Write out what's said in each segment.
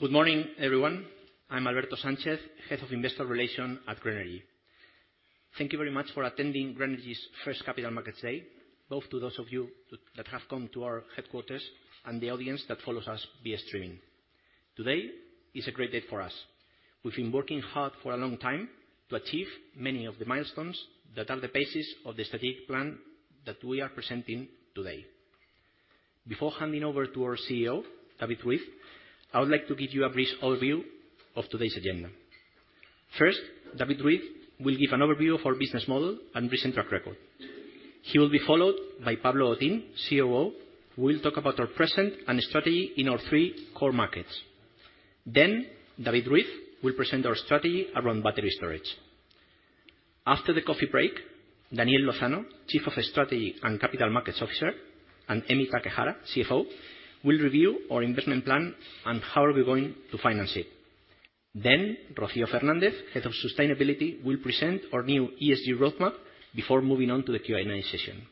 Good morning, everyone. I'm Alberto Sánchez, Head of Investor Relations at Grenergy. Thank you very much for attending Grenergy's first Capital Markets Day, both to those of you that have come to our headquarters and the audience that follows us via streaming. Today is a great day for us. We've been working hard for a long time to achieve many of the milestones that are the basis of the strategic plan that we are presenting today. Before handing over to our CEO, David Ruiz, I would like to give you a brief overview of today's agenda. First, David Ruiz will give an overview of our business model and recent track record. He will be followed by Pablo Otín, COO, who will talk about our present and strategy in our three core markets. Then, David Ruiz will present our strategy around battery storage. After the coffee break, Daniel Lozano, Chief of Strategy and Capital Markets Officer, and Emi Takehara, CFO, will review our investment plan and how are we going to finance it. Then, Rocío Fernández, Head of Sustainability, will present our new ESG roadmap before moving on to the Q&A session.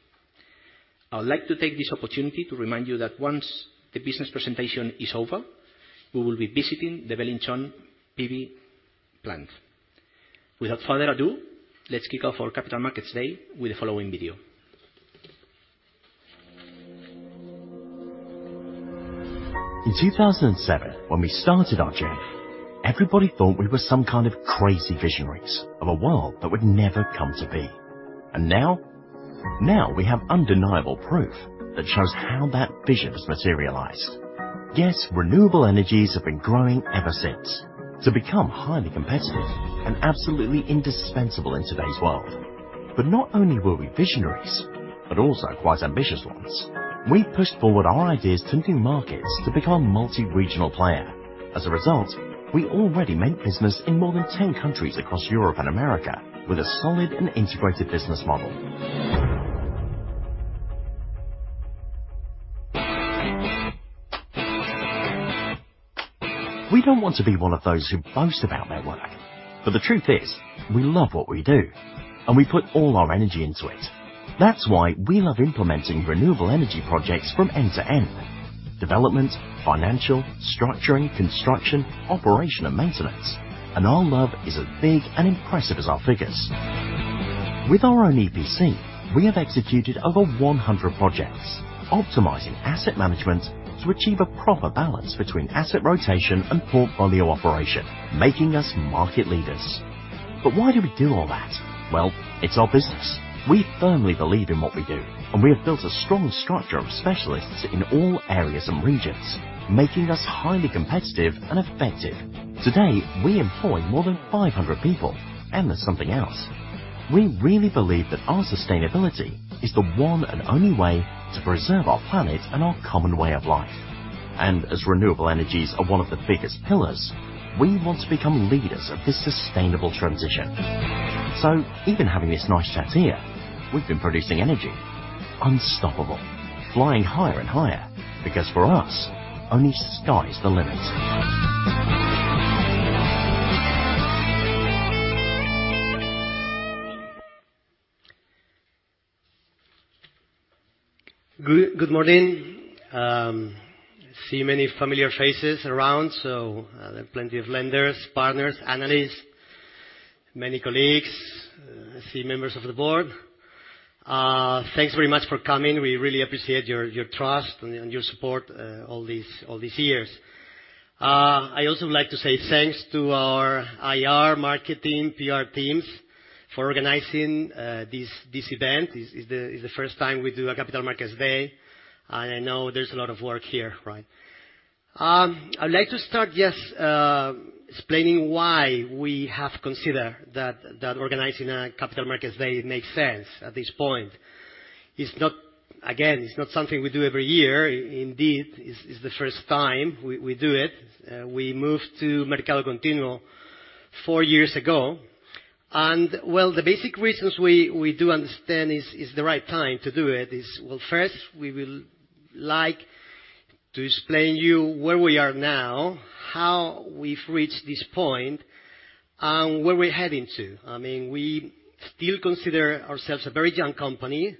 I would like to take this opportunity to remind you that once the business presentation is over, we will be visiting the Belinchón PV plant. Without further ado, let's kick off our Capital Markets Day with the following video. In 2007, when we started our journey, everybody thought we were some kind of crazy visionaries of a world that would never come to be. And now? Now we have undeniable proof that shows how that vision has materialized. Yes, renewable energies have been growing ever since to become highly competitive and absolutely indispensable in today's world. But not only were we visionaries, but also quite ambitious ones. We pushed forward our ideas to new markets to become multi-regional player. As a result, we already make business in more than 10 countries across Europe and America, with a solid and integrated business model. We don't want to be one of those who boast about their work, but the truth is, we love what we do, and we put all our energy into it. That's why we love implementing renewable energy projects from end to end: development, financial, structuring, construction, operation, and maintenance. Our love is as big and impressive as our figures. With our own EPC, we have executed over 100 projects, optimizing asset management to achieve a proper balance between asset rotation and portfolio operation, making us market leaders. But why do we do all that? Well, it's our business. We firmly believe in what we do, and we have built a strong structure of specialists in all areas and regions, making us highly competitive and effective. Today, we employ more than 500 people, and there's something else. We really believe that our sustainability is the one and only way to preserve our planet and our common way of life. As renewable energies are one of the biggest pillars, we want to become leaders of this sustainable transition. Even having this nice chat here, we've been producing energy, unstoppable, flying higher and higher, because for us, only sky is the limit. Good, good morning. I see many familiar faces around, so there are plenty of lenders, partners, analysts, many colleagues, I see members of the board. Thanks very much for coming. We really appreciate your trust and your support all these years. I also would like to say thanks to our IR marketing, PR teams for organizing this event. This is the first time we do a Capital Markets Day, and I know there's a lot of work here, right? I'd like to start just explaining why we have considered that organizing a Capital Markets Day makes sense at this point. It's not... Again, it's not something we do every year. Indeed, it's the first time we do it. We moved to Mercado Continuo four years ago, and, well, the basic reasons we do understand is the right time to do it, is, well, first, we will like to explain you where we are now, how we've reached this point, and where we're heading to. I mean, we still consider ourselves a very young company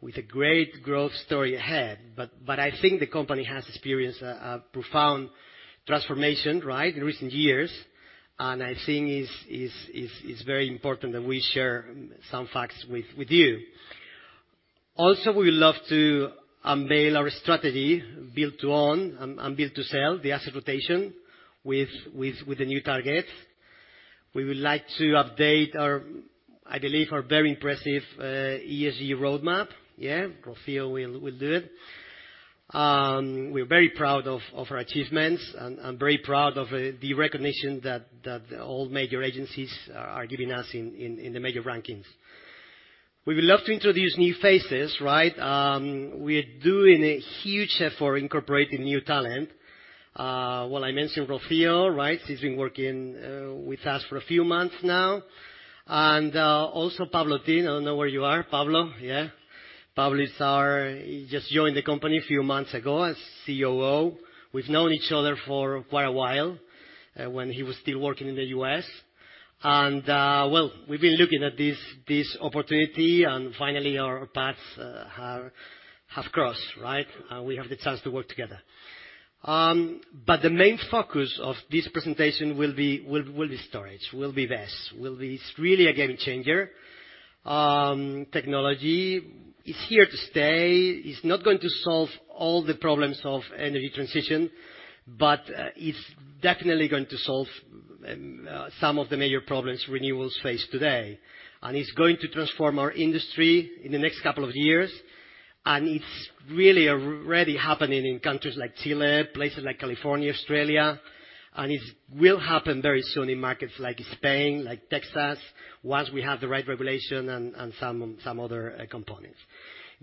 with a great growth story ahead, but I think the company has experienced a profound transformation, right, in recent years. And I think it's very important that we share some facts with you. Also, we would love to unveil our strategy, build to own and build to sell, the asset rotation with the new target. We would like to update our, I believe, our very impressive ESG roadmap. Yeah. Rocío will do it. We're very proud of our achievements, and I'm very proud of the recognition that all major agencies are giving us in the major rankings. We would love to introduce new faces, right? We are doing a huge effort for incorporating new talent. Well, I mentioned Rocío, right? She's been working with us for a few months now. And also Pablo Otín. I don't know where you are, Pablo. Yeah. Pablo is our... He just joined the company a few months ago as COO. We've known each other for quite a while, when he was still working in the U.S. Well, we've been looking at this opportunity, and finally our paths have crossed, right? And we have the chance to work together. But the main focus of this presentation will be storage, BESS, really a game changer. Technology is here to stay. It's not going to solve all the problems of energy transition, but it's definitely going to solve some of the major problems renewables face today. And it's going to transform our industry in the next couple of years, and it's really already happening in countries like Chile, places like California, Australia, and it will happen very soon in markets like Spain, like Texas, once we have the right regulation and some other components.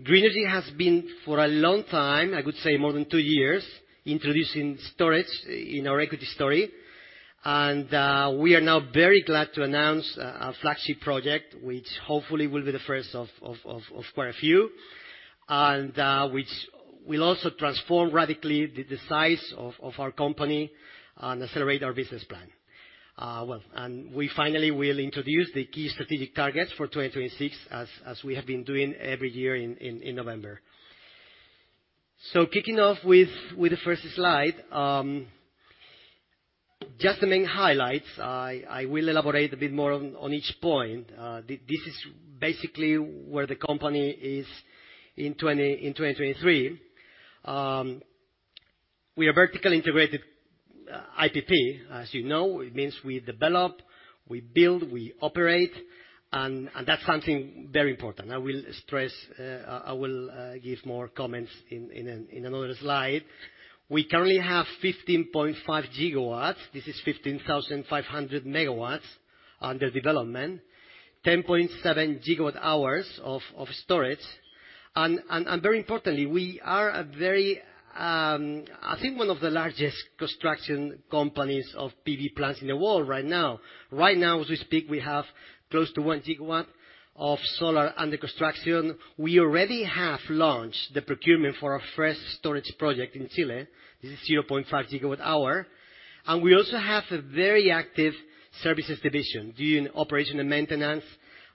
Grenergy has been, for a long time, I could say more than two years, introducing storage in our equity story, and we are now very glad to announce a flagship project, which hopefully will be the first of quite a few, and which will also transform radically the size of our company and accelerate our business plan. Well, we finally will introduce the key strategic targets for 2026, as we have been doing every year in November. So kicking off with the first slide, just the main highlights. I will elaborate a bit more on each point. This is basically where the company is in 2023. We are vertically integrated IPP, as you know. It means we develop, we build, we operate, and that's something very important. I will stress. I will give more comments in an another slide. We currently have 15.5 GW, this is 15,500 MW, under development, 10.7 GWh of storage. Very importantly, we are a very, I think one of the largest construction companies of PV plants in the world right now. Right now, as we speak, we have close to 1 GW of solar under construction. We already have launched the procurement for our first storage project in Chile. This is 0.5 GWh, and we also have a very active services division doing operation and maintenance,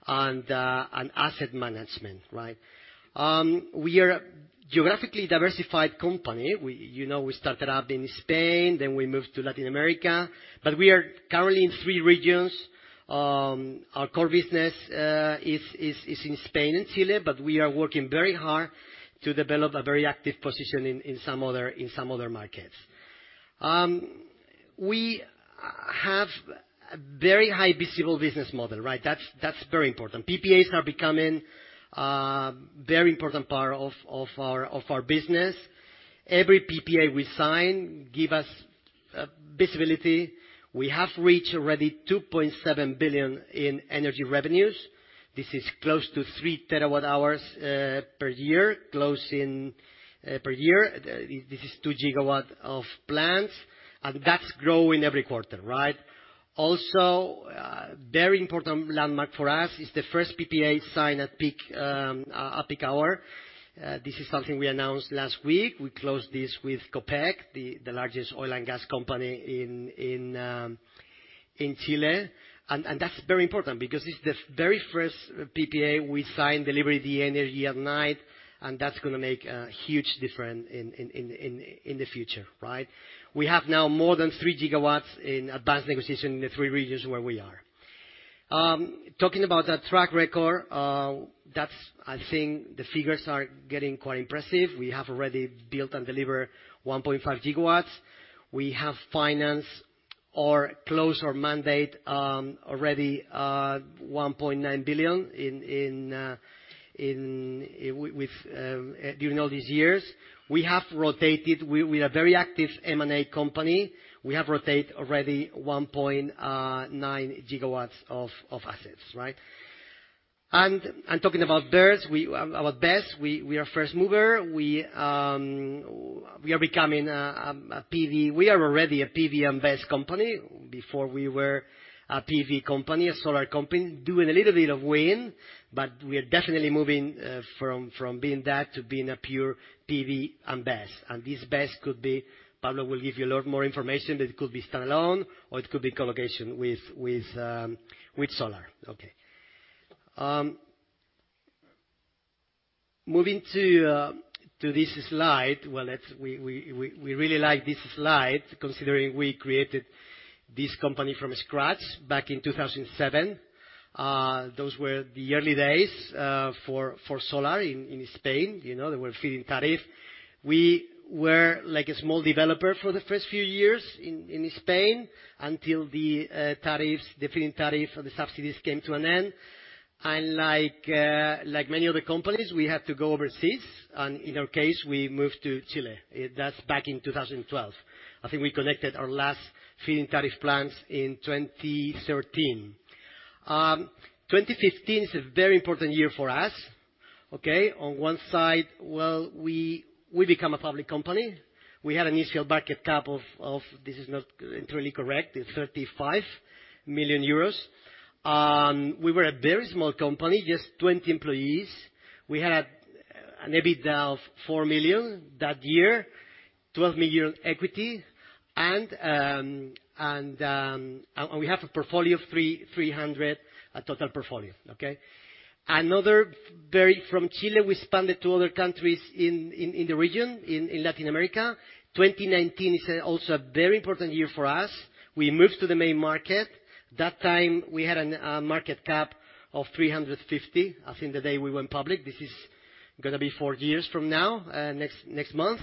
and asset management, right? We are a geographically diversified company. We, you know, we started up in Spain, then we moved to Latin America, but we are currently in three regions. Our core business is in Spain and Chile, but we are working very hard to develop a very active position in some other markets. We have a very high visible business model, right? That's very important. PPAs are becoming a very important part of our business. Every PPA we sign give us visibility. We have reached already 2.7 billion in energy revenues. This is close to 3 TWh per year. This is 2 GW of plants, and that's growing every quarter, right? Also, very important landmark for us is the first PPA signed at peak hour. This is something we announced last week. We closed this with Copec, the largest oil and gas company in Chile. That's very important because it's the very first PPA we signed, delivery the energy at night, and that's gonna make a huge difference in the future, right? We have now more than 3 gigawatts in advanced negotiation in the three regions where we are. Talking about that track record, that's... I think the figures are getting quite impressive. We have already built and delivered 1.5 gigawatts. We have financed or closed or mandate already $1.9 billion with, during all these years. We have rotated. We are a very active M&A company. We have rotate already 1.9 gigawatts of assets, right? Talking about BESS, we, about BESS, we are first mover. We are becoming a, a PV-- We are already a PV and BESS company. Before we were a PV company, a solar company, doing a little bit of wind, but we are definitely moving from being that to being a pure PV and BESS. And this BESS could be... Pablo will give you a lot more information, but it could be standalone or it could be co-location with, with solar. Okay. Moving to, to this slide, well, let's... We, we, we, we really like this slide, considering we created this company from scratch back in 2007. Those were the early days for, for solar in, in Spain. You know, they were feed-in tariff. We were like a small developer for the first few years in Spain, until the tariffs, the feed-in tariff or the subsidies came to an end. Like, like many other companies, we had to go overseas, and in our case, we moved to Chile. That's back in 2012. I think we collected our last feed-in tariff plans in 2013. 2015 is a very important year for us, okay? On one side, well, we become a public company. We had an initial market cap of, this is not entirely correct, 35 million euros. We were a very small company, just 20 employees. We had an EBITDA of 4 million that year, 12 million equity, and we have a portfolio of 300, a total portfolio, okay? From Chile, we expanded to other countries in the region, in Latin America. 2019 is also a very important year for us. We moved to the main market. That time, we had a market cap of 350 million, I think, the day we went public. This is gonna be four years from now, next month.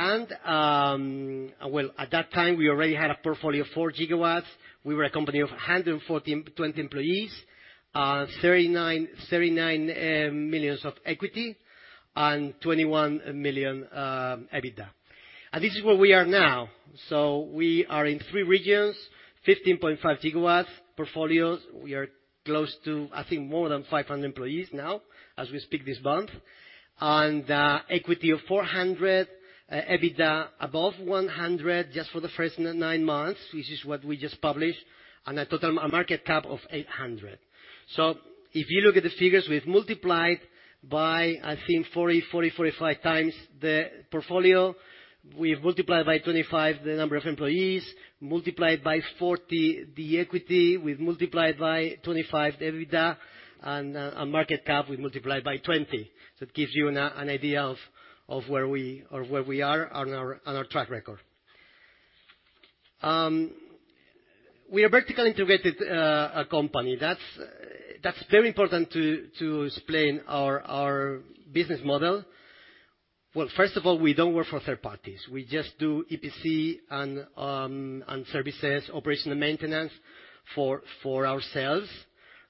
And, well, at that time, we already had a portfolio of 4 gigawatts. We were a company of 114-120 employees, 39 million equity, and 21 million EBITDA. And this is where we are now. So we are in 3 regions, 15.5 gigawatts portfolios. We are close to, I think, more than 500 employees now, as we speak this month. Equity of 400, EBITDA above 100, just for the first 9 months, which is what we just published, and a total, a market cap of 800. So if you look at the figures, we've multiplied by, I think, 40, 40, 45 times the portfolio. We've multiplied by 25 the number of employees, multiplied by 40 the equity, we've multiplied by 25 the EBITDA, and, our market cap, we multiplied by 20. So it gives you an idea of where we are on our track record. We are vertically integrated company. That's very important to explain our business model. Well, first of all, we don't work for third parties. We just do EPC and services, operational maintenance for ourselves,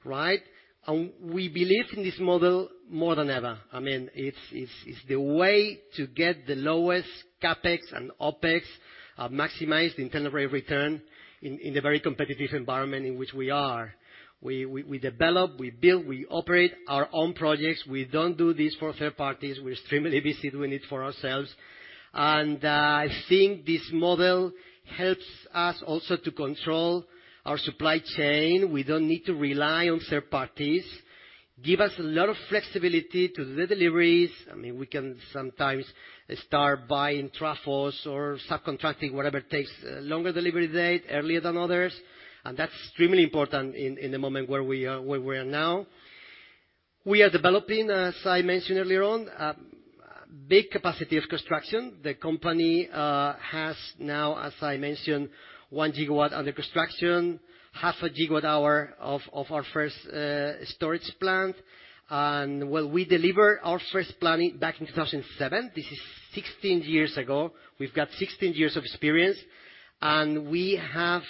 right? And we believe in this model more than ever. I mean, it's the way to get the lowest CapEx and OpEx, maximize the internal rate of return in the very competitive environment in which we are. We develop, we build, we operate our own projects. We don't do this for third parties. We're extremely busy doing it for ourselves. And I think this model helps us also to control our supply chain. We don't need to rely on third parties. Gives us a lot of flexibility to the deliveries. I mean, we can sometimes start buying modules or subcontracting whatever takes longer delivery date, earlier than others, and that's extremely important in the moment where we are now. We are developing, as I mentioned earlier on, big capacity of construction. The company has now, as I mentioned, 1 GW under construction, 0.5 GWh of our first storage plant. Well, we delivered our first planning back in 2007. This is 16 years ago. We've got 16 years of experience, and we have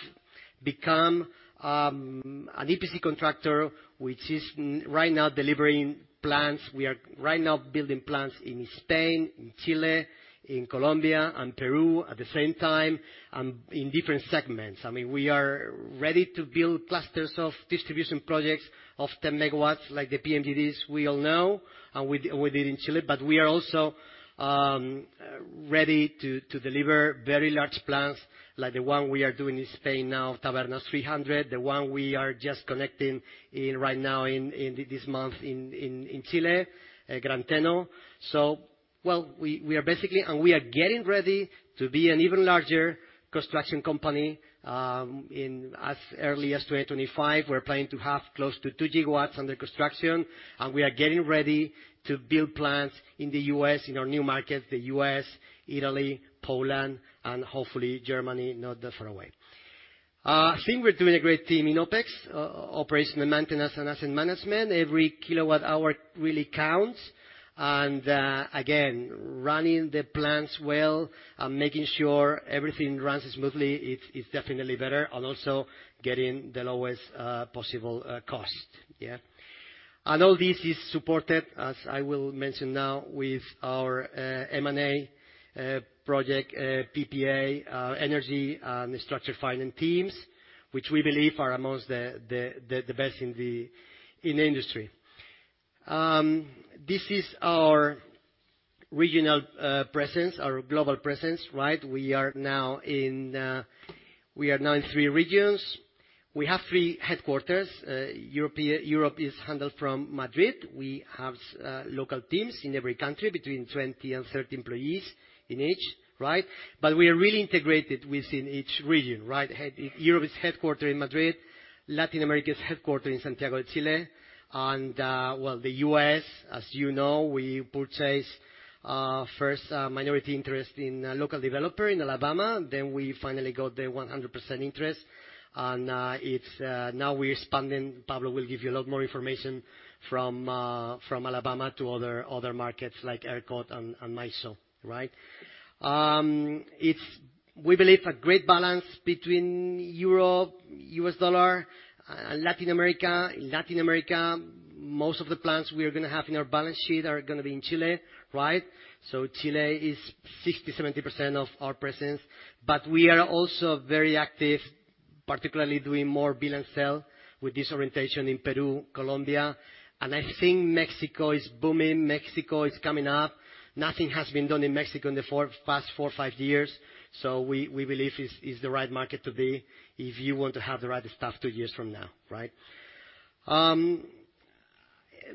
become an EPC contractor, which is right now delivering plants. We are right now building plants in Spain, in Chile, in Colombia, and Peru at the same time, and in different segments. I mean, we are ready to build clusters of distribution projects of 10 MW, like the PMGDs we all know, and we did in Chile. But we are also ready to deliver very large plants like the one we are doing in Spain now, Tabernas 300, the one we are just connecting in right now, in Chile, Gran Teno. So well, we are basically getting ready to be an even larger construction company, in as early as 2025. We're planning to have close to 2 GW under construction, and we are getting ready to build plants in the U.S., in our new markets, the U.S., Italy, Poland, and hopefully Germany, not that far away. I think we're doing a great team in OpEx, operational maintenance and asset management. Every kilowatt hour really counts, and, again, running the plants well and making sure everything runs smoothly, it's, it's definitely better, and also getting the lowest, possible, cost. Yeah. And all this is supported, as I will mention now, with our, M&A, project, PPA, energy, and structured finance teams, which we believe are among the best in the industry. This is our regional presence, our global presence, right? We are now in, we are now in three regions. We have three headquarters. Europe is handled from Madrid. We have, local teams in every country, between 20 and 30 employees in each, right? But we are really integrated within each region, right? Europe is headquartered in Madrid, Latin America is headquartered in Santiago, Chile, and, well, the U.S., as you know, we purchased first a minority interest in a local developer in Alabama. Then we finally got the 100% interest, and it's now we're expanding. Pablo will give you a lot more information from Alabama to other markets like ERCOT and MISO, right? It's, we believe, a great balance between Europe, U.S. dollar, and Latin America. In Latin America, most of the plants we are gonna have in our balance sheet are gonna be in Chile, right? Chile is 60-70% of our presence, but we are also very active, particularly doing more build and sell, with this orientation in Peru, Colombia, and I think Mexico is booming. Mexico is coming up. Nothing has been done in Mexico in the past four, five years, so we believe it's the right market to be, if you want to have the right stuff two years from now, right?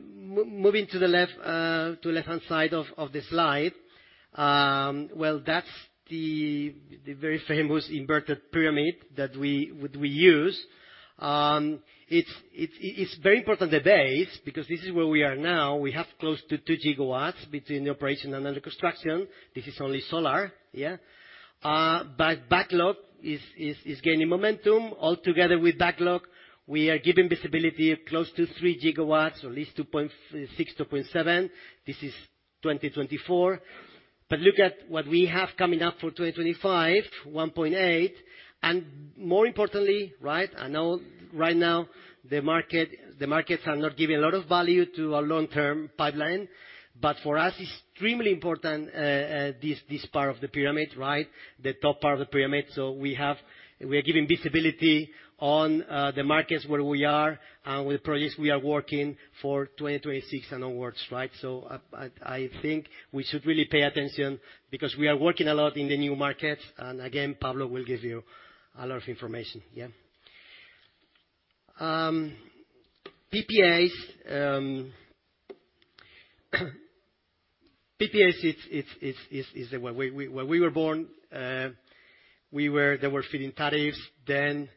Moving to the left, to the left-hand side of the slide, well, that's the very famous inverted pyramid that we use. It's very important today, because this is where we are now. We have close to 2 gigawatts between the operation and under construction. This is only solar, yeah? Backlog is gaining momentum. Altogether with backlog, we are giving visibility of close to 3 gigawatts, or at least 2.6, 2.7. This is 2024. Look at what we have coming up for 2025, 1.8, and more importantly, right? I know right now, the market, the markets are not giving a lot of value to our long-term pipeline, but for us, it's extremely important, this part of the pyramid, right? The top part of the pyramid. So we have we are giving visibility on, the markets where we are, and with the projects we are working for 2026 and onwards, right? So I think we should really pay attention, because we are working a lot in the new market, and again, Pablo will give you a lot of information. Yeah. PPAs. PPAs is where we were born, we were there were feed-in tariffs. Then,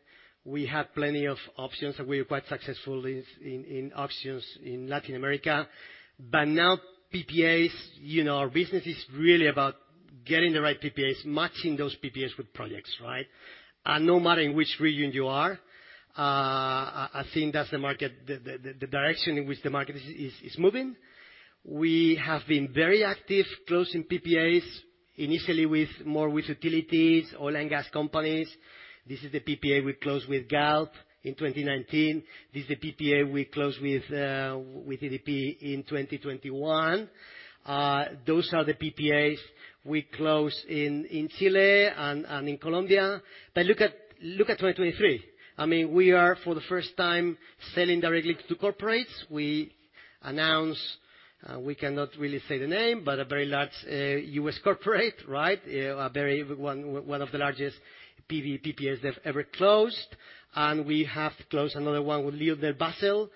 we had plenty of options, and we were quite successful in auctions in Latin America. But now, PPAs, you know, our business is really about getting the right PPAs, matching those PPAs with projects, right? And no matter in which region you are, I think that's the market, the direction in which the market is moving. We have been very active closing PPAs, initially with more with utilities, oil and gas companies. This is the PPA we closed with Galp in 2019. This is the PPA we closed with EDP in 2021. Those are the PPAs we closed in Chile and in Colombia. But look at 2023. I mean, for the first time, selling directly to corporates. We announced, we cannot really say the name, but a very large US corporate, right? A very one of the largest PV PPAs they've ever closed. And we have closed another one with LyondellBasell,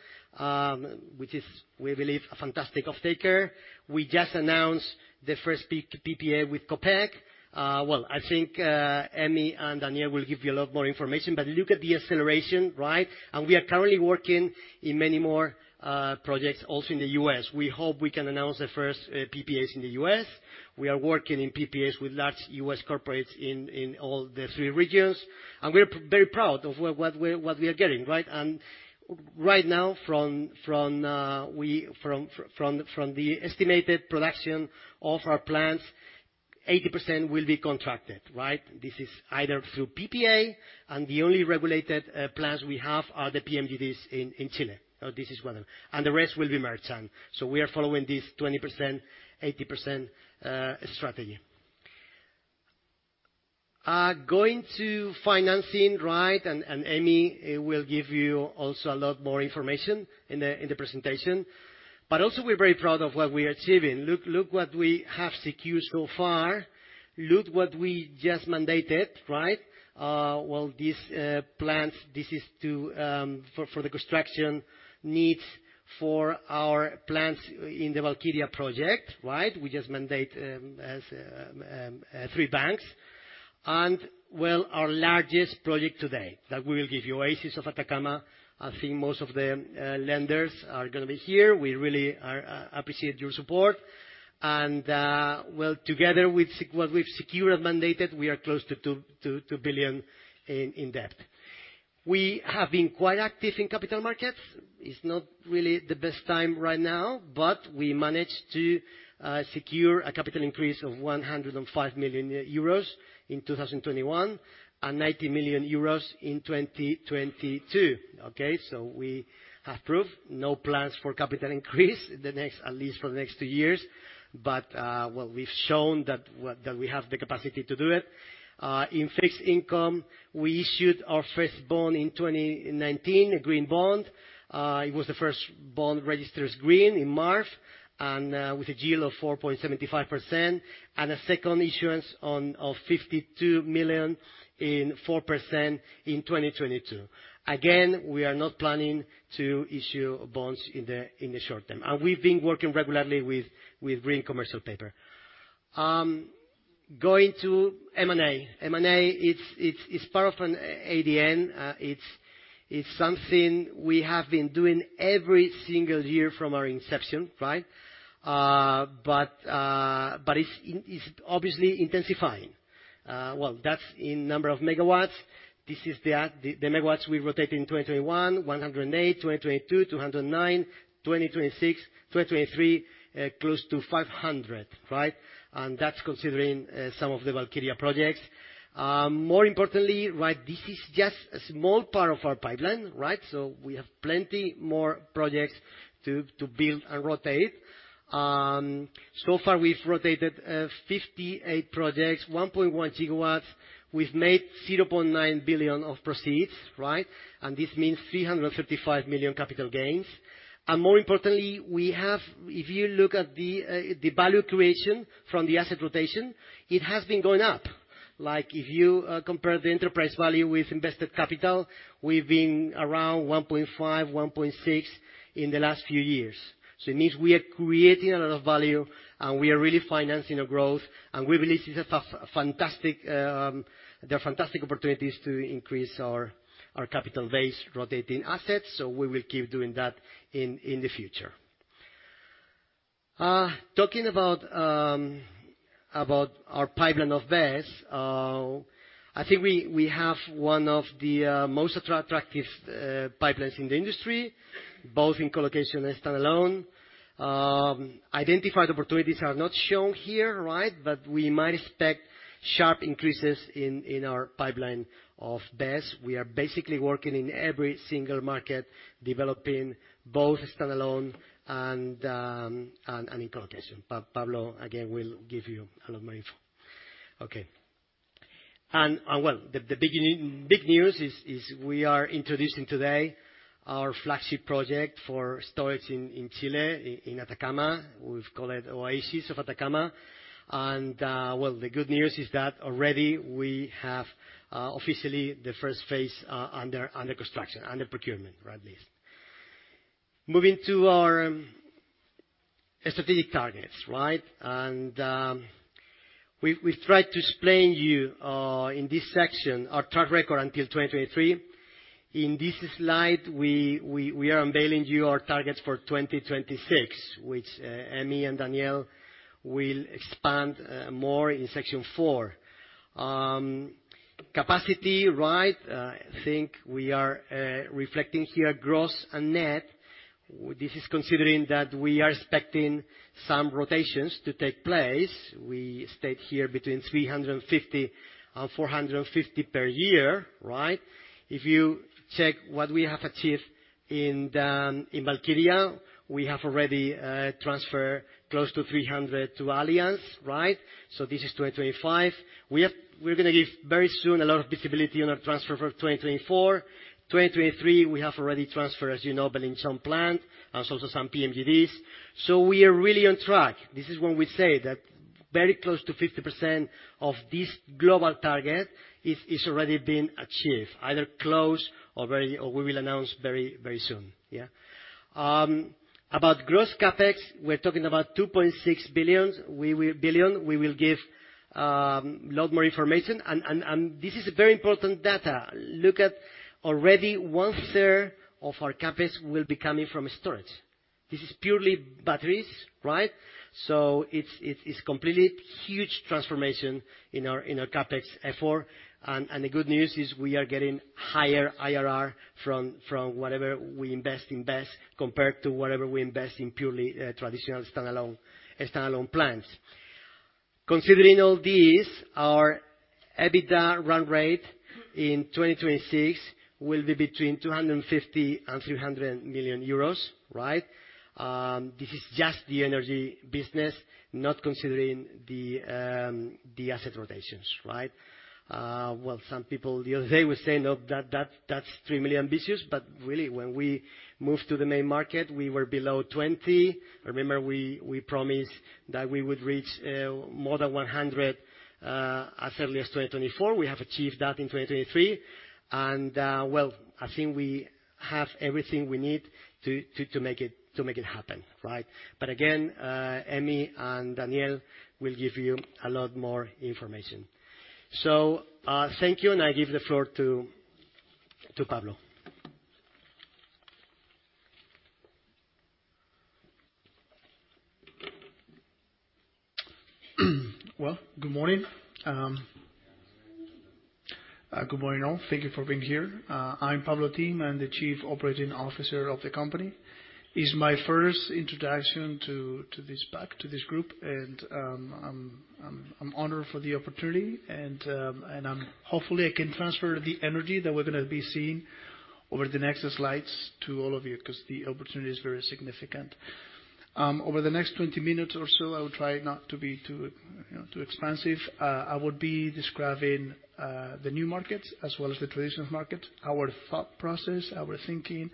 which is, we believe, a fantastic off-taker. We just announced the first PPA with Copec. Well, I think, Emi and Daniel will give you a lot more information, but look at the acceleration, right? And we are currently working in many more projects also in the US. We hope we can announce the first PPAs in the US. We are working in PPAs with large US corporates in all the three regions, and we're very proud of what we are getting, right? And right now, from the estimated production of our plants, 80% will be contracted, right? This is either through PPA, and the only regulated plants we have are the PMGDs in Chile. So this is one of them, and the rest will be merchant. So we are following this 20%, 80% strategy. Going to financing, right? And, and Emi will give you also a lot more information in the presentation. But also, we're very proud of what we are achieving. Look, look what we have secured so far. Look what we just mandated, right? Well, this plant, this is to for the construction needs for our plants in the Valkyria project, right? We just mandate as 3 banks. And, well, our largest project today, that we will give you, Oasis de Atacama. I think most of the lenders are gonna be here. We really appreciate your support. Well, together with what we've secured and mandated, we are close to 2 billion in debt. We have been quite active in capital markets. It's not really the best time right now, but we managed to secure a capital increase of 105 million euros in 2021, and 90 million euros in 2022. Okay, so we have no plans for capital increase in the next, at least for the next two years. But, well, we've shown that we have the capacity to do it. In fixed income, we issued our first bond in 2019, a green bond. It was the first bond registered as green in March, and with a yield of 4.75%, and a second issuance of 52 million in 4% in 2022. Again, we are not planning to issue bonds in the short term, and we've been working regularly with green commercial paper. Going to M&A. M&A, it's part of our DNA. It's something we have been doing every single year from our inception, right? But it's obviously intensifying. Well, that's in number of MWs. This is the MWs we rotate in 2021, 108 MW, 2022, 209 MW, 2023, close to 500 MW, right? And that's considering some of the Valkyria projects. More importantly, right, this is just a small part of our pipeline, right? So we have plenty more projects to build and rotate. So far, we've rotated 58 projects, 1.1 GW. We've made 0.9 billion of proceeds, right? This means 355 million capital gains. More importantly, if you look at the value creation from the asset rotation, it has been going up. Like, if you compare the enterprise value with invested capital, we've been around 1.5, 1.6 in the last few years. It means we are creating a lot of value, and we are really financing our growth, and we believe this is a fantastic, there are fantastic opportunities to increase our capital base rotating assets, so we will keep doing that in the future. Talking about our pipeline of BESS, I think we have one of the most attractive pipelines in the industry, both in co-location and standalone. Identified opportunities are not shown here, right? But we might expect sharp increases in our pipeline of BESS. We are basically working in every single market, developing both standalone and in co-location. Pablo, again, will give you a lot more info. Okay. Well, the big news is we are introducing today our flagship project for storage in Chile, in Atacama. We've called it Oasis de Atacama. Well, the good news is that already we have officially the first phase under construction, under procurement, right, at least. Moving to our strategic targets, right? We’ve tried to explain you in this section our track record until 2023. In this slide, we are unveiling you our targets for 2026, which Emi and Daniel will expand more in section four. Capacity, right, I think we are reflecting here gross and net. This is considering that we are expecting some rotations to take place. We state here between 350 and 450 per year, right? If you check what we have achieved in the, in Valkyria, we have already transferred close to 300 to Allianz, right? So this is 2025. We have- We're gonna give very soon a lot of visibility on our transfer for 2024. 2023, we have already transferred, as you know, Belinchón, some plant, and also some PMGDs. So we are really on track. This is when we say that very close to 50% of this global target is already been achieved, either close or very or we will announce very, very soon, yeah? About gross CapEx, we're talking about 2.6 billion. We will give a lot more information. And this is a very important data. Look at already one third of our CapEx will be coming from storage. This is purely batteries, right? So it's completely huge transformation in our CapEx effort. And the good news is we are getting higher IRR from whatever we invest in BESS, compared to whatever we invest in purely traditional standalone plants. Considering all these, our EBITDA run rate in 2026 will be between 250 million and 300 million euros, right? This is just the energy business, not considering the asset rotations, right? Well, some people the other day were saying, "Oh, that's extremely ambitious," but really, when we moved to the main market, we were below 20. Remember, we promised that we would reach more than 100 as early as 2024. We have achieved that in 2023. Well, I think we have everything we need to make it happen, right? But again, Emi and Daniel will give you a lot more information. So, thank you, and I give the floor to Pablo. Well, good morning. Good morning, all. Thank you for being here. I'm Pablo Otín. I'm the Chief Operating Officer of the company. It's my first introduction to this pack, to this group, and I'm honored for the opportunity, and I'm... Hopefully, I can transfer the energy that we're gonna be seeing over the next slides to all of you, 'cause the opportunity is very significant. Over the next 20 minutes or so, I will try not to be too, you know, too expansive. I will be describing the new markets as well as the traditional markets, our thought process, our thinking,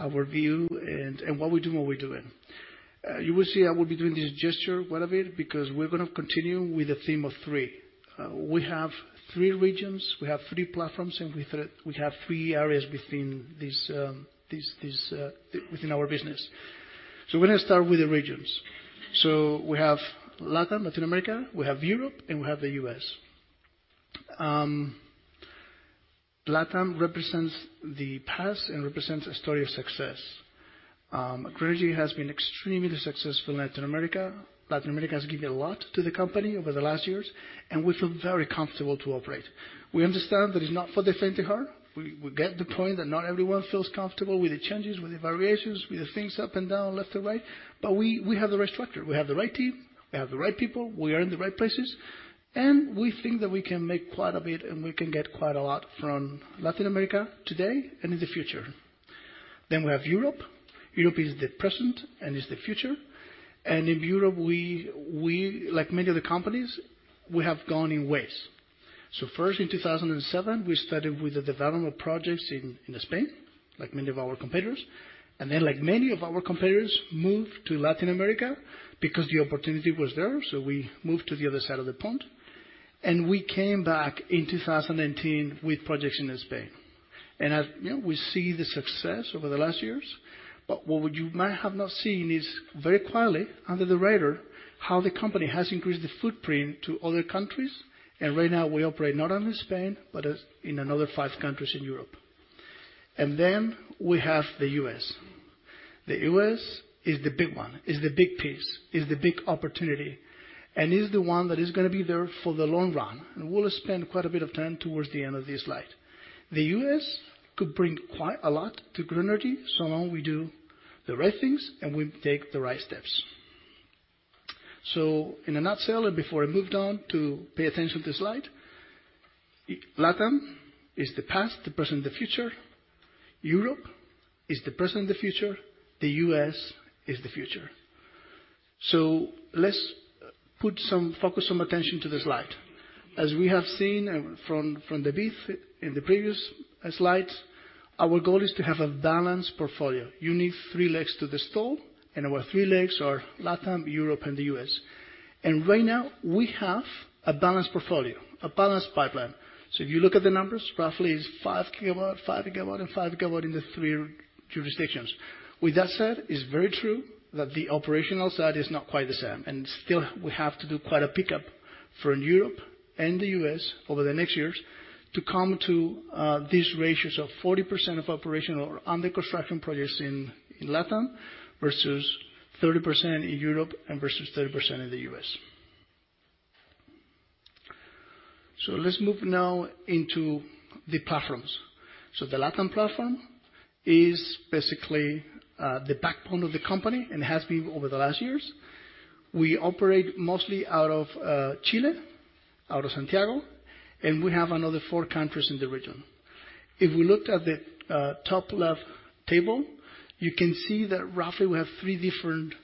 our view, and what we do and what we're doing. You will see I will be doing this gesture quite a bit, because we're gonna continue with the theme of three. We have three regions, we have three platforms, and we have three areas within this within our business. So we're gonna start with the regions. So we have LatAm, Latin America, we have Europe, and we have the U.S. LatAm represents the past and represents a story of success. Grenergy has been extremely successful in Latin America. Latin America has given a lot to the company over the last years, and we feel very comfortable to operate. We understand that it's not for the faint of heart. We get the point that not everyone feels comfortable with the changes, with the variations, with the things up and down, left and right, but we have the right structure, we have the right team, we have the right people, we are in the right places, and we think that we can make quite a bit, and we can get quite a lot from Latin America today and in the future. Then we have Europe. Europe is the present and is the future, and in Europe, we, like many other companies, have gone in ways. So first, in 2007, we started with the development projects in Spain, like many of our competitors, and then, like many of our competitors, moved to Latin America because the opportunity was there, so we moved to the other side of the pond. And we came back in 2018 with projects in Spain. And as, you know, we see the success over the last years, but what you might have not seen is very quietly, under the radar, how the company has increased the footprint to other countries. And right now, we operate not only Spain, but as in another five countries in Europe. And then we have the U.S. The U.S. is the big one, is the big piece, is the big opportunity, and is the one that is gonna be there for the long run, and we'll spend quite a bit of time towards the end of this slide. The U.S. could bring quite a lot to Grenergy, so long we do the right things, and we take the right steps. So in a nutshell, and before I move on to pay attention to the slide, LatAm is the past, the present, and the future. Europe is the present and the future. The U.S. is the future. So let's put some focus, some attention to the slide. As we have seen from the brief in the previous slides, our goal is to have a balanced portfolio. You need three legs to the stool, and our three legs are LatAm, Europe, and the U.S. And right now, we have a balanced portfolio, a balanced pipeline. So if you look at the numbers, roughly 5 gigawatts, 5 gigawatts, and 5 gigawatts in the three jurisdictions. With that said, it's very true that the operational side is not quite the same, and still, we have to do quite a pickup for Europe and the U.S. over the next years to come to these ratios of 40% of operational or under construction projects in LatAm, versus 30% in Europe and versus 30% in the U.S. So let's move now into the platforms. So the LatAm platform is basically the backbone of the company and has been over the last years. We operate mostly out of Chile, out of Santiago, and we have another four countries in the region. If we looked at the top left table, you can see that roughly we have three different,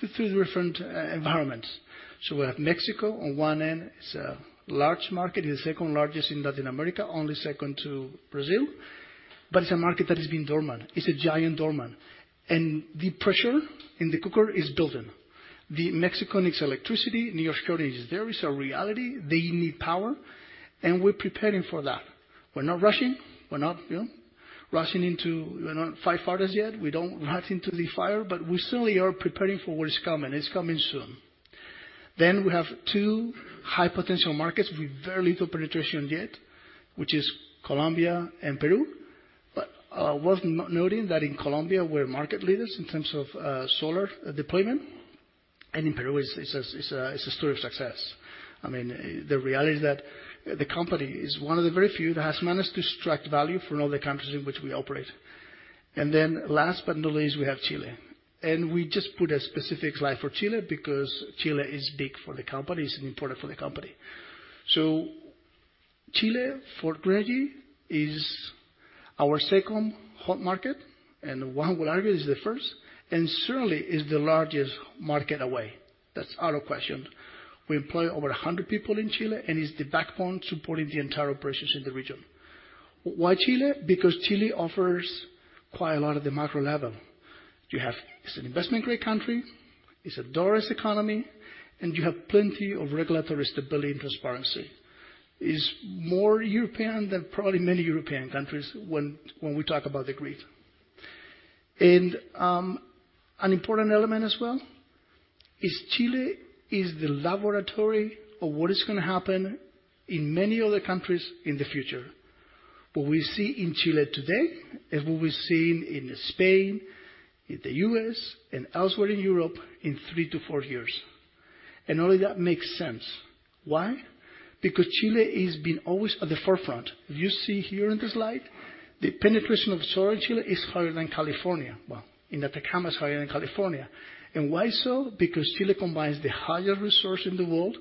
the three different environments. So we have Mexico on one end, it's a large market, it's the second largest in Latin America, only second to Brazil, but it's a market that has been dormant. It's a giant dormant, and the pressure in the cooker is building. The Mexican needs electricity, and your shortage is there. It's a reality, they need power, and we're preparing for that. We're not rushing, we're not, you know, rushing into, you know, firefighters yet. We don't run into the fire, but we certainly are preparing for what is coming, and it's coming soon. Then, we have two high-potential markets with very little penetration yet, which is Colombia and Peru. But worth noting that in Colombia, we're market leaders in terms of solar deployment, and in Peru, it's a story of success. I mean, the reality is that the company is one of the very few that has managed to extract value from all the countries in which we operate. And then, last but not least, we have Chile. And we just put a specific slide for Chile because Chile is big for the company, it's important for the company. So Chile, for Grenergy, is our second hot market, and one would argue, is the first, and certainly is the largest market away. That's out of question. We employ over 100 people in Chile, and it's the backbone supporting the entire operations in the region. Why Chile? Because Chile offers quite a lot at the macro level. You have... It's an investment-grade country, it's a diverse economy, and you have plenty of regulatory stability and transparency. It's more European than probably many European countries when, when we talk about the grid. An important element as well is Chile is the laboratory of what is gonna happen in many other countries in the future. What we see in Chile today is what we're seeing in Spain, in the U.S., and elsewhere in Europe in 3-4 years, and only that makes sense. Why? Because Chile is been always at the forefront. You see here in the slide, the penetration of solar in Chile is higher than California. Well, in Atacama, it's higher than California. And why so? Because Chile combines the highest resource in the world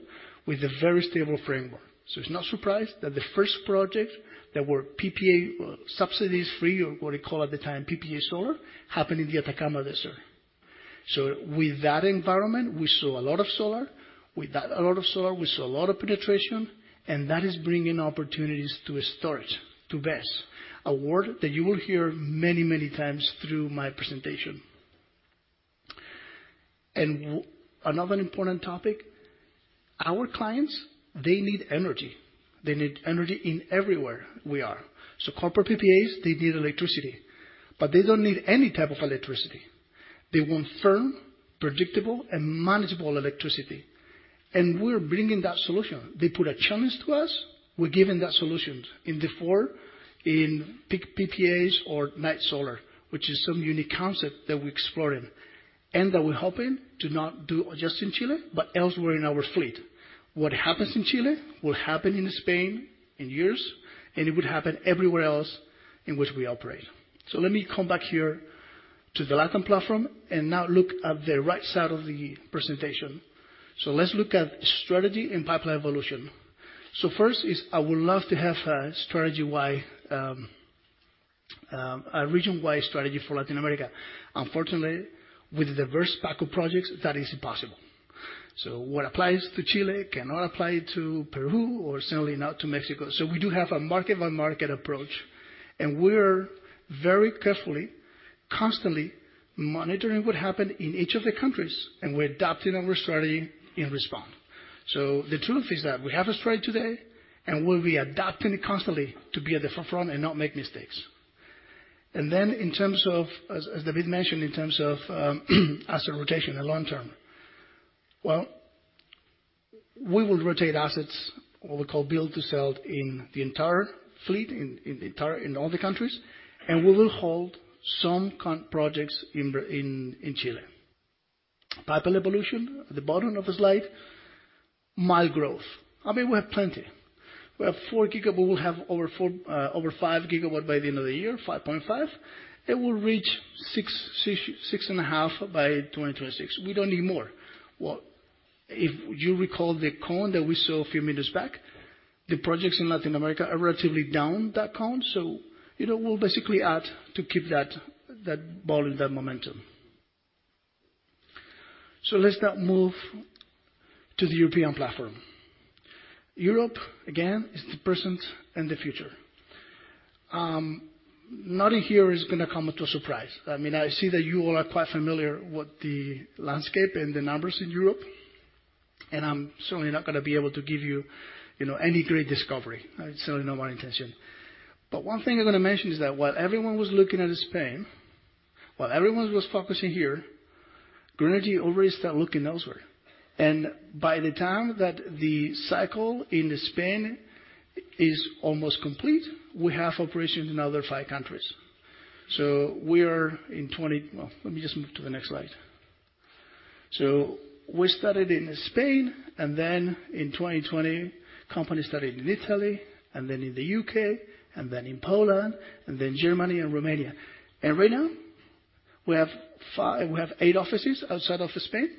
with a very stable framework. It's not surprised that the first project that were PPA subsidies free, or what you call at the time, PPA solar, happened in the Atacama Desert. With that environment, we saw a lot of solar. With that, a lot of solar, we saw a lot of penetration, and that is bringing opportunities to storage, to BESS, a word that you will hear many, many times through my presentation. And another important topic, our clients, they need energy. They need energy everywhere we are. So corporate PPAs, they need electricity, but they don't need any type of electricity. They want firm, predictable, and manageable electricity, and we're bringing that solution. They put a challenge to us, we're giving that solution in the form, in PPAs or night solar, which is some unique concept that we're exploring, and that we're hoping to not do just in Chile, but elsewhere in our fleet. What happens in Chile, will happen in Spain in years, and it would happen everywhere else in which we operate. So let me come back here to the LatAm platform, and now look at the right side of the presentation. So let's look at strategy and pipeline evolution. So first is, I would love to have a strategy-wide, a region-wide strategy for Latin America. Unfortunately, with the diverse pack of projects, that is impossible. So what applies to Chile cannot apply to Peru, or certainly not to Mexico. So we do have a market-by-market approach, and we're very carefully, constantly monitoring what happened in each of the countries, and we're adapting our strategy in response. So the truth is that we have a strategy today, and we'll be adapting it constantly to be at the forefront and not make mistakes. In terms of, as David mentioned, in terms of asset rotation and long term, well, we will rotate assets, what we call build to sell, in the entire fleet, in all the countries, and we will hold some projects in Chile. Pipeline evolution, at the bottom of the slide, mild growth. I mean, we have plenty. We have 4 GW, we will have over 4-5 GW by the end of the year, 5.5. It will reach 6-6.5 by 2026. We don't need more. Well, if you recall the cone that we saw a few minutes back, the projects in Latin America are relatively down that cone, so you know, we'll basically add to keep that ball in that momentum. So let's now move to the European platform. Europe, again, is the present and the future. Nothing here is gonna come as a surprise. I mean, I see that you all are quite familiar with the landscape and the numbers in Europe, and I'm certainly not gonna be able to give you, you know, any great discovery. It's certainly not my intention. But one thing I'm gonna mention is that while everyone was looking at Spain, while everyone was focusing here, Grenergy already started looking elsewhere. And by the time that the cycle in Spain is almost complete, we have operations in another 5 countries. So we are in 20... Well, let me just move to the next slide. So we started in Spain, and then in 2020, company started in Italy, and then in the UK, and then in Poland, and then Germany and Romania. Right now, we have eight offices outside of Spain,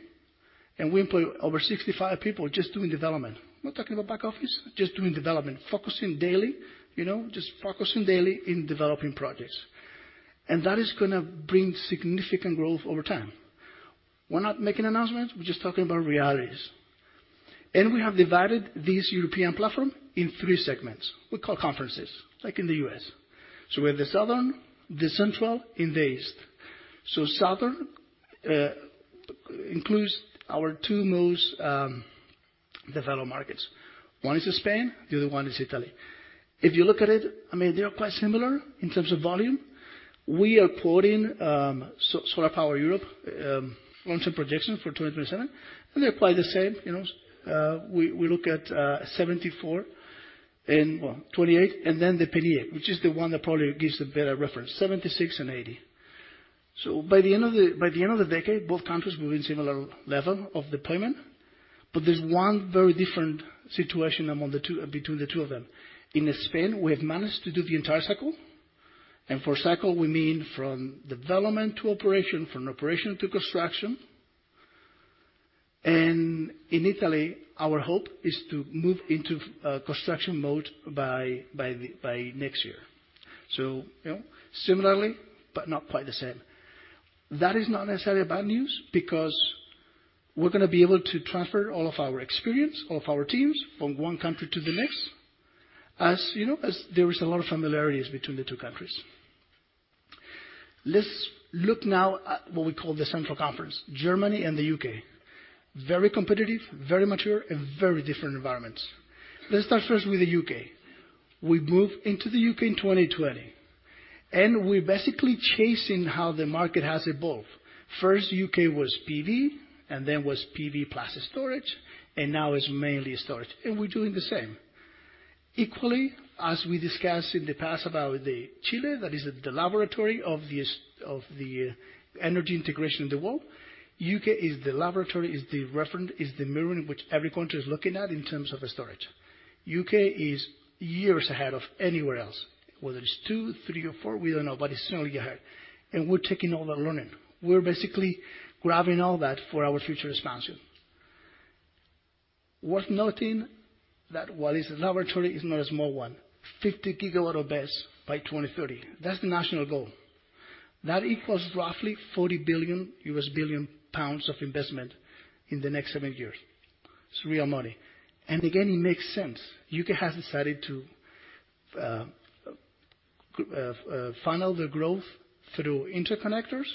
and we employ over 65 people just doing development. I'm not talking about back office, just doing development, focusing daily, you know, just focusing daily in developing projects. That is gonna bring significant growth over time. We're not making announcements, we're just talking about realities. We have divided this European platform in three segments, we call conferences, like in the U.S. So we have the Southern, the Central, and the East. So Southern includes our two most developed markets. One is Spain, the other one is Italy. If you look at it, I mean, they are quite similar in terms of volume. We are quoting SolarPower Europe long-term projections for 2027, and they're quite the same, you know. We look at 74 and, well, 28, and then the PDA, which is the one that probably gives a better reference, 76 and 80. By the end of the decade, both countries will be in similar level of deployment, but there's one very different situation among the two—between the two of them. In Spain, we have managed to do the entire cycle, and for cycle, we mean from development to operation, from operation to construction. In Italy, our hope is to move into, you know, construction mode by next year. Similarly, but not quite the same. That is not necessarily bad news, because we're gonna be able to transfer all of our experience, all of our teams, from one country to the next, as, you know, as there is a lot of similarities between the two countries. Let's look now at what we call the central conference, Germany and the UK. Very competitive, very mature, and very different environments. Let's start first with the UK. We moved into the UK in 2020, and we're basically chasing how the market has evolved. First, UK was PV, and then was PV plus storage, and now it's mainly storage, and we're doing the same. Equally, as we discussed in the past about the Chile, that is the laboratory of the energy integration in the world. U.K. is the laboratory, is the referent, is the mirror in which every country is looking at in terms of the storage. The U.K. is years ahead of anywhere else, whether it's two, three, or four, we don't know, but it's certainly ahead, and we're taking all the learning. We're basically grabbing all that for our future expansion. Worth noting that while it's a laboratory, it's not a small one. 50 GW of BESS by 2030. That's the national goal. That equals roughly 40 billion pounds of investment in the next seven years. It's real money. And again, it makes sense. The U.K. has decided to funnel their growth through interconnectors,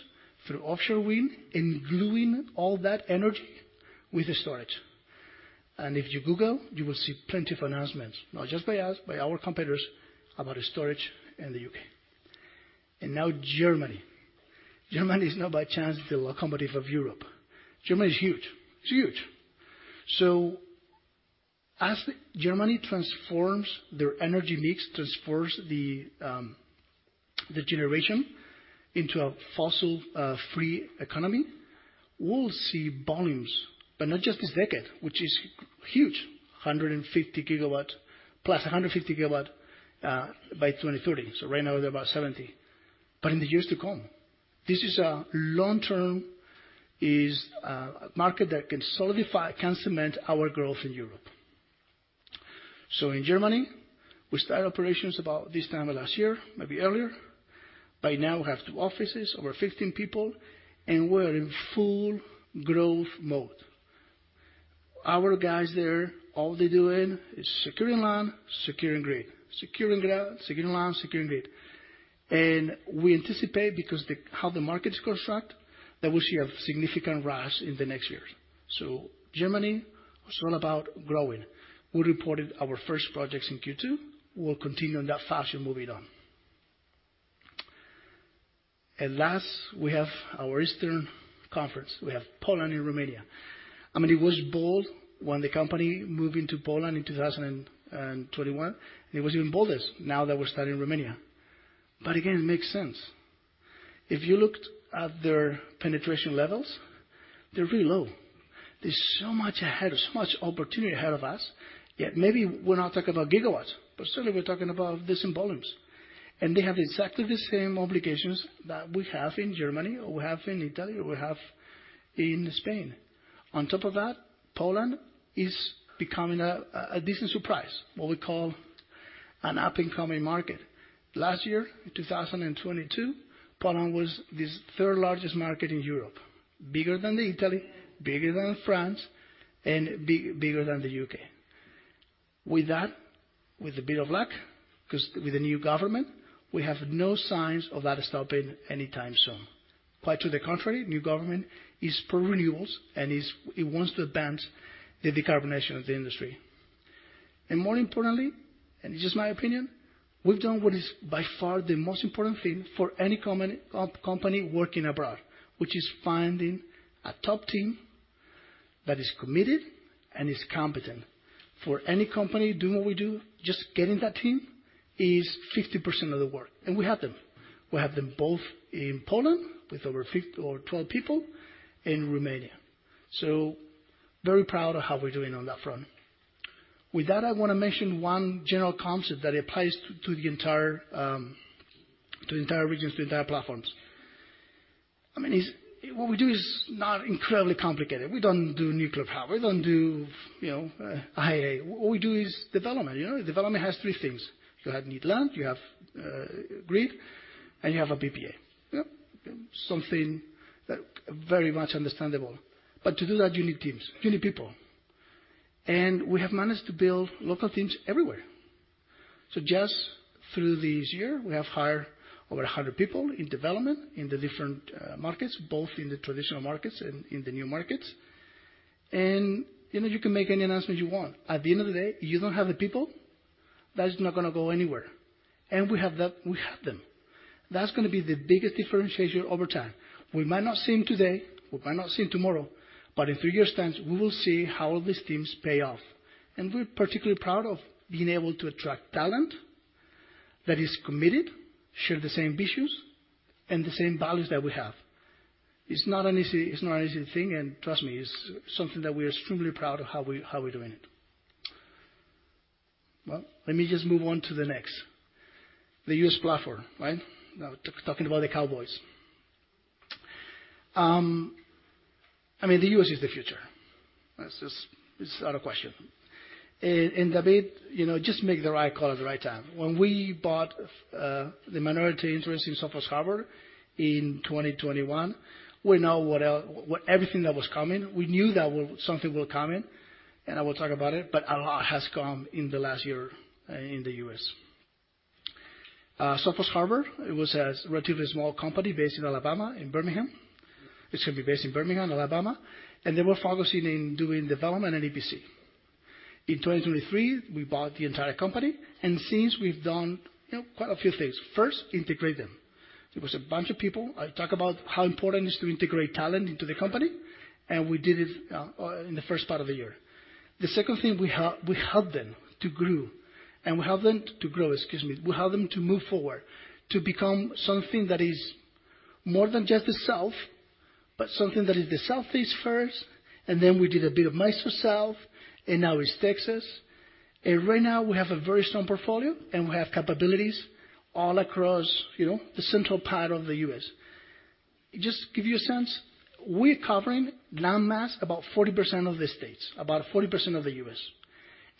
through offshore wind, and gluing all that energy with the storage. And if you Google, you will see plenty of announcements, not just by us, by our competitors, about the storage in the U.K. And now Germany. Germany is not by chance the locomotive of Europe. Germany is huge. It's huge! So as Germany transforms their energy mix, transforms the generation into a fossil free economy, we'll see volumes, but not just this decade, which is huge, 150 GW plus 150 GW by 2030. So right now, they're about 70. But in the years to come, this is a long-term market that can solidify, can cement our growth in Europe... So in Germany, we started operations about this time last year, maybe earlier. By now, we have two offices, over 15 people, and we're in full growth mode. Our guys there, all they're doing is securing land, securing grid, securing ground, securing land, securing grid. And we anticipate, because how the market is constructed, that we'll see a significant rise in the next years. So Germany is all about growing. We reported our first projects in Q2, we'll continue on that fashion, moving on. And last, we have our eastern conference. We have Poland and Romania. I mean, it was bold when the company moved into Poland in 2021, and it was even bolder now that we're starting Romania. But again, it makes sense. If you looked at their penetration levels, they're really low. There's so much ahead, so much opportunity ahead of us, yet maybe we're not talking about gigawatts, but certainly we're talking about decent volumes. And they have exactly the same obligations that we have in Germany, or we have in Italy, or we have in Spain. On top of that, Poland is becoming a decent surprise, what we call an up-and-coming market. Last year, in 2022, Poland was the third largest market in Europe, bigger than Italy, bigger than France, and bigger than the UK. With that, with a bit of luck, 'cause with the new government, we have no signs of that stopping anytime soon. Quite to the contrary, new government is pro-renewables, and it wants to advance the decarbonization of the industry. And more importantly, and this is my opinion, we've done what is by far the most important thing for any company working abroad, which is finding a top team that is committed and is competent. For any company doing what we do, just getting that team is 50% of the work, and we have them. We have them both in Poland, with over 12 people, in Romania. So very proud of how we're doing on that front. With that, I wanna mention one general concept that applies to the entire regions, to the entire platforms. I mean, what we do is not incredibly complicated. We don't do nuclear power, we don't do, you know, AI. What we do is development. You know, development has three things: you need land, you have grid, and you have a PPA. Yeah, something that very much understandable. But to do that, you need teams, you need people. And we have managed to build local teams everywhere. So just through this year, we have hired over 100 people in development in the different markets, both in the traditional markets and in the new markets. You know, you can make any announcement you want, at the end of the day, you don't have the people, that's not gonna go anywhere. We have that, we have them. That's gonna be the biggest differentiator over time. We might not see them today, we might not see them tomorrow, but in three years' time, we will see how all these teams pay off. We're particularly proud of being able to attract talent that is committed, share the same visions, and the same values that we have. It's not an easy, it's not an easy thing, and trust me, it's something that we're extremely proud of, how we're doing it. Well, let me just move on to the next. The U.S. platform, right? Now, talking about the Cowboys. I mean, the U.S. is the future. That's just, it's out of the question. David, you know, just make the right call at the right time. When we bought the minority interest in Sofos Harbert in 2021, we knew what everything that was coming. We knew that something will coming, and I will talk about it, but a lot has come in the last year in the US. Sofos Harbert, it was a relatively small company based in Alabama, in Birmingham. It should be based in Birmingham, Alabama, and they were focusing in doing development and EPC. In 2023, we bought the entire company, and since we've done, you know, quite a few things, first, integrate them. There was a bunch of people. I talk about how important it is to integrate talent into the company, and we did it in the first part of the year. The second thing, we helped them to grow, excuse me. We helped them to move forward, to become something that is more than just the South, but something that is the Southeast first, and then we did a bit of MISO South, and now it's Texas. Right now, we have a very strong portfolio, and we have capabilities all across, you know, the central part of the U.S. Just give you a sense, we're covering landmass, about 40% of the states, about 40% of the U.S.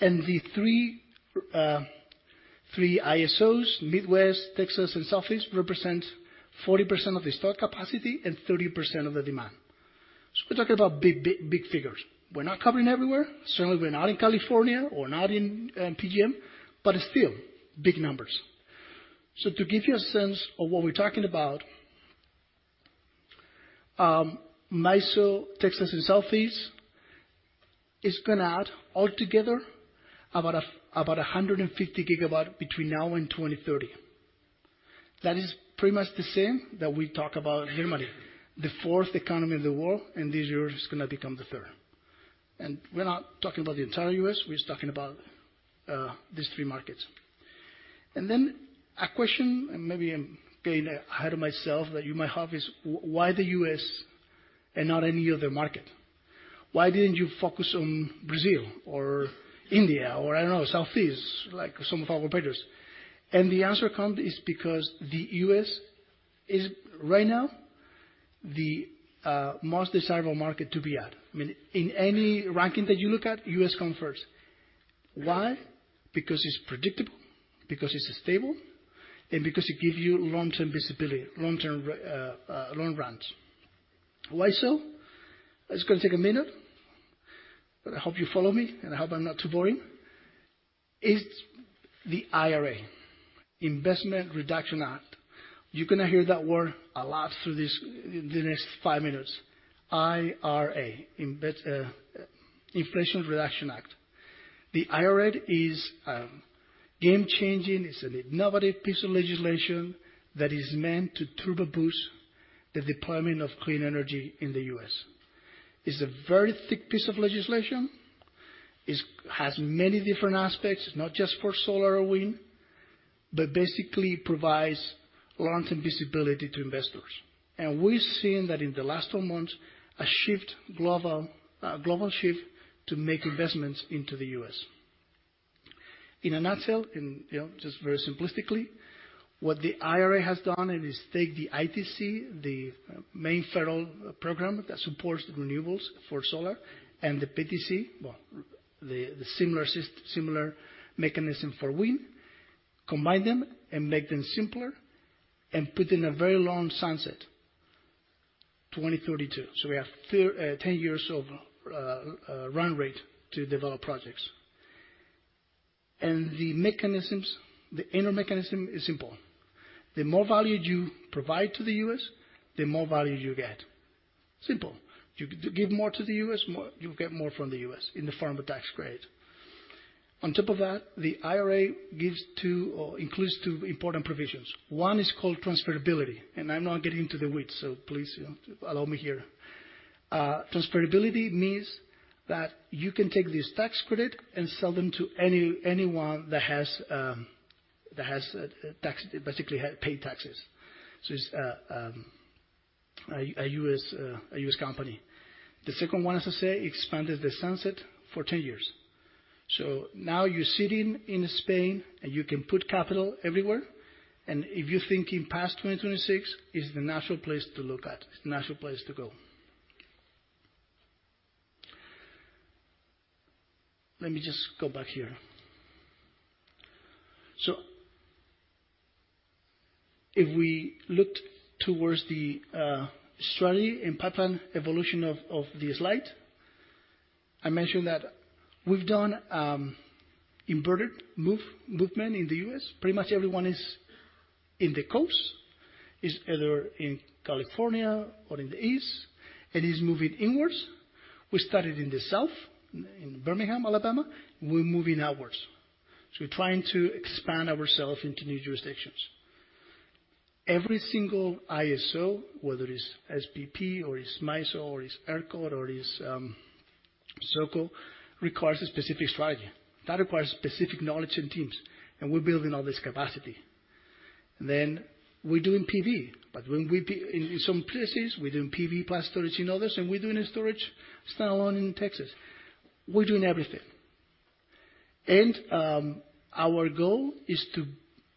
And the three ISOs, Midwest, Texas, and Southeast, represent 40% of the stock capacity and 30% of the demand. So we're talking about big, big, big figures. We're not covering everywhere. Certainly, we're not in California or not in PJM, but still, big numbers. To give you a sense of what we're talking about, MISO, Texas and Southeast is gonna add altogether about 150 gigawatt between now and 2030. That is pretty much the same that we talk about Germany, the fourth economy in the world, and this year is gonna become the third. We're not talking about the entire U.S., we're just talking about these three markets. A question, and maybe I'm getting ahead of myself, that you might have, is why the U.S. and not any other market? Why didn't you focus on Brazil or India, or I don't know, Southeast, like some of our competitors? The answer is because the U.S. is right now the most desirable market to be at. I mean, in any ranking that you look at, U.S. comes first. Why? Because it's predictable, because it's stable, and because it gives you long-term visibility, long-term, long runs. Why so? It's gonna take a minute, but I hope you follow me, and I hope I'm not too boring. It's the IRA, Inflation Reduction Act. You're gonna hear that word a lot through this, the next five minutes. IRA, Inflation Reduction Act. The IRA is game-changing. It's an innovative piece of legislation that is meant to turbo boost the deployment of clean energy in the U.S. It's a very thick piece of legislation. It has many different aspects, not just for solar or wind, but basically provides long-term visibility to investors. And we've seen that in the last two months, a global shift to make investments into the U.S. In a nutshell, you know, just very simplistically, what the IRA has done is take the ITC, the main federal program that supports renewables for solar, and the PTC, the similar mechanism for wind, combine them and make them simpler, and put in a very long sunset, 2032. So we have 10 years of run rate to develop projects. And the mechanisms, the inner mechanism is simple: The more value you provide to the U.S., the more value you get. Simple. You give more to the U.S., more, you'll get more from the U.S. in the form of tax credit. On top of that, the IRA gives two, or includes two important provisions. One is called transferability, and I'm not getting into the weeds, so please, you know, allow me here. Transferability means that you can take this tax credit and sell them to anyone that has tax, basically, pay taxes. It's a U.S. company. The second one, as I say, expanded the sunset for 10 years. Now you're sitting in Spain, and you can put capital everywhere, and if you're thinking past 2026, it's the natural place to look at, it's the natural place to go. Let me just go back here. If we looked towards the strategy and pipeline evolution of the slide, I mentioned that we've done inverted movement in the U.S. Pretty much everyone is in the coast, is either in California or in the east, and is moving inwards. We started in the south, in Birmingham, Alabama. We're moving outwards, so we're trying to expand ourselves into new jurisdictions. Every single ISO, whether it's SPP or it's MISO or it's ERCOT or it's SOCO, requires a specific strategy. That requires specific knowledge and teams, and we're building all this capacity. Then we're doing PV, but when we're in some places, we're doing PV plus storage in others, and we're doing a storage stand-alone in Texas. We're doing everything. And our goal is to,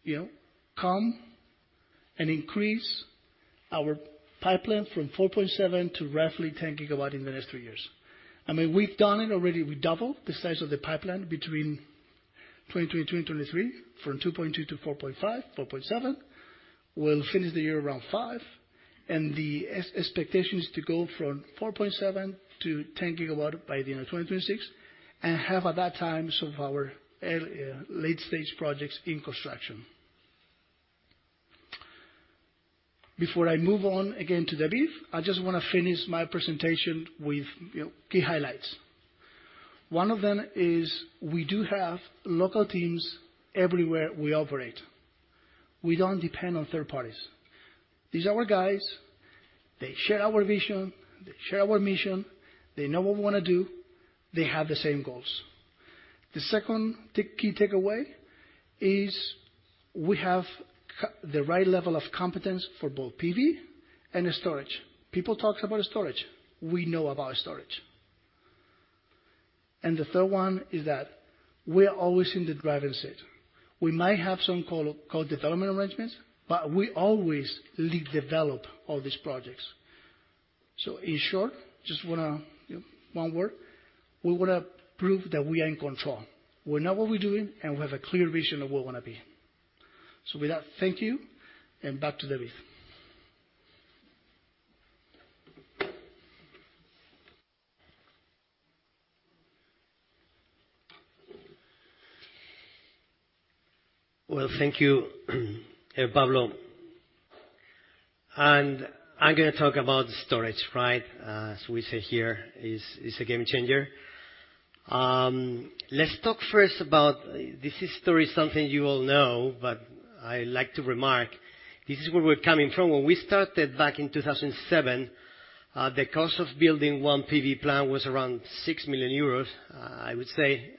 you know, come and increase our pipeline from 4.7 GW to roughly 10 GW in the next three years. I mean, we've done it already. We doubled the size of the pipeline between 2022 and 2023, from 2.2 to 4.5, 4.7. We'll finish the year around five, and the expectation is to go from 4.7 to 10 GW by the end of 2026, and have, at that time, some of our late-stage projects in construction. Before I move on again to David, I just wanna finish my presentation with, you know, key highlights. One of them is we do have local teams everywhere we operate. We don't depend on third parties. These are our guys, they share our vision, they share our mission, they know what we wanna do, they have the same goals. The second key takeaway is we have the right level of competence for both PV and storage. People talk about storage. We know about storage. And the third one is that we're always in the driving seat. We might have some so-called development arrangements, but we always lead, develop all these projects. So in short, just wanna, you know, one word, we wanna prove that we are in control. We know what we're doing, and we have a clear vision of where we wanna be. So with that, thank you, and back to David. Well, thank you, Pablo. I'm gonna talk about storage, right? As we say here, it's a game changer. Let's talk first about... This history is something you all know, but I like to remark, this is where we're coming from. When we started back in 2007, the cost of building one PV plant was around 6 million euros. I would say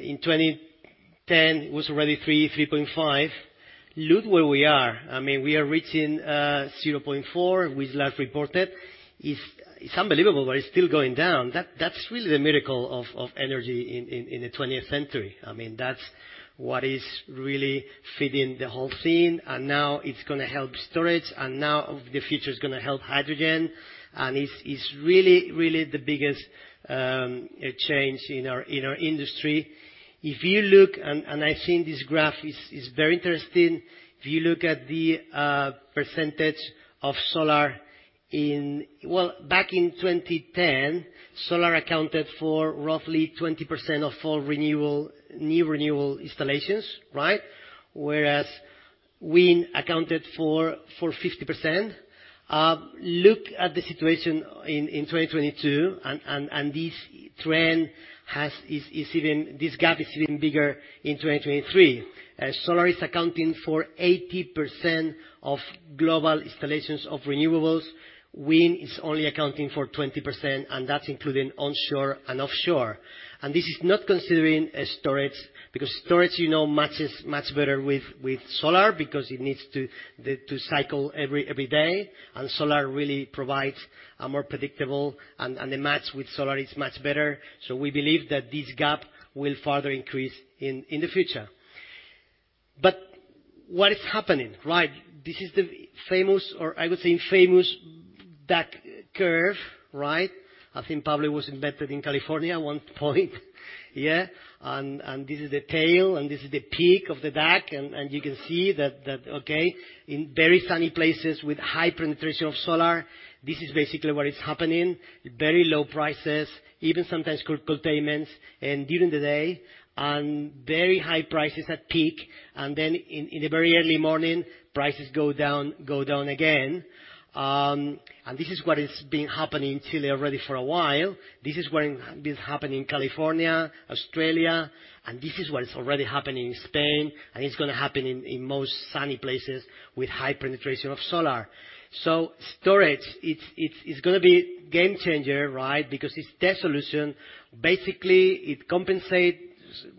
in 2010, it was already 3-3.5 million. Look where we are. I mean, we are reaching 0.4 million, which last reported. It's unbelievable, but it's still going down. That's really the miracle of energy in the twentieth century. I mean, that's what is really fitting the whole scene, and now it's gonna help storage, and now of the future is gonna help hydrogen, and it's really, really the biggest change in our industry. If you look, I think this graph is very interesting. If you look at the percentage of solar. Well, back in 2010, solar accounted for roughly 20% of all new renewable installations, right? Whereas wind accounted for 50%. Look at the situation in 2022, and this trend is even—this gap is even bigger in 2023. Solar is accounting for 80% of global installations of renewables. Wind is only accounting for 20%, and that's including onshore and offshore. This is not considering storage, because storage, you know, matches much better with solar because it needs to cycle every day, and solar really provides a more predictable, and the match with solar is much better. So we believe that this gap will further increase in the future. But what is happening, right? This is the famous, or I would say, famous duck curve, right? I think probably was invented in California at one point. Yeah, and this is the tail, and this is the peak of the duck, and you can see that, okay, in very sunny places with high penetration of solar, this is basically what is happening. Very low prices, even sometimes critical payments, during the day, and very high prices at peak, and then in the very early morning, prices go down, go down again. This is what has been happening in Chile already for a while. This is what is happening in California, Australia, and this is what is already happening in Spain, and it's gonna happen in most sunny places with high penetration of solar. Storage, it's gonna be a game changer, right? Because it's the solution. Basically, it compensates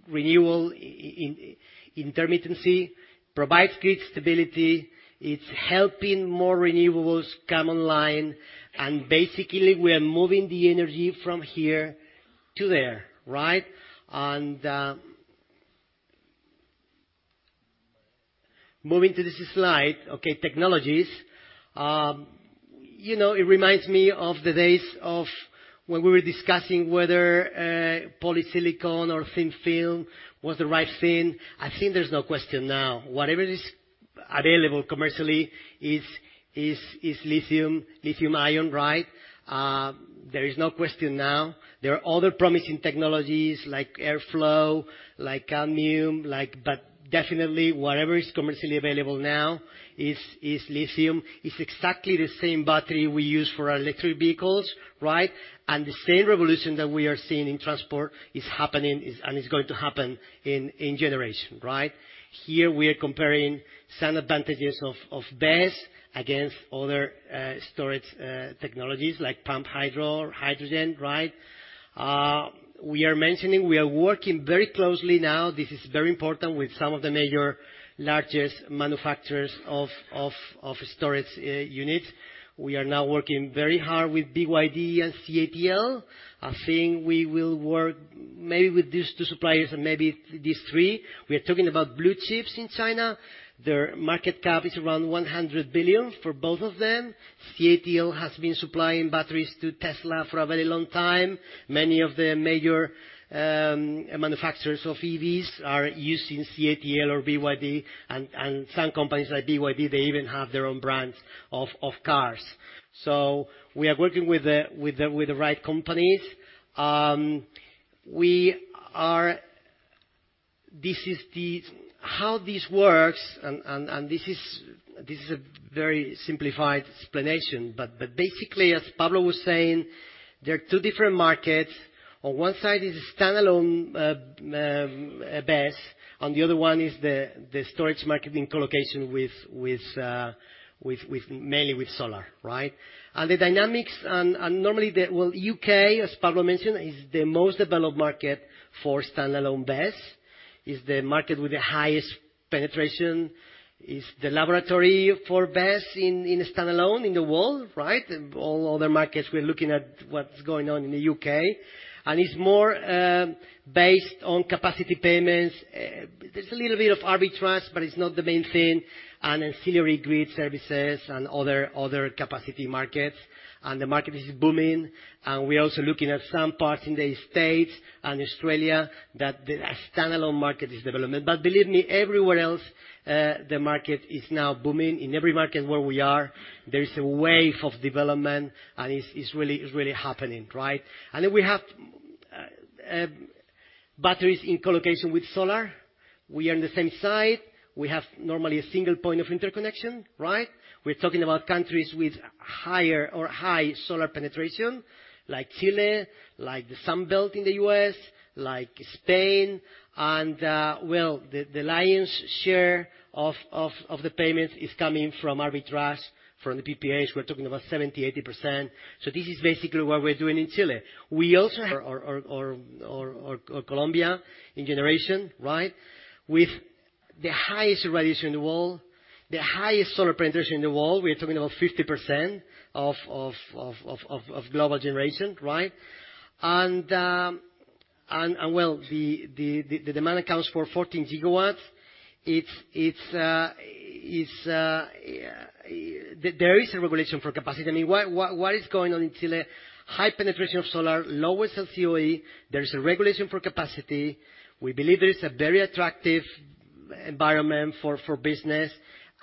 renewable, in intermittency, provides grid stability, it's helping more renewables come online, and basically, we are moving the energy from here to there, right? You know, moving to this slide, okay, technologies. You know, it reminds me of the days of when we were discussing whether polysilicon or thin film was the right thing. I think there's no question now. Whatever is available commercially is lithium-ion, right? There is no question now. There are other promising technologies like flow, like sodium, like—but definitely whatever is commercially available now is lithium-ion. It's exactly the same battery we use for our electric vehicles, right? And the same revolution that we are seeing in transport is happening, and it's going to happen in generation, right? Here we are comparing some advantages of BESS against other storage technologies like pumped hydro, hydrogen, right? We are mentioning we are working very closely now, this is very important, with some of the major, largest manufacturers of storage units. We are now working very hard with BYD and CATL. I think we will work maybe with these two suppliers and maybe these three. We are talking about blue chips in China. Their market cap is around $100 billion for both of them. CATL has been supplying batteries to Tesla for a very long time. Many of the major manufacturers of EVs are using CATL or BYD, and some companies like BYD, they even have their own brands of cars. We are working with the right companies. This is how this works, and this is a very simplified explanation, but basically, as Pablo was saying, there are two different markets. On one side is a standalone BESS, on the other one is the storage market in co-location with mainly with solar, right? UK, as Pablo mentioned, is the most developed market for standalone BESS, is the market with the highest penetration, is the laboratory for BESS in standalone in the world, right? And all other markets, we're looking at what's going on in the UK. And it's more based on capacity payments. There's a little bit of arbitrage, but it's not the main thing, and ancillary grid services and other capacity markets. And the market is booming. And we're also looking at some parts in the States and Australia, that the standalone market is developing. But believe me, everywhere else, the market is now booming. In every market where we are, there is a wave of development, and it's really happening, right? And then we have batteries in co-location with solar. We are on the same side. We have normally a single point of interconnection, right? We're talking about countries with higher or high solar penetration, like Chile, like the Sun Belt in the U.S., like Spain, and well, the lion's share of the payments is coming from arbitrage, from the PPAs. We're talking about 70%-80%. So this is basically what we're doing in Chile. We also are in Colombia in generation, right? The highest radiation in the world, the highest solar penetration in the world. We are talking about 50% of global generation, right? And well, the demand accounts for 14 GW. There is a regulation for capacity. I mean, what is going on in Chile? High penetration of solar, low LCOE, there is a regulation for capacity. We believe there is a very attractive environment for business,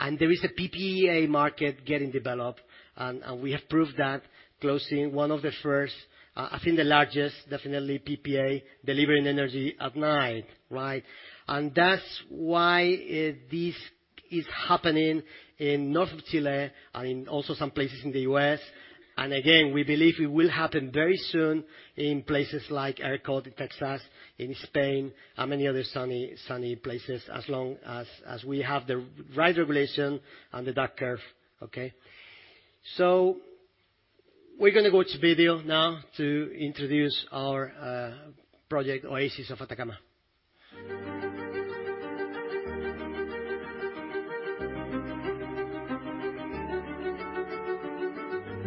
and there is a PPA market getting developed, and we have proved that closing one of the first, I think the largest, definitely, PPA, delivering energy at night, right? And that's why this is happening in north of Chile and in also some places in the U.S. And again, we believe it will happen very soon in places like ERCOT in Texas, in Spain, and many other sunny, sunny places, as long as we have the right regulation and the duck curve, okay? So we're gonna watch a video now to introduce our project, Oasis de Atacama.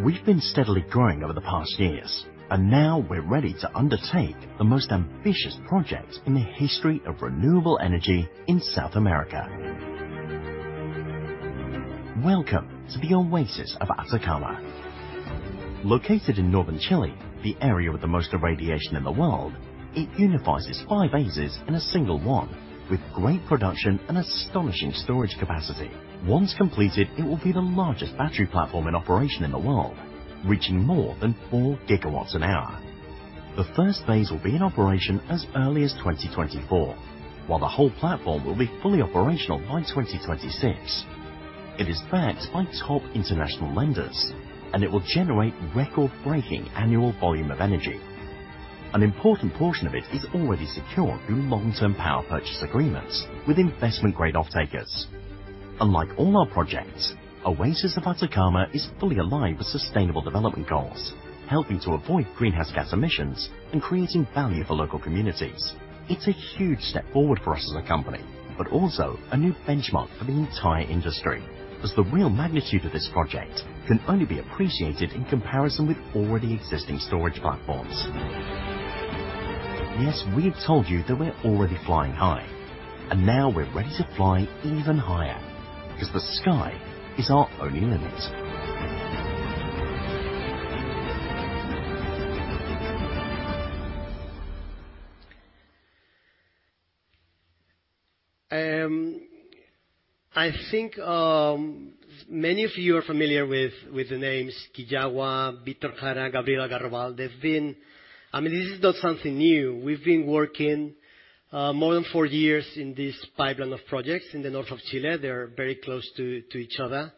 We've been steadily growing over the past years, and now we're ready to undertake the most ambitious project in the history of renewable energy in South America. Welcome to the Oasis de Atacama. Located in northern Chile, the area with the most irradiation in the world, it unifies five oases in a single one, with great production and astonishing storage capacity. Once completed, it will be the largest battery platform in operation in the world, reaching more than 4 GWh. The first phase will be in operation as early as 2024, while the whole platform will be fully operational by 2026. It is backed by top international lenders, and it will generate record-breaking annual volume of energy. An important portion of it is already secured through long-term power purchase agreements with investment-grade off-takers. Unlike all our projects, Oasis de Atacama is fully aligned with sustainable development goals, helping to avoid greenhouse gas emissions and creating value for local communities. It's a huge step forward for us as a company, but also a new benchmark for the entire industry, as the real magnitude of this project can only be appreciated in comparison with already existing storage platforms. Yes, we've told you that we're already flying high, and now we're ready to fly even higher, because the sky is our only limit. I think many of you are familiar with the names Quillagua, Víctor Jara, Gabriela, Algarrobal. They've been... I mean, this is not something new. We've been working more than 4 years in this pipeline of projects in the north of Chile. They are very close to each other,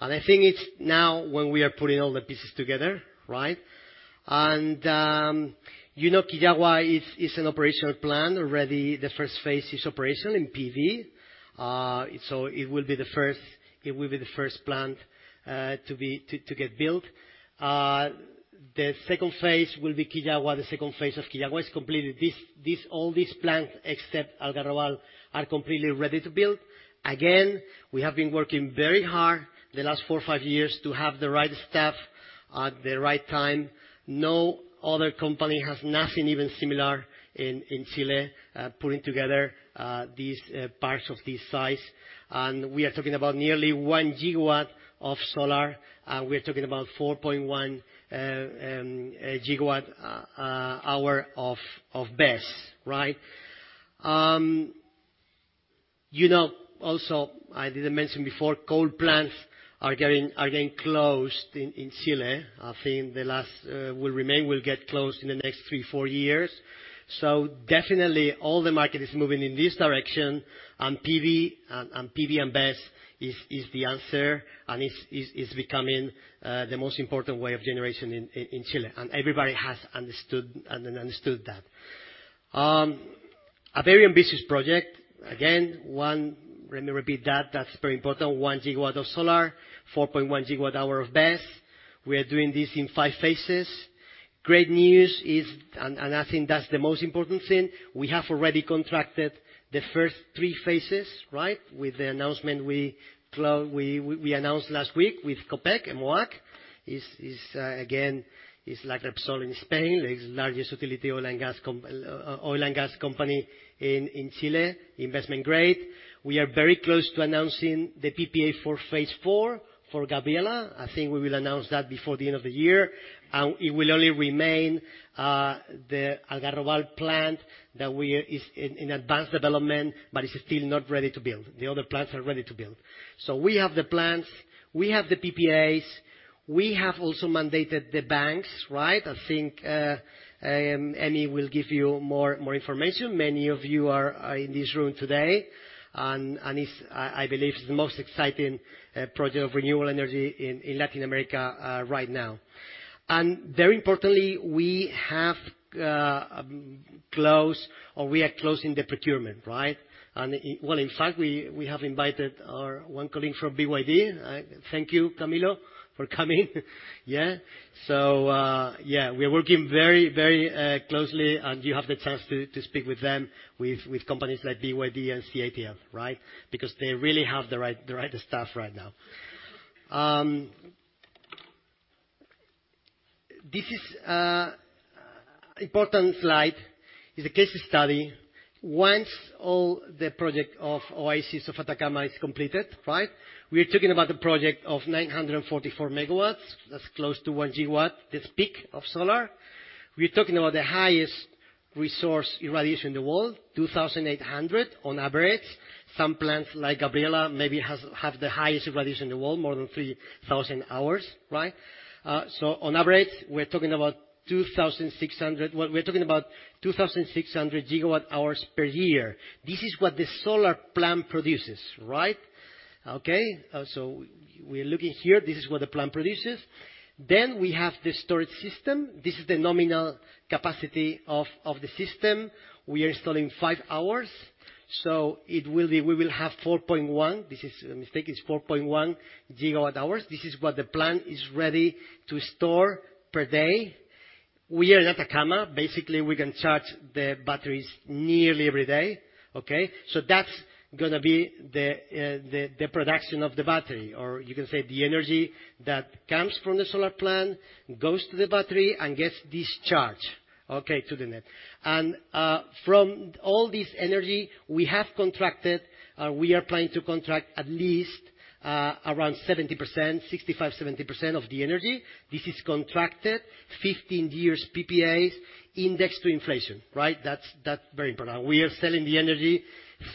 and I think it's now when we are putting all the pieces together, right? And you know, Quillagua is an operational plant already. The first phase is operational in PV. So it will be the first plant to get built. The second phase will be Quillagua. The second phase of Quillagua is completed. This, all these plants, except Algarrobal, are completely ready to build. Again, we have been working very hard the last 4-5 years to have the right staff at the right time. No other company has nothing even similar in Chile putting together these parts of this size. And we are talking about nearly 1 GW of solar, and we are talking about 4.1 GWh of BESS, right? You know, also, I didn't mention before, coal plants are getting closed in Chile. I think the last will remain will get closed in the next 3-4 years. So definitely, all the market is moving in this direction, and PV and PV and BESS is the answer, and it's becoming the most important way of generation in Chile, and everybody has understood that. A very ambitious project. Again, one, let me repeat that, that's very important, 1 gigawatt of solar, 4.1 gigawatt hours of BESS. We are doing this in 5 phases. Great news is, and I think that's the most important thing, we have already contracted the first three phases, right? With the announcement we announced last week with Copec and Emoac. Is, again, like Repsol in Spain, the largest utility oil and gas company in Chile, investment grade. We are very close to announcing the PPA for phase four for Gabriela. I think we will announce that before the end of the year, and it will only remain the Algarrobal plant that is in advanced development, but it's still not ready to build. The other plants are ready to build. So we have the plants, we have the PPAs, we have also mandated the banks, right? I think Emi will give you more, more information. Many of you are in this room today, and, and it's, I, I believe, it's the most exciting project of renewable energy in, in Latin America right now. Very importantly, we have closed, or we are closing the procurement, right? Well, in fact, we, we have invited our one colleague from BYD. Thank you, Camilo, for coming. Yeah. So, yeah, we are working very, very closely, and you have the chance to, to speak with them, with, with companies like BYD and CATL, right? Because they really have the right, the right stuff right now. This is an important slide. It's a case study. Once all the project of Oasis de Atacama is completed, right? We are talking about the project of 944 MWs, that's close to 1 gigawatt, that's peak of solar. We're talking about the highest resource irradiation in the world, 2,800 on average. Some plants, like Gabriela, maybe have the highest radiation in the world, more than 3,000 hours, right? So on average, we're talking about 2,600 gigawatt hours per year. This is what the solar plant produces, right? Okay, so we're looking here, this is what the plant produces. Then we have the storage system. This is the nominal capacity of the system. We are installing five hours, so it will be—we will have 4.1, this is a mistake, it's 4.1 gigawatt hours. This is what the plant is ready to store per day. We are in Atacama. Basically, we can charge the batteries nearly every day, okay? So that's gonna be the production of the battery, or you can say, the energy that comes from the solar plant, goes to the battery, and gets discharged, okay, to the net. And from all this energy, we have contracted, we are planning to contract at least around 65%-70% of the energy. This is contracted 15 years PPAs, indexed to inflation, right? That's very important. We are selling the energy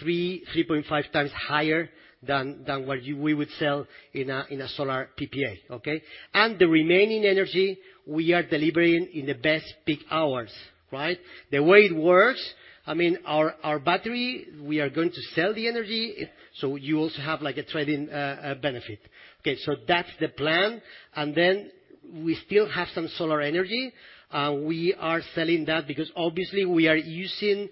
3-3.5 times higher than what we would sell in a solar PPA, okay? And the remaining energy, we are delivering in the best peak hours, right? The way it works, I mean, our battery, we are going to sell the energy, so you also have, like, a trading benefit. Okay, so that's the plan. Then, we still have some solar energy, and we are selling that because obviously we are using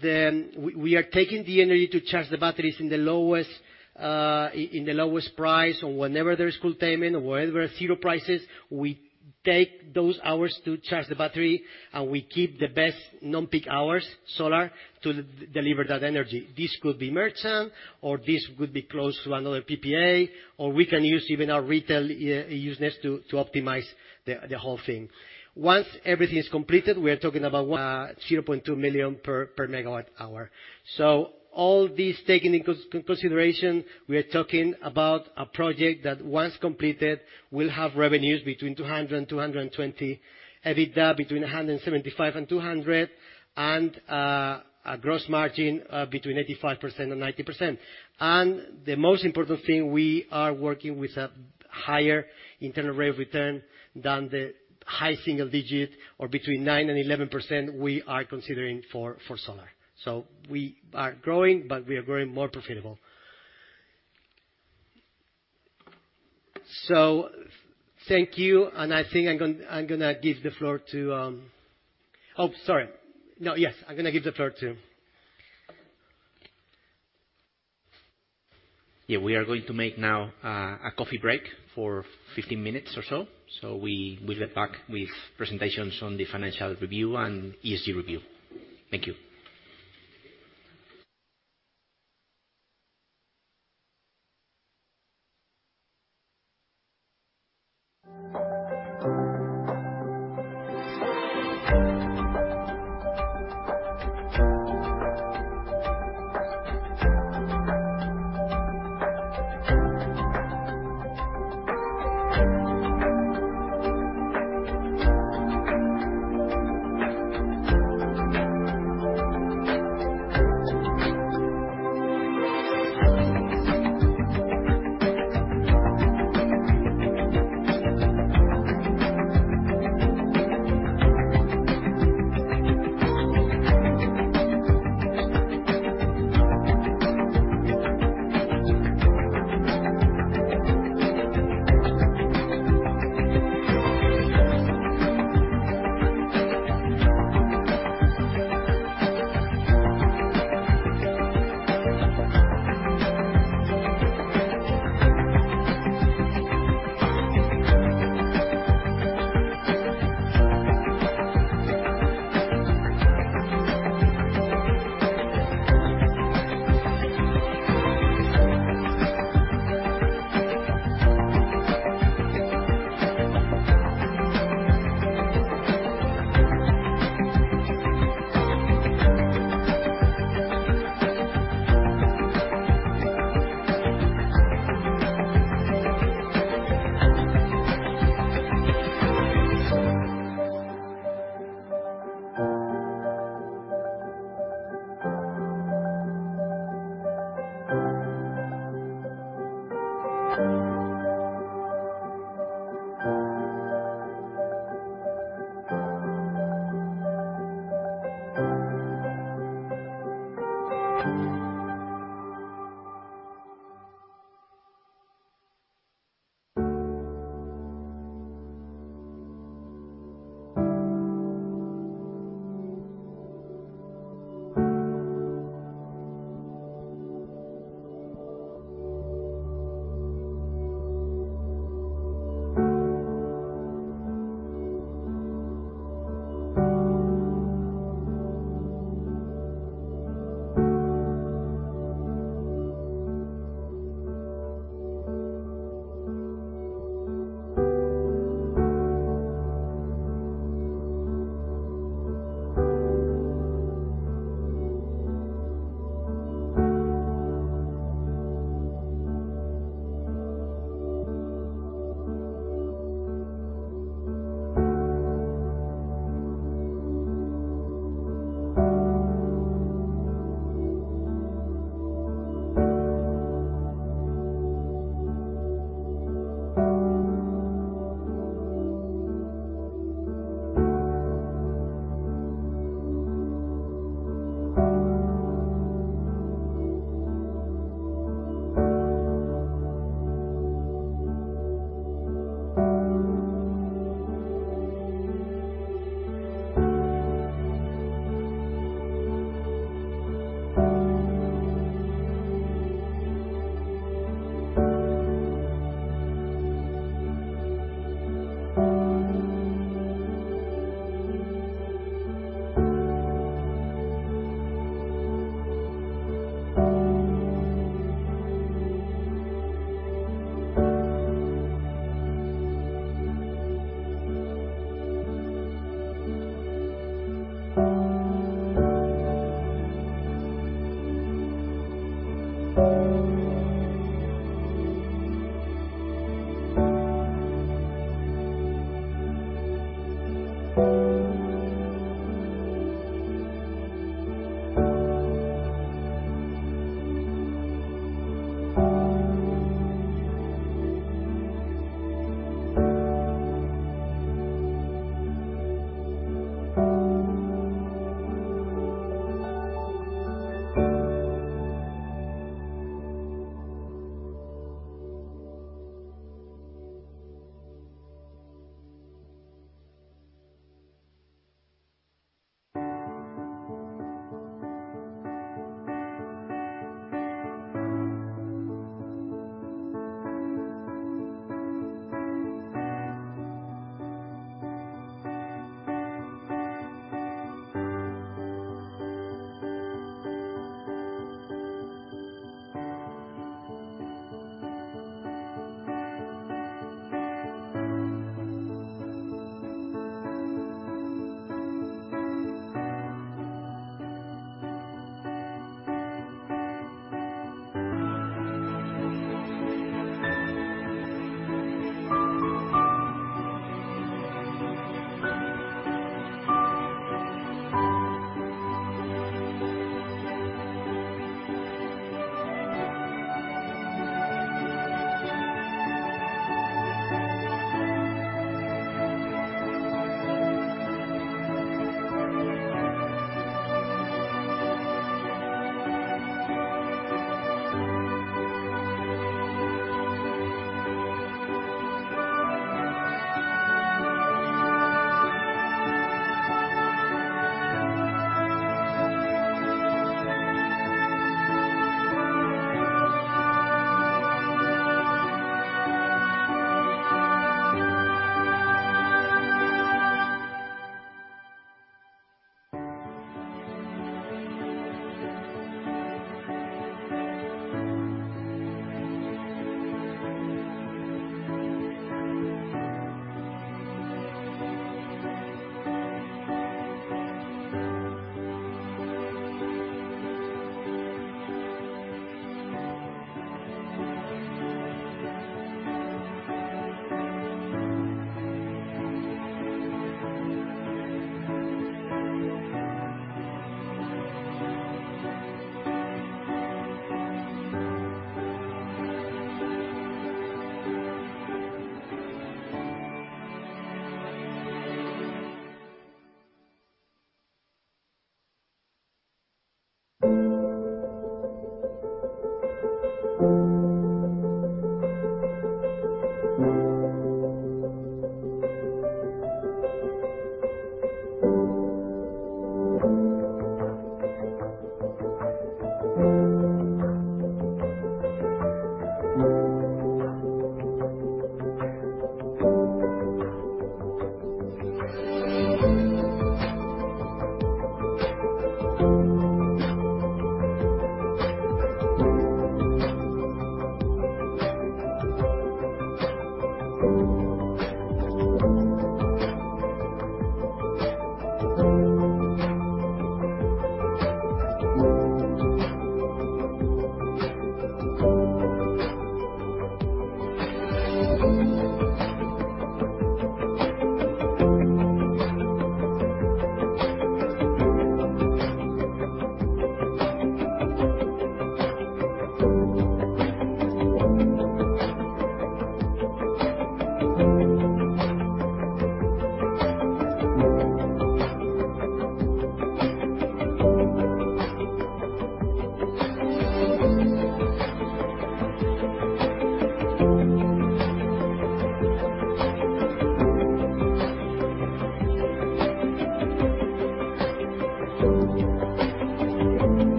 the we are taking the energy to charge the batteries in the lowest price or whenever there is curtailment or whenever there are zero prices, we take those hours to charge the battery, and we keep the best non-peak hours solar to deliver that energy. This could be merchant, or this could be close to another PPA, or we can use even our retail use to optimize the whole thing. Once everything is completed, we are talking about 0.2 million per MWh. So all these taken into consideration, we are talking about a project that, once completed, will have revenues between 200 and 220, EBITDA between 175 and 200, and a gross margin between 85% and 90%. And the most important thing, we are working with a higher internal rate of return than the high single digit, or between 9% and 11% we are considering for solar. So we are growing, but we are growing more profitable. So thank you, and I think I'm gonna give the floor to- Yeah, we are going to make now a coffee break for 15 minutes or so. So we, we'll get back with presentations on the financial review and ESG review.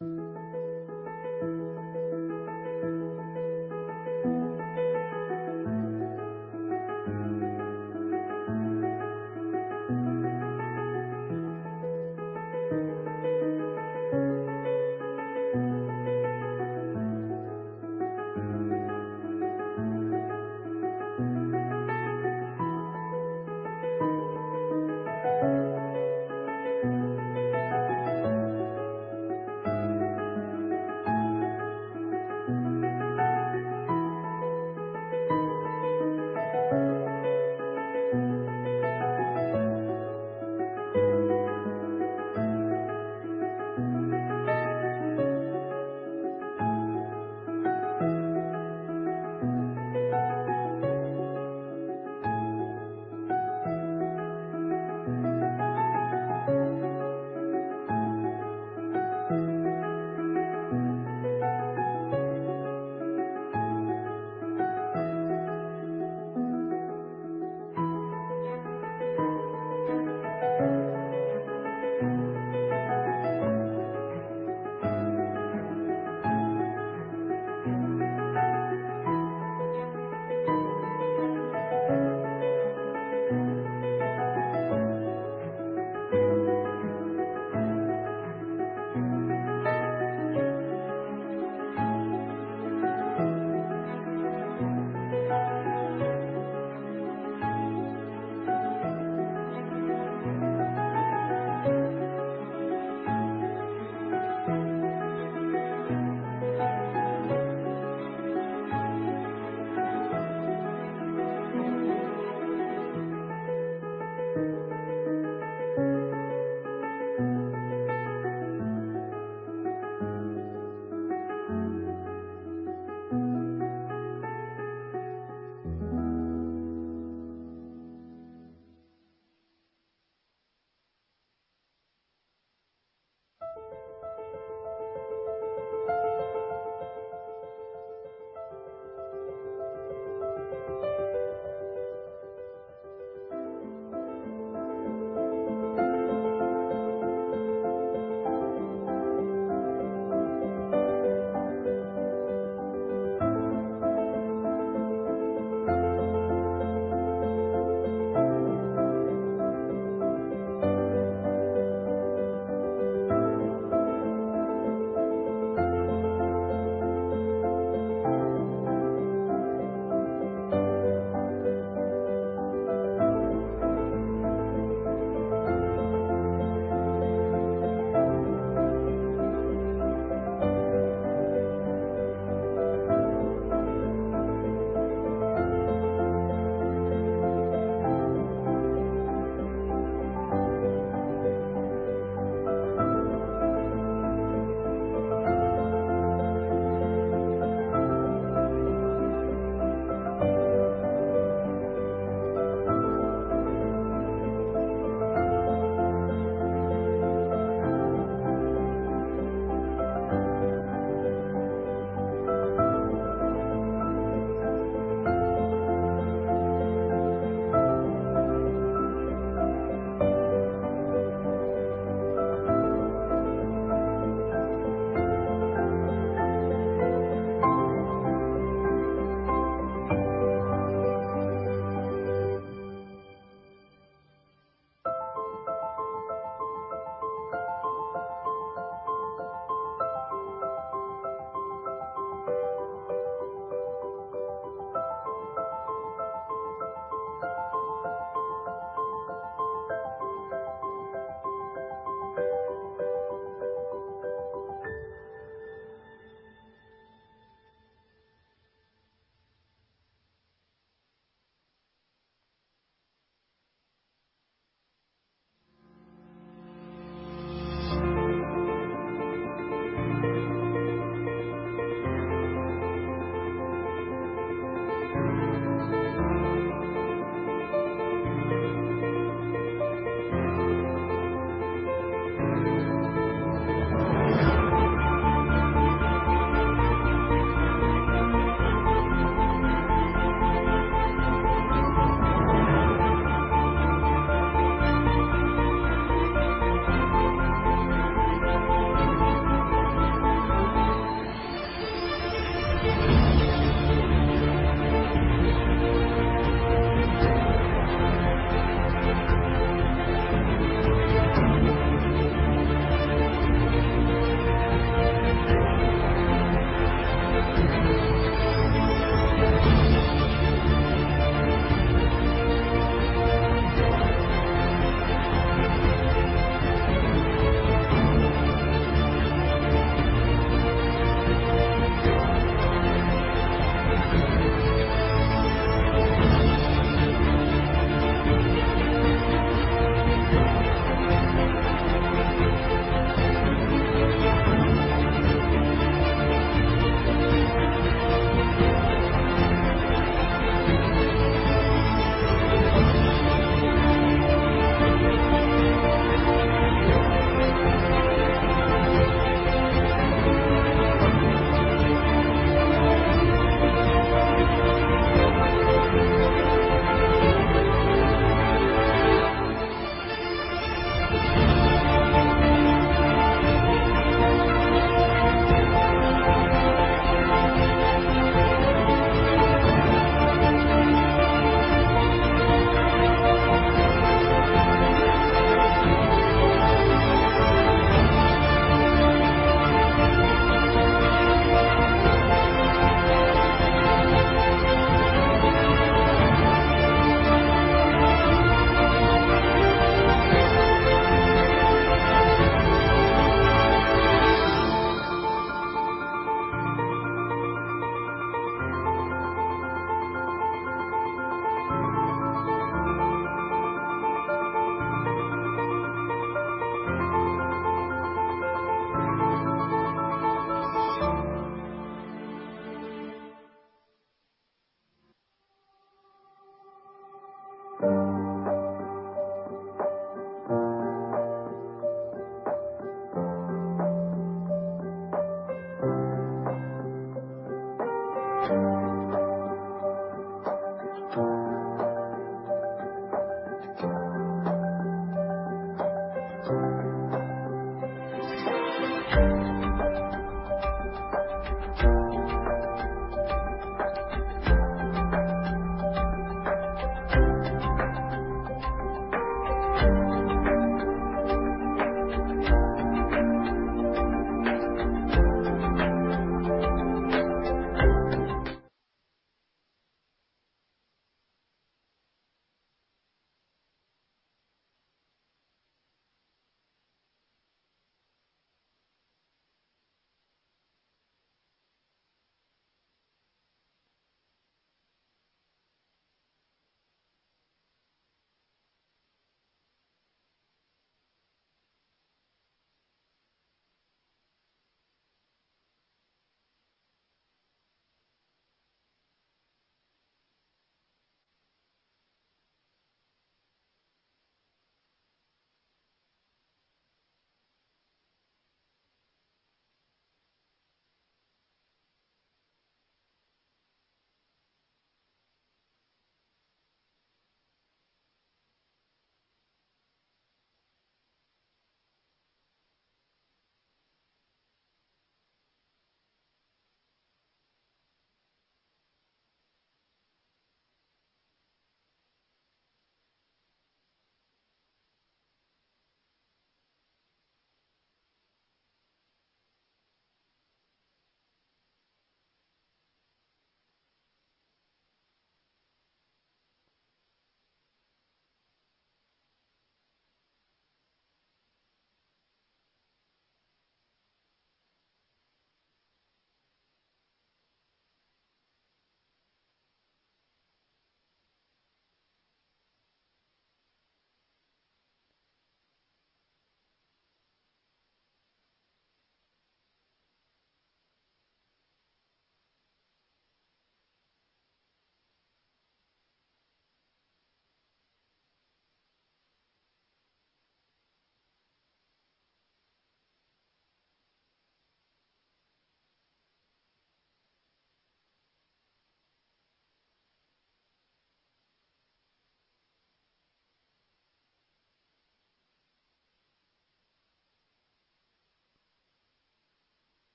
Thank you.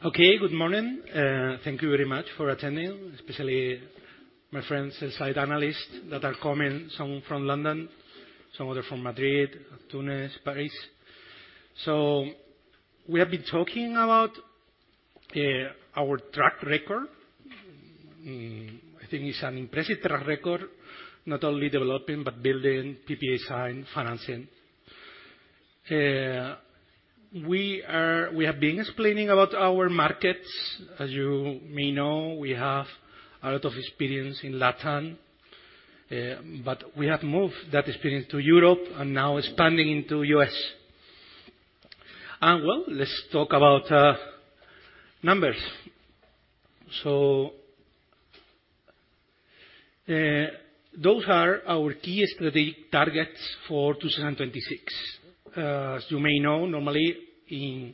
Okay, good morning. Thank you very much for attending, especially my friends and sell-side analysts that are coming, some from London, some from Madrid, Tunis, Paris. So we have been talking about our track record. I think it's an impressive track record, not only developing, but building PPA sign financing. We have been explaining about our markets. As you may know, we have a lot of experience in LatAm, but we have moved that experience to Europe and now expanding into U.S. Well, let's talk about numbers. So, those are our key strategic targets for 2026. As you may know, normally in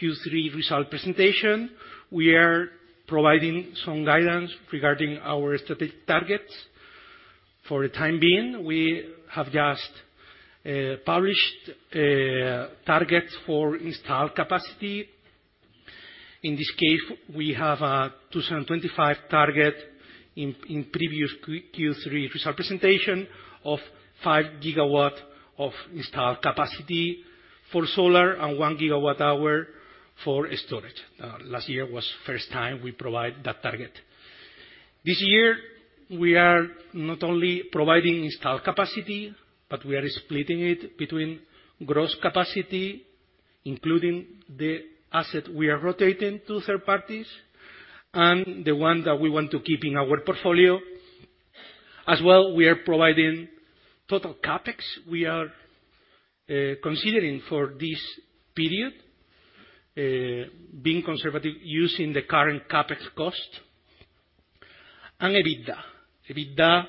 Q3 result presentation, we are providing some guidance regarding our strategic targets. For the time being, we have just published targets for installed capacity. In this case, we have a 2025 target in, in previous Q3 result presentation of 5 GW of installed capacity for solar and 1 GWh for storage. Last year was first time we provide that target. This year, we are not only providing installed capacity, but we are splitting it between gross capacity, including the asset we are rotating to third parties and the one that we want to keep in our portfolio. As well, we are providing total CapEx. We are considering for this period, being conservative, using the current CapEx cost and EBITDA. EBITDA,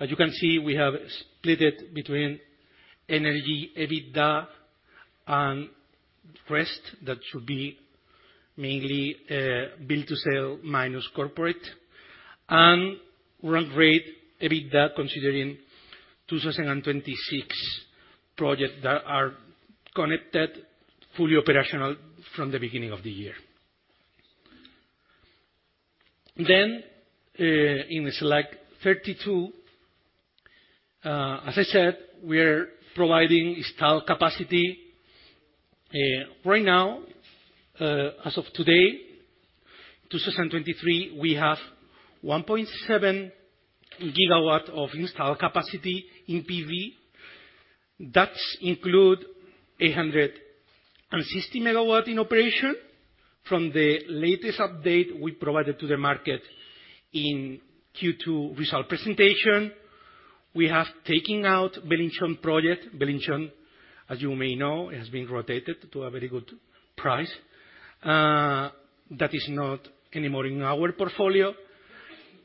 as you can see, we have split it between energy EBITDA, and rest. That should be mainly build-to-sale minus corporate, and run rate EBITDA, considering 2026 projects that are connected, fully operational from the beginning of the year. Then, in slide 32, as I said, we are providing installed capacity. Right now, as of today, 2023, we have 1.7 GW of installed capacity in PV. That include 160 MW in operation from the latest update we provided to the market in Q2 result presentation. We have taken out Belinchón project. Belinchón, as you may know, has been rotated to a very good price, that is not anymore in our portfolio.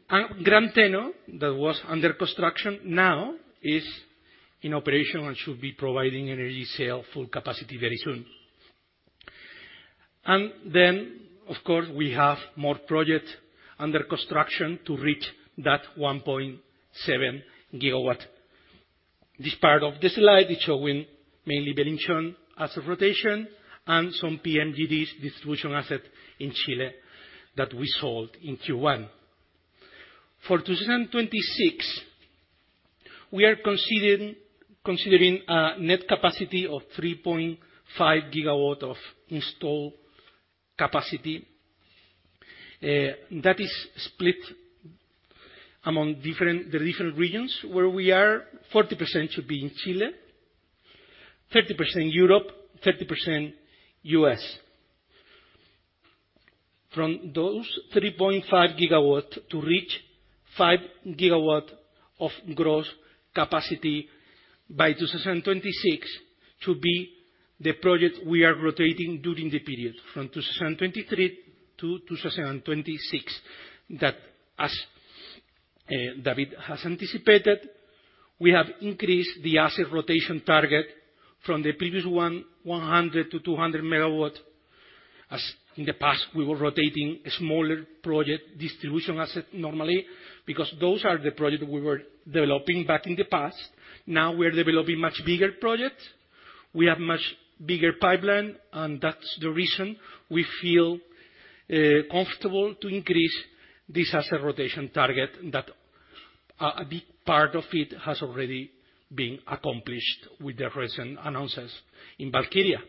And Gran Teno, that was under construction, now is in operation and should be providing energy sale full capacity very soon. And then, of course, we have more projects under construction to reach that 1.7 GW. This part of the slide is showing mainly Belinchón as a rotation and some PMGDs distribution asset in Chile that we sold in Q1. For 2026, we are considering a net capacity of 3.5 GW of installed capacity. That is split among the different regions where we are. 40% should be in Chile, 30% Europe, 30% U.S. From those 3.5 GW to reach 5 GW of gross capacity by 2026, to be the project we are rotating during the period from 2023 to 2026. That, as David has anticipated, we have increased the asset rotation target from the previous 100 to 200 MW. As in the past, we were rotating a smaller project distribution asset normally, because those are the projects we were developing back in the past. Now, we are developing much bigger projects. We have much bigger pipeline, and that's the reason we feel comfortable to increase this asset rotation target, that a big part of it has already been accomplished with the recent announcements in Valkyria.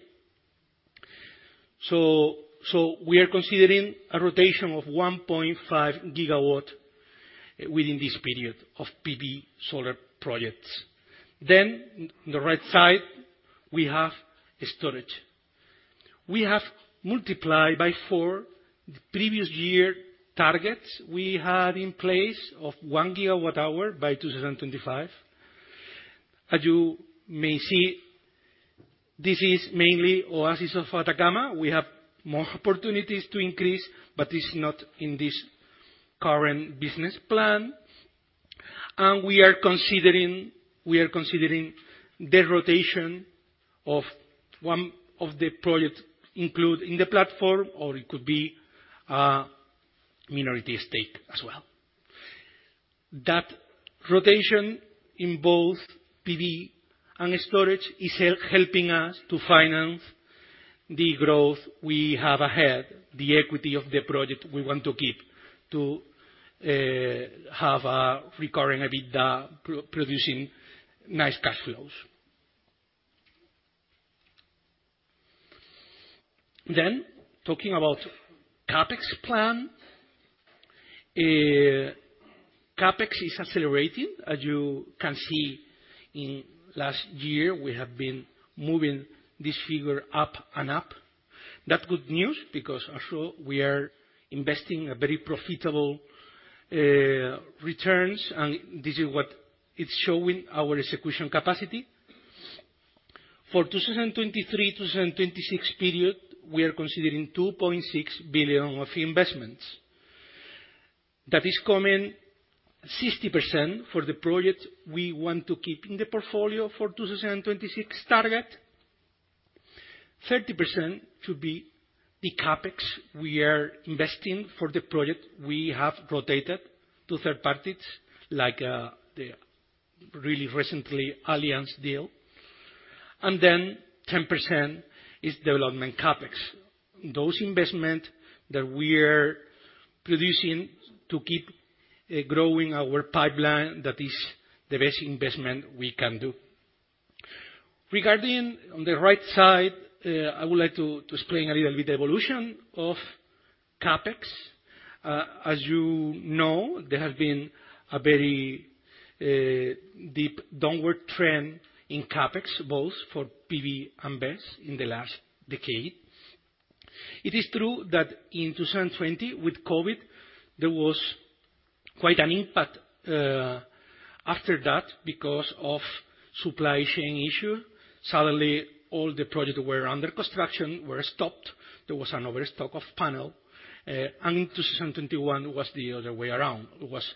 So we are considering a rotation of 1.5 GW within this period of PV solar projects. Then, on the right side, we have a storage. We have multiplied by four the previous year targets we had in place of 1 GWh by 2025. As you may see, this is mainly Oasis de Atacama. We have more opportunities to increase, but it's not in this current business plan. We are considering the rotation of one of the projects include in the platform, or it could be a minority stake as well. That rotation in both PV and storage is helping us to finance the growth we have ahead, the equity of the project we want to keep to have a recurring EBITDA producing nice cash flows. Then, talking about CapEx plan, CapEx is accelerating. As you can see, in last year, we have been moving this figure up and up. That good news, because also we are investing a very profitable returns, and this is what is showing our execution capacity. For 2023-2026 period, we are considering 2.6 billion of investments. That is coming 60% for the projects we want to keep in the portfolio for 2026 target, 30% to be the CapEx we are investing for the project we have rotated to third parties, like, the really recently Allianz deal, and then 10% is development CapEx. Those investment that we are producing to keep, growing our pipeline, that is the best investment we can do. Regarding on the right side, I would like to explain a little bit the evolution of CapEx. As you know, there has been a very deep downward trend in CapEx, both for PV and BESS in the last decade. It is true that in 2020, with COVID, there was quite an impact after that because of supply chain issue. Suddenly, all the projects were under construction, were stopped. There was an overstock of panels, and in 2021, it was the other way around. It was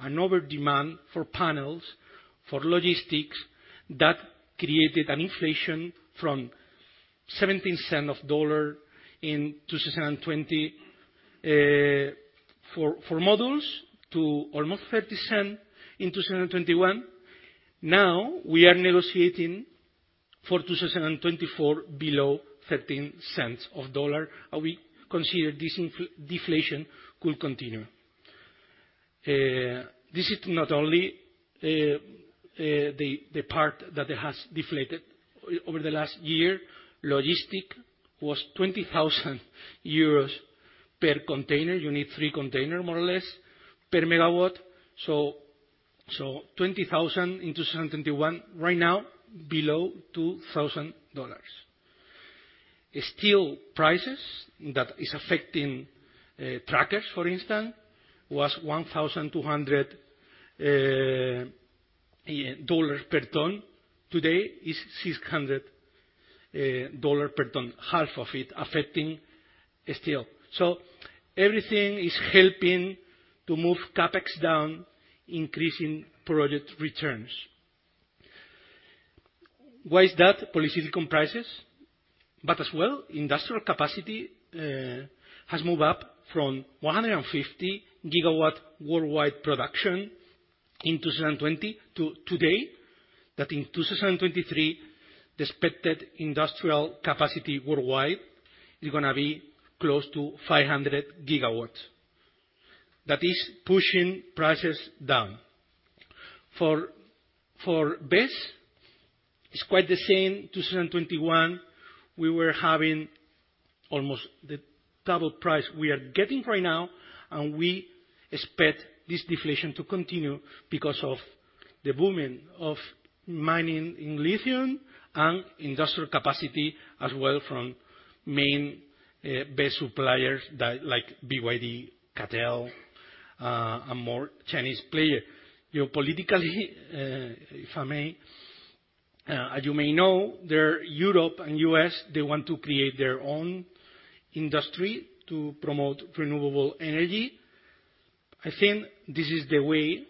an overdemand for panels, for logistics, that created an inflation from $0.17 in 2020, for modules, to almost $0.30 in 2021. Now, we are negotiating for 2024, below $0.13, and we consider this deflation could continue. This is not only the part that has deflated over the last year. Logistics was 20,000 euros per container. You need 3 containers, more or less, per MW. So, 20,000 in 2021, right now, below $2,000. Steel prices, that is affecting trackers, for instance, was $1,200 per ton. Today, is $600 per ton, half of it affecting steel. So everything is helping to move CapEx down, increasing project returns. Why is that? Polysilicon prices, but as well, industrial capacity has moved up from 150 GW worldwide production in 2020 to today, that in 2023, the expected industrial capacity worldwide is gonna be close to 500 GW. That is pushing prices down. For BESS, it's quite the same. 2021, we were having almost the double price we are getting right now, and we expect this deflation to continue because of the booming of mining in lithium and industrial capacity as well from main BESS suppliers that like BYD, CATL, and more Chinese player. Geopolitically, if I may, as you may know, the Europe and U.S., they want to create their own industry to promote renewable energy. I think this is the way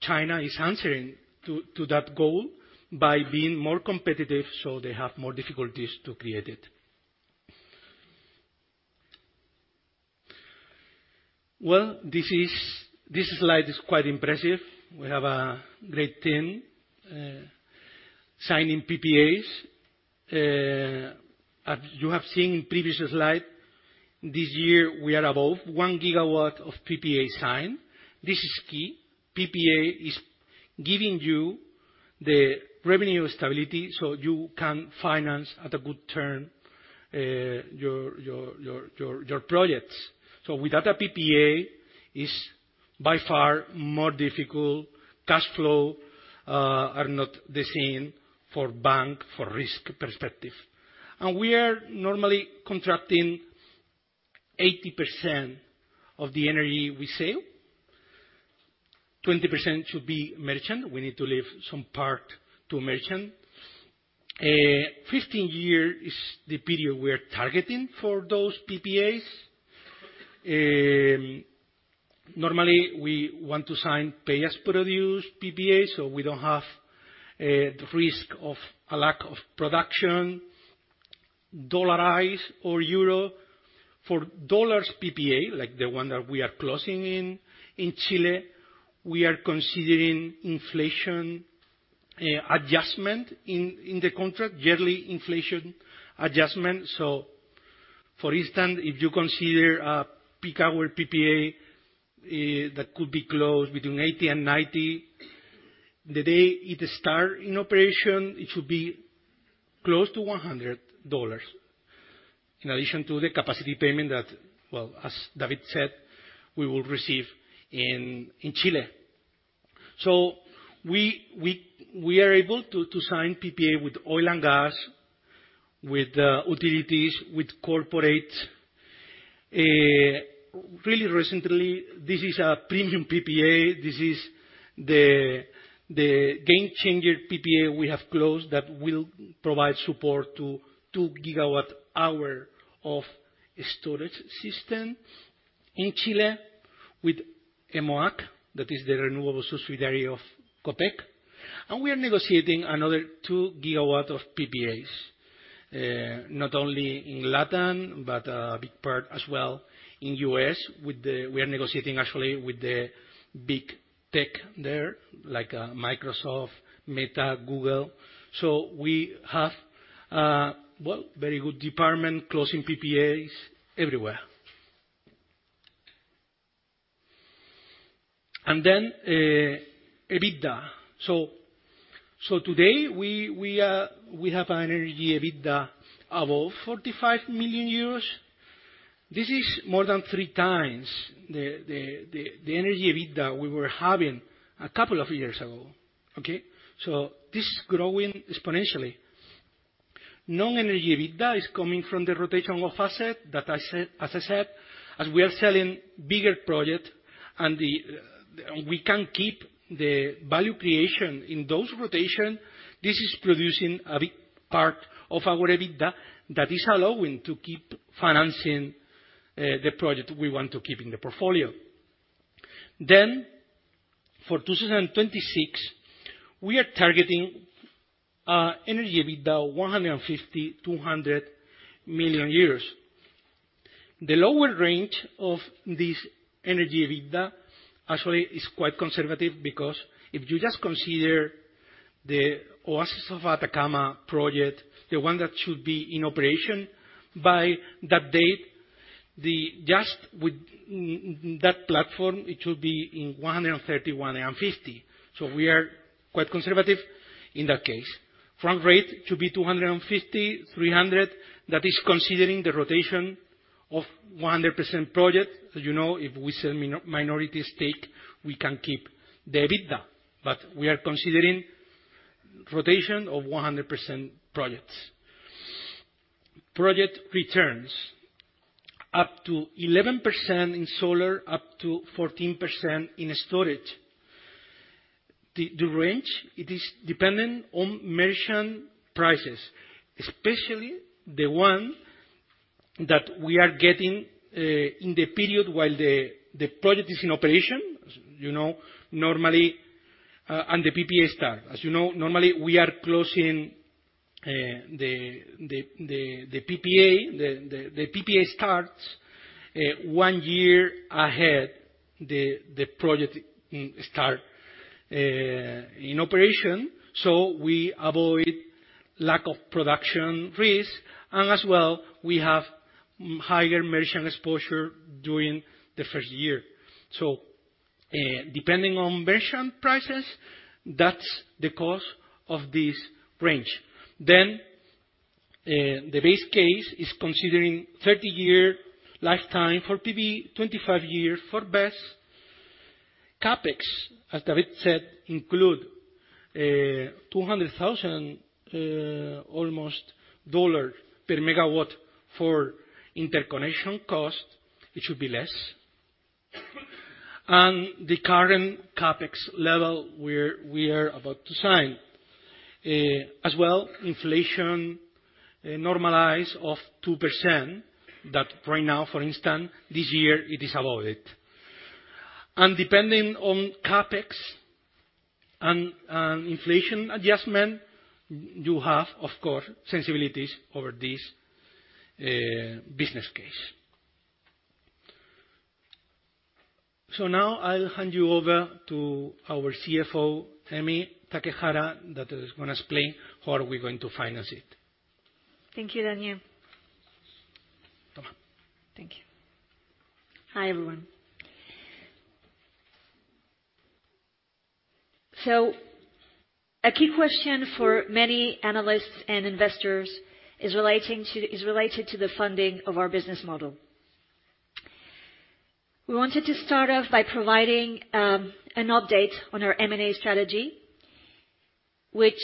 China is answering to that goal by being more competitive, so they have more difficulties to create it. Well, this slide is quite impressive. We have a great team signing PPAs. As you have seen in previous slide, this year, we are above 1 gigawatt of PPA signed. This is key. PPA is giving you the revenue stability, so you can finance at a good term your projects. So without a PPA, it's by far more difficult. Cash flow are not the same for bank, for risk perspective. And we are normally contracting 80% of the energy we sell. 20% should be merchant. We need to leave some part to merchant. Fifteen-year is the period we are targeting for those PPAs. Normally, we want to sign pay-as-produced PPAs, so we don't have the risk of a lack of production, dollarize or euro. For dollars PPA, like the one that we are closing in Chile, we are considering inflation adjustment in the contract, yearly inflation adjustment. So for instance, if you consider a peak-hour PPA, that could be closed between $80 and $90, the day it start in operation, it should be close to $100, in addition to the capacity payment that, well, as David said, we will receive in Chile. So we are able to sign PPA with oil and gas, with utilities, with corporate. Really recently, this is a premium PPA. This is the game changer PPA we have closed that will provide support to 2 GWh of storage system in Chile with Emoac, that is the renewable subsidiary of Copec. We are negotiating another 2 GW of PPAs, not only in Latin, but a big part as well in U.S., with the... We are negotiating actually with the big tech there, like, Microsoft, Meta, Google. We have, well, very good department closing PPAs everywhere. Then, EBITDA. Today, we are- we have an energy EBITDA above 45 million euros. This is more than three times the energy EBITDA we were having a couple of years ago, okay? This is growing exponentially. Non-energy EBITDA is coming from the rotation of asset that I said, as I said, as we are selling bigger project and the, we can keep the value creation in those rotation, this is producing a big part of our EBITDA that is allowing to keep financing, the project we want to keep in the portfolio. Then, for 2026, we are targeting, energy EBITDA 150-200 million EUR. The lower range of this energy EBITDA actually is quite conservative, because if you just consider the Oasis de Atacama project, the one that should be in operation by that date, the just with that platform, it should be in 130-150. So we are quite conservative in that case. Run rate should be 250-300. That is considering the rotation of 100% project. As you know, if we sell minority stake, we can keep the EBITDA, but we are considering rotation of 100% projects. Project returns up to 11% in solar, up to 14% in storage. The range, it is dependent on merchant prices, especially the one that we are getting in the period while the project is in operation. You know, normally, and the PPA starts. As you know, normally, we are closing the PPA, the PPA starts 1 year ahead the project start in operation, so we avoid lack of production risk, and as well, we have higher merchant exposure during the first year. So, depending on merchant prices, that's the cause of this range. Then, the base case is considering 30-year lifetime for PV, 25 years for BESS. CapEx, as David said, include 200,000 almost $ per MW for interconnection cost, it should be less. And the current CapEx level, we're, we are about to sign. As well, inflation normalize of 2%, that right now, for instance, this year, it is about it. And depending on CapEx and, and inflation adjustment, you have, of course, sensitivities over this business case. So now I'll hand you over to our CFO, Emi Takehara, that is gonna explain how are we going to finance it. Thank you, Daniel. Toma. Thank you. Hi, everyone. So a key question for many analysts and investors is relating to—is related to the funding of our business model. We wanted to start off by providing an update on our M&A strategy, which,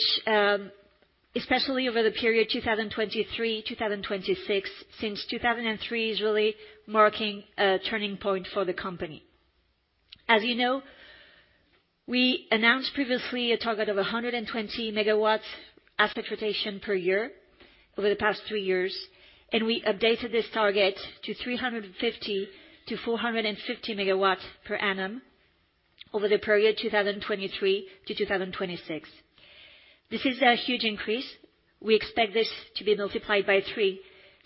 especially over the period 2023-2026, since 2003, is really marking a turning point for the company. As you know, we announced previously a target of 120 MW asset rotation per year over the past three years, and we updated this target to 350-450 MW per annum over the period 2023-2026. This is a huge increase. We expect this to be multiplied by three,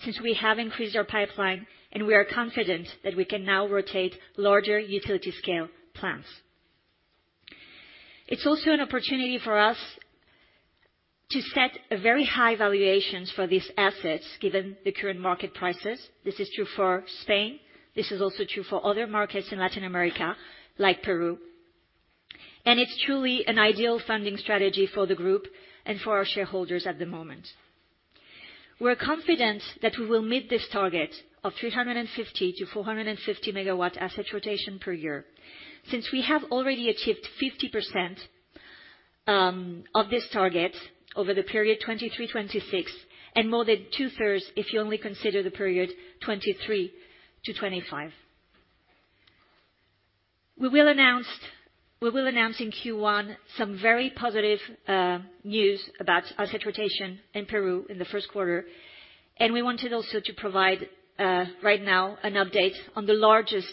since we have increased our pipeline, and we are confident that we can now rotate larger utility-scale plants. It's also an opportunity for us to set a very high valuations for these assets, given the current market prices. This is true for Spain. This is also true for other markets in Latin America, like Peru, and it's truly an ideal funding strategy for the group and for our shareholders at the moment. We're confident that we will meet this target of 350-450 MW asset rotation per year, since we have already achieved 50% of this target over the period 2023-2026, and more than two-thirds, if you only consider the period 2023-2025. We will announce, we will announce in Q1 some very positive news about asset rotation in Peru in the first quarter, and we wanted also to provide right now an update on the largest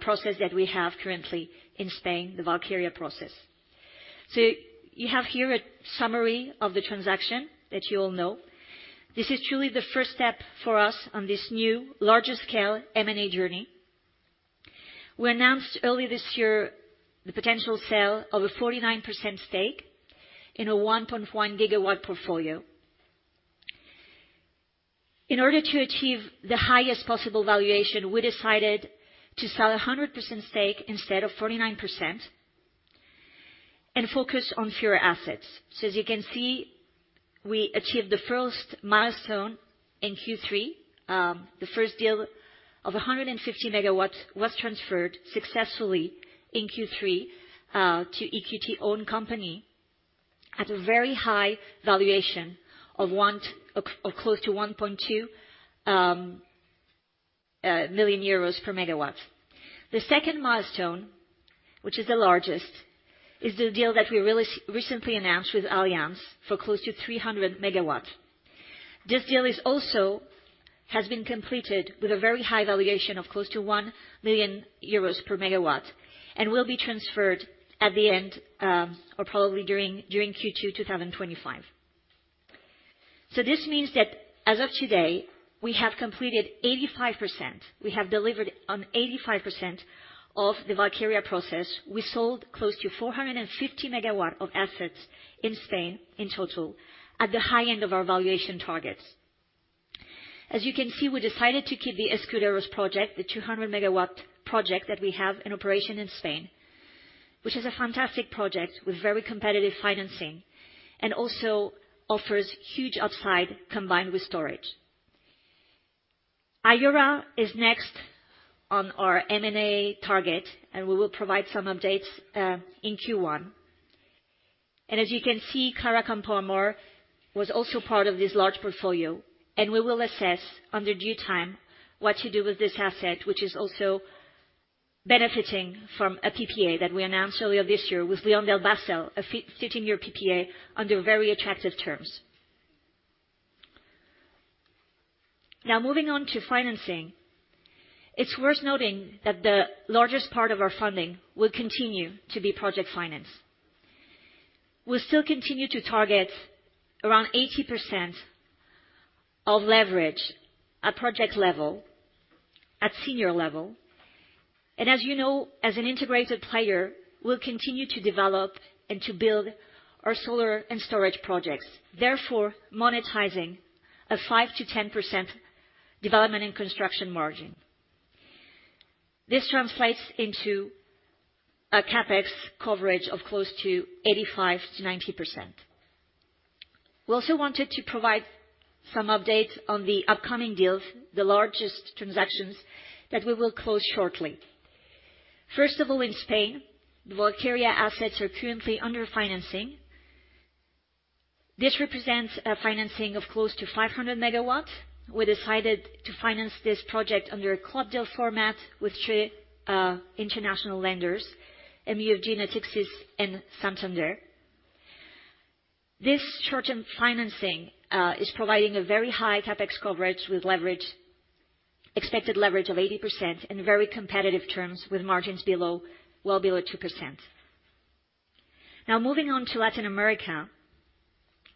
process that we have currently in Spain, the Valkyria process. So you have here a summary of the transaction that you all know. This is truly the first step for us on this new, larger scale M&A journey. We announced early this year the potential sale of a 49% stake in a 1.1 GW portfolio. In order to achieve the highest possible valuation, we decided to sell a 100% stake instead of 49% and focus on fewer assets. So as you can see, we achieved the first milestone in Q3. The first deal of 150 MW was transferred successfully in Q3 to EQT-owned company at a very high valuation of close to 1.2 million per MW. The second milestone, which is the largest, is the deal that we recently announced with Allianz for close to 300 MW. This deal also has been completed with a very high valuation of close to 1 million euros per MW, and will be transferred at the end or probably during Q2 2025. So this means that as of today, we have completed 85%. We have delivered on 85% of the Valkyria process. We sold close to 450 MW of assets in Spain in total, at the high end of our valuation targets. As you can see, we decided to keep the Escuderos project, the 200 MW project that we have in operation in Spain, which is a fantastic project with very competitive financing, and also offers huge upside combined with storage. Ayora is next on our M&A target, and we will provide some updates in Q1. And as you can see, Clara Campoamor was also part of this large portfolio, and we will assess under due time what to do with this asset, which is also benefiting from a PPA that we announced earlier this year with LyondellBasell, a 15-year PPA under very attractive terms. Now, moving on to financing, it's worth noting that the largest part of our funding will continue to be project finance. We'll still continue to target around 80% of leverage at project level, at senior level, and as you know, as an integrated player, we'll continue to develop and to build our solar and storage projects, therefore, monetizing a 5%-10% development and construction margin. This translates into a CapEx coverage of close to 85%-90%. We also wanted to provide some updates on the upcoming deals, the largest transactions that we will close shortly. First of all, in Spain, the Valkyria assets are currently under financing. This represents a financing of close to 500 MW. We decided to finance this project under a club deal format with three international lenders, MUFG, Natixis, and Santander. This short-term financing is providing a very high CapEx coverage with leverage, expected leverage of 80% and very competitive terms, with margins below, well below 2%. Now, moving on to Latin America,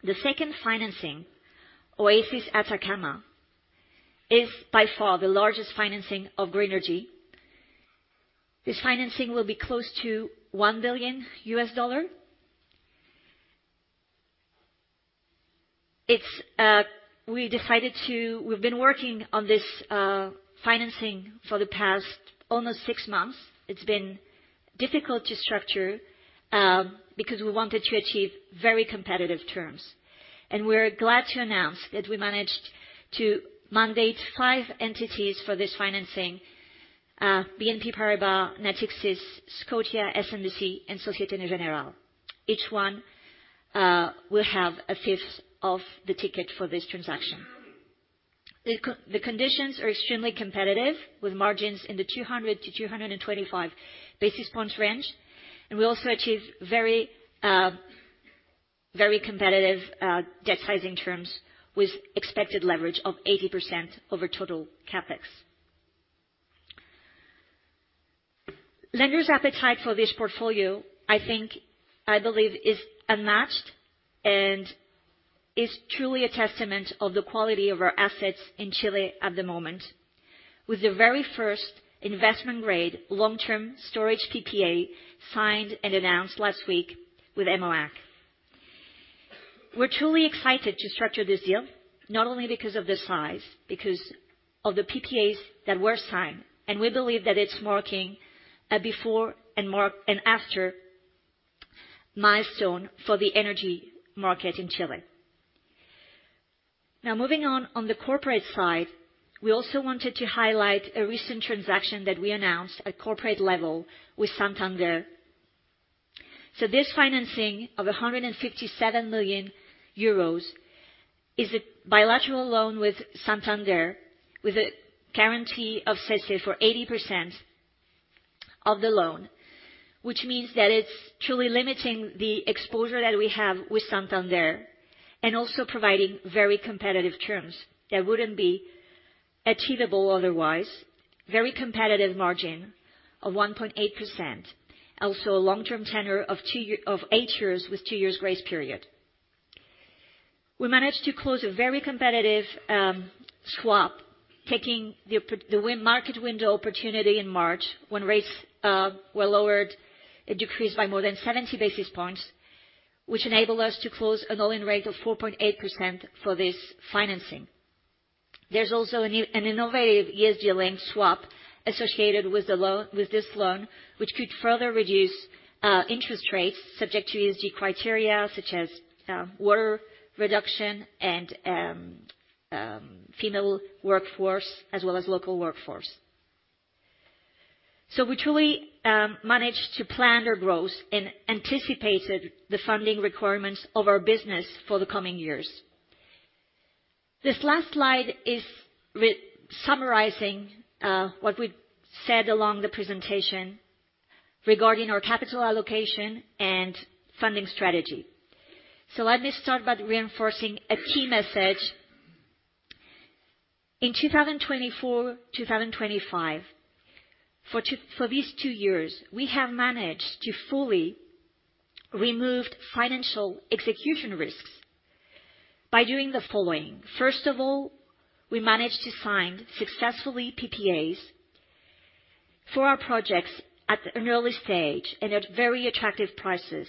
the second financing, Oasis de Atacama, is by far the largest financing of Grenergy. This financing will be close to $1 billion. It's, we decided to... We've been working on this financing for the past almost 6 months. It's been difficult to structure because we wanted to achieve very competitive terms. And we're glad to announce that we managed to mandate 5 entities for this financing, BNP Paribas, Natixis, Scotiabank, SMBC, and Société Générale. Each one will have a fifth of the ticket for this transaction. The co- the conditions are extremely competitive, with margins in the 200-225 basis points range, and we also achieve very, very competitive debt sizing terms, with expected leverage of 80% over total CapEx. Lenders' appetite for this portfolio, I think, I believe, is unmatched and is truly a testament of the quality of our assets in Chile at the moment, with the very first investment-grade, long-term storage PPA, signed and announced last week with Emoac. We're truly excited to structure this deal, not only because of the size, because of the PPAs that were signed, and we believe that it's marking a before and mark and after milestone for the energy market in Chile. Now, moving on, on the corporate side, we also wanted to highlight a recent transaction that we announced at corporate level with Santander. This financing of 157 million euros is a bilateral loan with Santander, with a guarantee of CESCE for 80% of the loan, which means that it's truly limiting the exposure that we have with Santander, and also providing very competitive terms that wouldn't be achievable otherwise. Very competitive margin of 1.8%. Also, a long-term tenure of eight years with two years' grace period. We managed to close a very competitive swap, taking the market window opportunity in March, when rates were lowered, it decreased by more than 70 basis points, which enabled us to close an all-in rate of 4.8% for this financing. There's also a new, an innovative ESG-linked swap associated with the loan, with this loan, which could further reduce interest rates subject to ESG criteria, such as water reduction and female workforce, as well as local workforce. So we truly managed to plan our growth and anticipated the funding requirements of our business for the coming years. This last slide is re-summarizing what we said along the presentation regarding our capital allocation and funding strategy. So let me start by reinforcing a key message. In 2024, 2025, for these two years, we have managed to fully removed financial execution risks by doing the following: First of all, we managed to sign successfully PPAs for our projects at an early stage and at very attractive prices.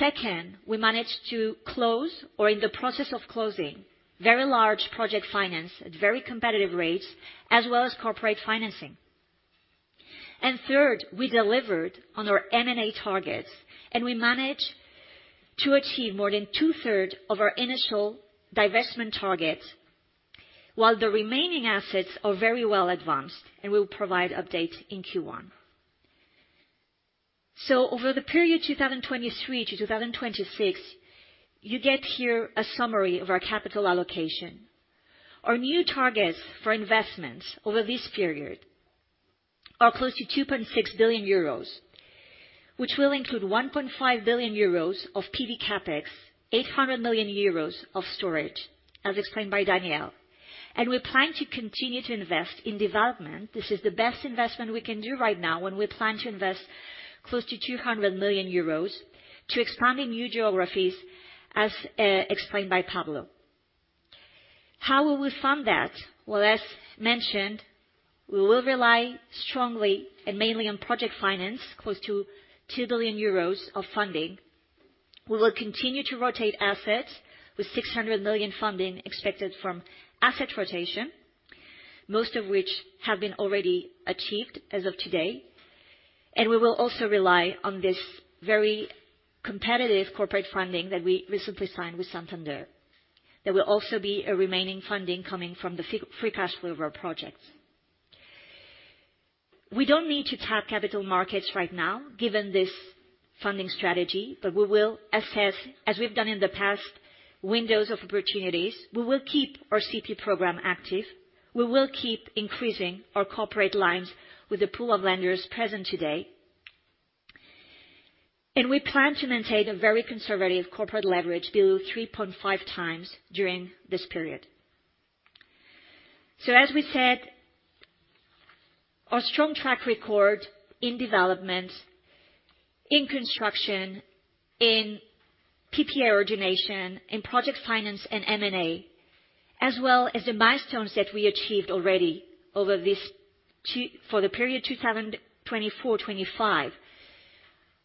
Second, we managed to close, or in the process of closing, very large project finance at very competitive rates, as well as corporate financing. Third, we delivered on our M&A targets, and we managed to achieve more than two-thirds of our initial divestment targets, while the remaining assets are very well advanced, and we'll provide update in Q1. So over the period 2023-2026, you get here a summary of our capital allocation. Our new targets for investments over this period are close to 2.6 billion euros, which will include 1.5 billion euros of PV CapEx, 800 million euros of storage, as explained by Daniel. And we plan to continue to invest in development. This is the best investment we can do right now, when we plan to invest close to 200 million euros to expand in new geographies, as explained by Pablo. How will we fund that? Well, as mentioned, we will rely strongly and mainly on project finance, close to 2 billion euros of funding. We will continue to rotate assets with 600 million funding expected from asset rotation, most of which have been already achieved as of today. And we will also rely on this very competitive corporate funding that we recently signed with Santander. There will also be a remaining funding coming from the free cash flow of our projects. We don't need to tap capital markets right now, given this funding strategy, but we will assess, as we've done in the past, windows of opportunities. We will keep our CP program active. We will keep increasing our corporate lines with the pool of lenders present today. We plan to maintain a very conservative corporate leverage below 3.5 times during this period. As we said, our strong track record in development, in construction, in PPA origination, in project finance and M&A, as well as the milestones that we achieved already over this for the period 2024-25,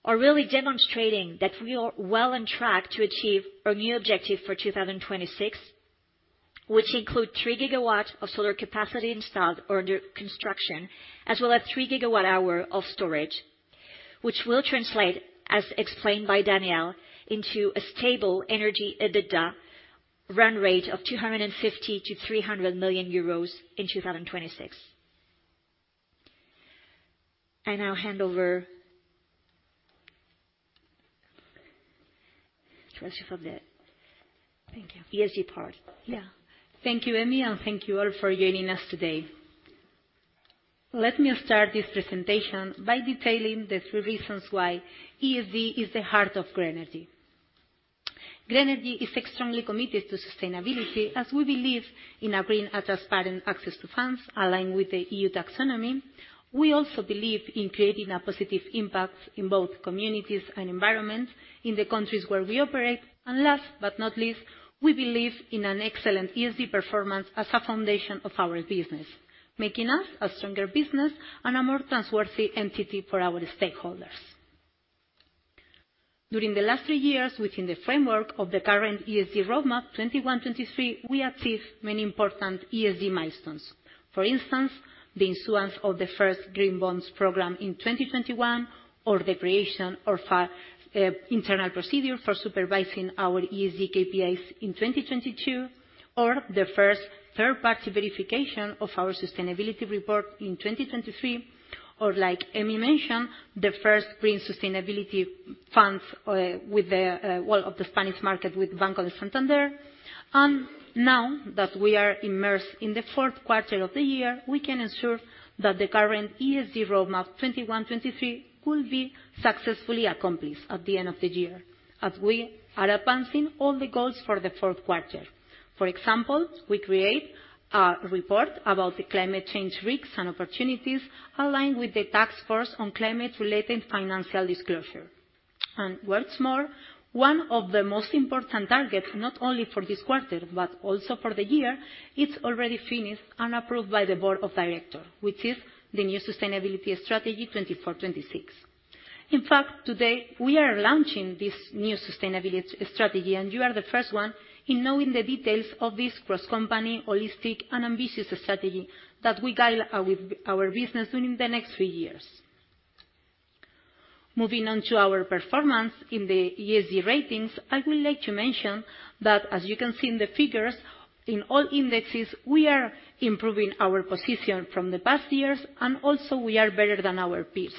are really demonstrating that we are well on track to achieve our new objective for 2026, which include 3 GW of solar capacity installed or under construction, as well as 3 GWh of storage, which will translate, as explained by Daniel, into a stable energy EBITDA run rate of 250 million-300 million euros in 2026. I now hand over... Rocío, for the- Thank you. ESG part. Yeah. Thank you, Emi, and thank you all for joining us today. Let me start this presentation by detailing the three reasons why ESG is the heart of Grenergy. Grenergy is extremely committed to sustainability, as we believe in a green, transparent access to funds aligned with the EU Taxonomy. We also believe in creating a positive impact in both communities and environments in the countries where we operate. And last but not least, we believe in an excellent ESG performance as a foundation of our business, making us a stronger business and a more trustworthy entity for our stakeholders. During the last three years, within the framework of the current ESG roadmap, 2021-2023, we achieved many important ESG milestones. For instance, the issuance of the first green bonds program in 2021, or the creation of a internal procedure for supervising our ESG KPIs in 2022, or the first third-party verification of our sustainability report in 2023, or, like Emi mentioned, the first green sustainability funds, with the, well, of the Spanish market with Banco Santander. Now that we are immersed in the fourth quarter of the year, we can ensure that the current ESG roadmap, 2021-2023, will be successfully accomplished at the end of the year, as we are advancing all the goals for the fourth quarter. For example, we create a report about the climate change risks and opportunities aligned with the Task Force on Climate-related Financial Disclosures. What's more, one of the most important targets, not only for this quarter, but also for the year, it's already finished and approved by the board of director, which is the new sustainability strategy, 2024-2026. In fact, today, we are launching this new sustainability strategy, and you are the first one in knowing the details of this cross-company, holistic, and ambitious strategy that will guide our business during the next three years. Moving on to our performance in the ESG ratings, I would like to mention that, as you can see in the figures, in all indexes, we are improving our position from the past years, and also we are better than our peers.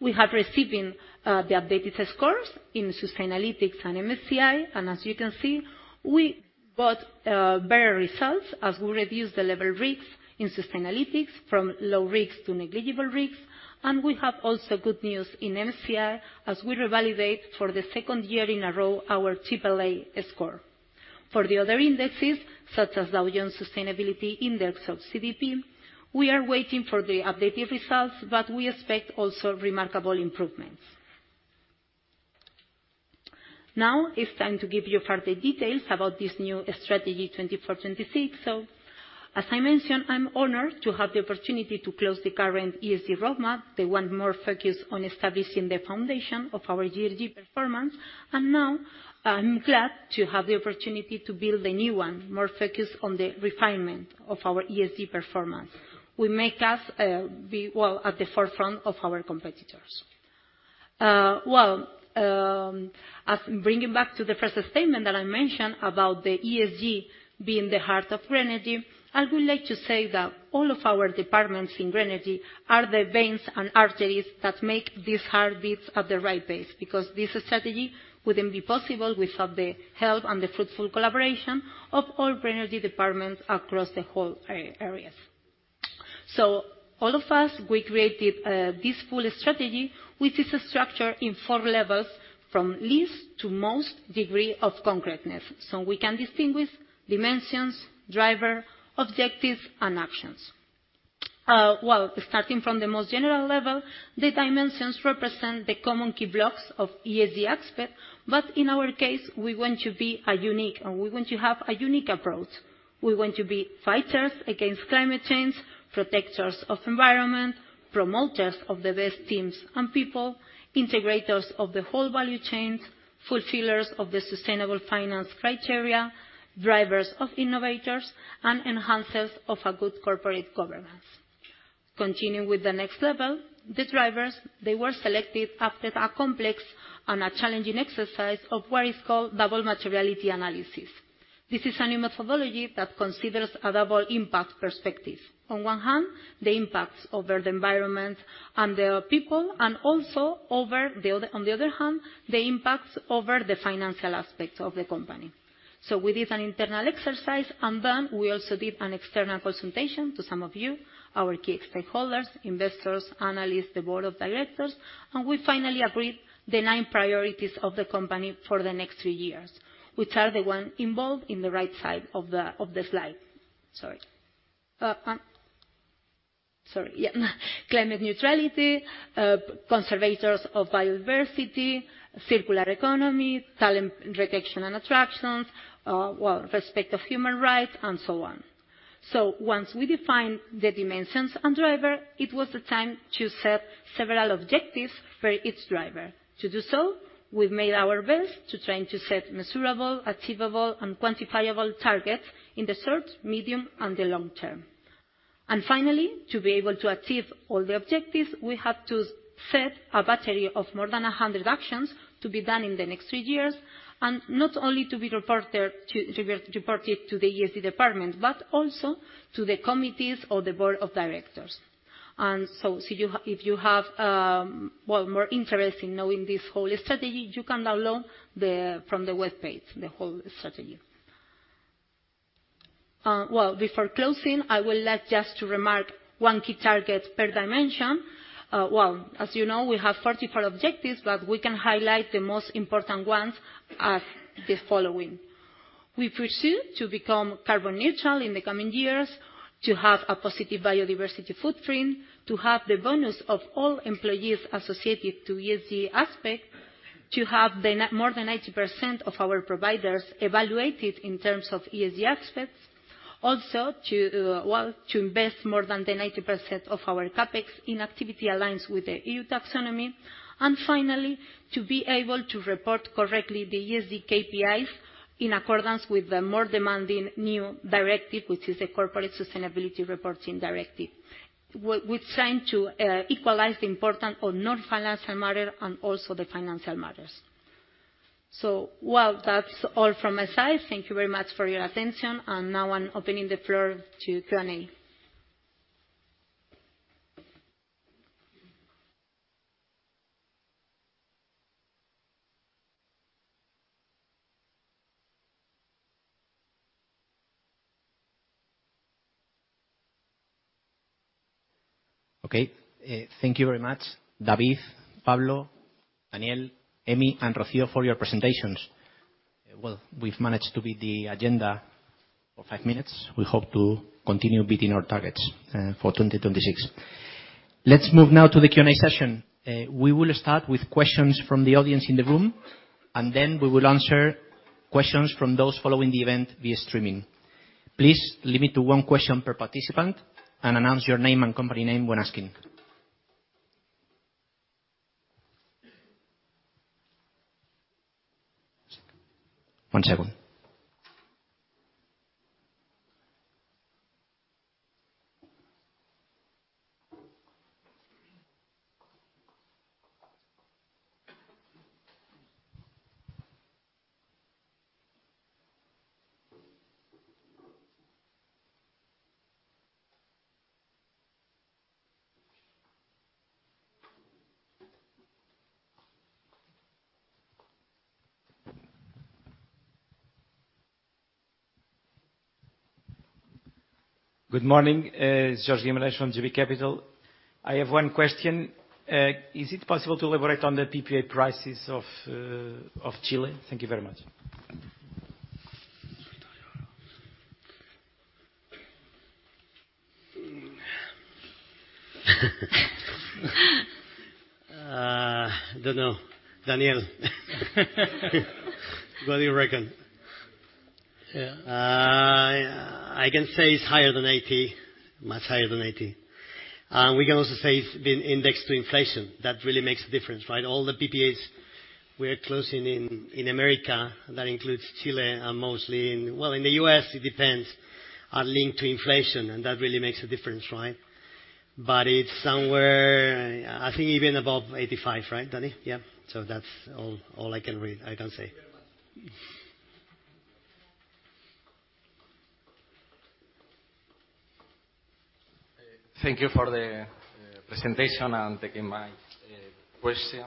We have received the updated scores in Sustainalytics and MSCI, and as you can see, we got better results as we reduce the level risks in Sustainalytics from low risks to negligible risks. We have also good news in MSCI, as we revalidate for the second year in a row our AAA score. For the other indexes, such as Dow Jones Sustainability Index or CDP, we are waiting for the updated results, but we expect also remarkable improvements. Now, it's time to give you further details about this new strategy, 2024-2026. So as I mentioned, I'm honored to have the opportunity to close the current ESG roadmap, the one more focused on establishing the foundation of our ESG performance. And now, I'm glad to have the opportunity to build a new one, more focused on the refinement of our ESG performance, will make us, well, be at the forefront of our competitors. Well, as bringing back to the first statement that I mentioned about the ESG being the heart of Grenergy, I would like to say that all of our departments in Grenergy are the veins and arteries that make this heart beats at the right pace, because this strategy wouldn't be possible without the help and the fruitful collaboration of all Grenergy departments across the whole areas. So all of us, we created this full strategy, which is structured in four levels, from least to most degree of concreteness. So we can distinguish dimensions, driver, objectives, and actions. Well, starting from the most general level, the dimensions represent the common key blocks of ESG aspect, but in our case, we want to be a unique, and we want to have a unique approach. We want to be fighters against climate change, protectors of environment, promoters of the best teams and people, integrators of the whole value chain, fulfillers of the sustainable finance criteria, drivers of innovators, and enhancers of a good corporate governance. Continuing with the next level, the drivers, they were selected after a complex and a challenging exercise of what is called double materiality analysis. This is a new methodology that considers a double impact perspective. On one hand, the impacts over the environment and the people, and also over the other, on the other hand, the impacts over the financial aspects of the company. So we did an internal exercise, and then we also did an external consultation to some of you, our key stakeholders, investors, analysts, the board of directors, and we finally agreed on the nine priorities of the company for the next three years, which are the ones involved in the right side of the slide. Sorry. Climate neutrality, conservation of biodiversity, circular economy, talent retention and attraction, well, respect of human rights, and so on. So once we defined the dimensions and drivers, it was time to set several objectives for each driver. To do so, we've made our best to try to set measurable, achievable, and quantifiable targets in the short, medium, and long term. And finally, to be able to achieve all the objectives, we have to set a battery of more than 100 actions to be done in the next three years, and not only to be reported to the ESG department, but also to the committees or the board of directors. So you, if you have, well, more interest in knowing this whole strategy, you can download the, from the webpage, the whole strategy. Well, before closing, I would like just to remark one key target per dimension. Well, as you know, we have 44 objectives, but we can highlight the most important ones as the following: We pursue to become carbon neutral in the coming years, to have a positive biodiversity footprint, to have the bonuses of all employees associated with ESG aspects, to have more than 90% of our providers evaluated in terms of ESG aspects. Also, to invest more than 90% of our CapEx in activities aligned with the EU Taxonomy, and finally, to be able to report correctly the ESG KPIs in accordance with the more demanding new directive, which is a Corporate Sustainability Reporting Directive. We're trying to equalize the importance of non-financial matters and also the financial matters. So, well, that's all from my side. Thank you very much for your attention, and now I'm opening the floor to Q&A. Okay, thank you very much, David, Pablo, Daniel, Emi, and Rocío, for your presentations. Well, we've managed to beat the agenda for five minutes. We hope to continue beating our targets, for 2026. Let's move now to the Q&A session. We will start with questions from the audience in the room, and then we will answer questions from those following the event via streaming. Please limit to one question per participant, and announce your name and company name when asking. One second. Good morning, it's Jorge Guimarães from JB Capital. I have one question. Is it possible to elaborate on the PPA prices of Chile? Thank you very much. Don't know, Daniel. What do you reckon? Yeah. I can say it's higher than 80%, much higher than 80%. We can also say it's been indexed to inflation. That really makes a difference, right? All the PPAs we are closing in America, that includes Chile, and mostly in... Well, in the US, it depends, are linked to inflation, and that really makes a difference, right? But it's somewhere, I think, even above 85%, right, Danny? Yeah. So that's all, all I can read, I can say. Thank you very much. Thank you for the presentation and taking my question.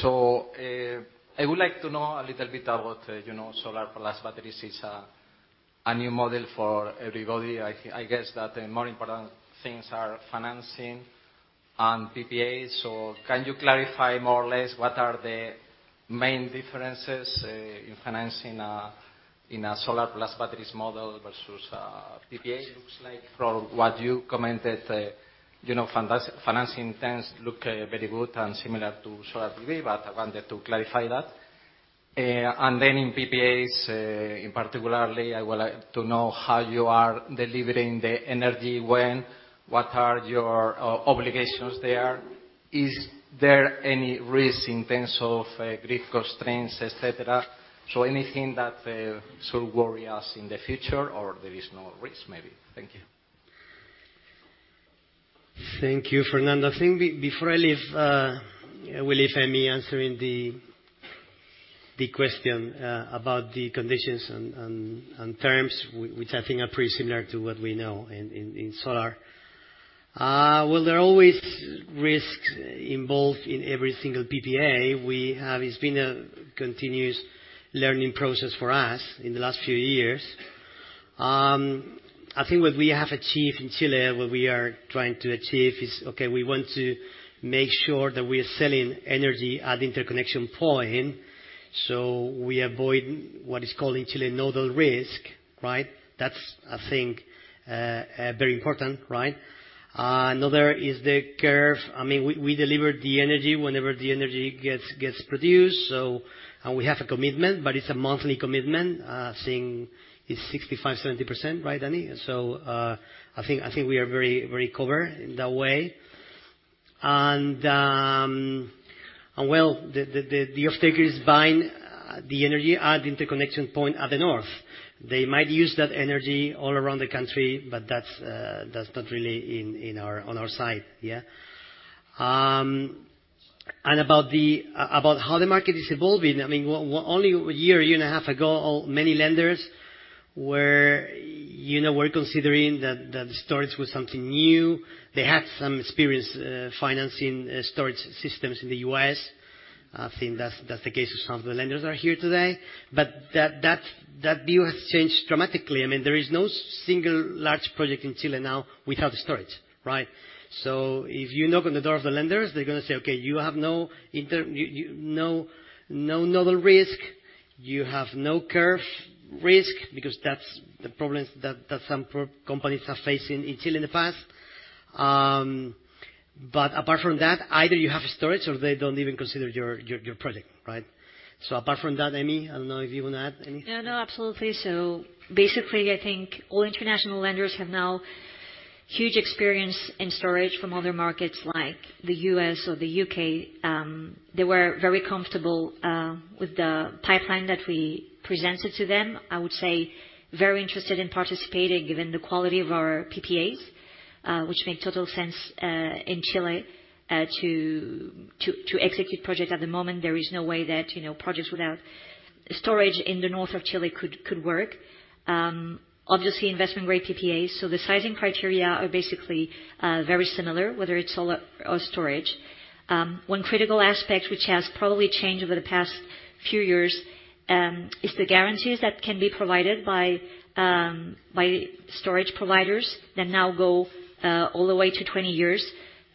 So, I would like to know a little bit about, you know, solar plus batteries. It's a new model for everybody. I guess that the more important things are financing and PPAs. So can you clarify more or less what are the main differences in financing in a solar plus batteries model versus PPA? It looks like from what you commented, you know, financing terms look very good and similar to solar PPA, but I wanted to clarify that. And then in PPAs, in particularly, I would like to know how you are delivering the energy, when, what are your obligations there? Is there any risk in terms of grid constraints, et cetera? So anything that should worry us in the future, or there is no risk, maybe? Thank you. Thank you, Fernando. I think before I leave, will leave Emi answering the, the question, about the conditions and terms, which I think are pretty similar to what we know in solar. Well, there are always risks involved in every single PPA. We have-- It's been a continuous learning process for us in the last few years. I think what we have achieved in Chile, what we are trying to achieve is, okay, we want to make sure that we are selling energy at the interconnection point, so we avoid what is called in Chile nodal risk, right? That's, I think, very important, right? Another is the curve. I mean, we deliver the energy whenever the energy gets produced, so, and we have a commitment, but it's a monthly commitment. I think it's 65%-70%. Right, Danny? So, I think we are very, very covered in that way. And well, the off-taker is buying the energy at the interconnection point at the north. They might use that energy all around the country, but that's not really in our, on our side, yeah. And about how the market is evolving, I mean, only a year and a half ago, many lenders were, you know, considering that storage was something new. They had some experience financing storage systems in the U.S. I think that's the case with some of the lenders that are here today. But that view has changed dramatically. I mean, there is no single large project in Chile now without storage, right? So if you knock on the door of the lenders, they're gonna say: Okay, you have no interconnection risk, no nodal risk, no curve risk, because that's the problems that some project companies are facing in Chile in the past. But apart from that, either you have storage or they don't even consider your project, right? Apart from that, Emi, I don't know if you want to add anything. No, no, absolutely. So basically, I think all international lenders have now huge experience in storage from other markets like the U.S. or the U.K. They were very comfortable with the pipeline that we presented to them. I would say, very interested in participating, given the quality of our PPAs, which make total sense in Chile to execute project. At the moment, there is no way that, you know, projects without storage in the north of Chile could work. Obviously, investment-grade PPAs, so the sizing criteria are basically very similar, whether it's solar or storage. One critical aspect, which has probably changed over the past few years, is the guarantees that can be provided by storage providers that now go all the way to 20 years.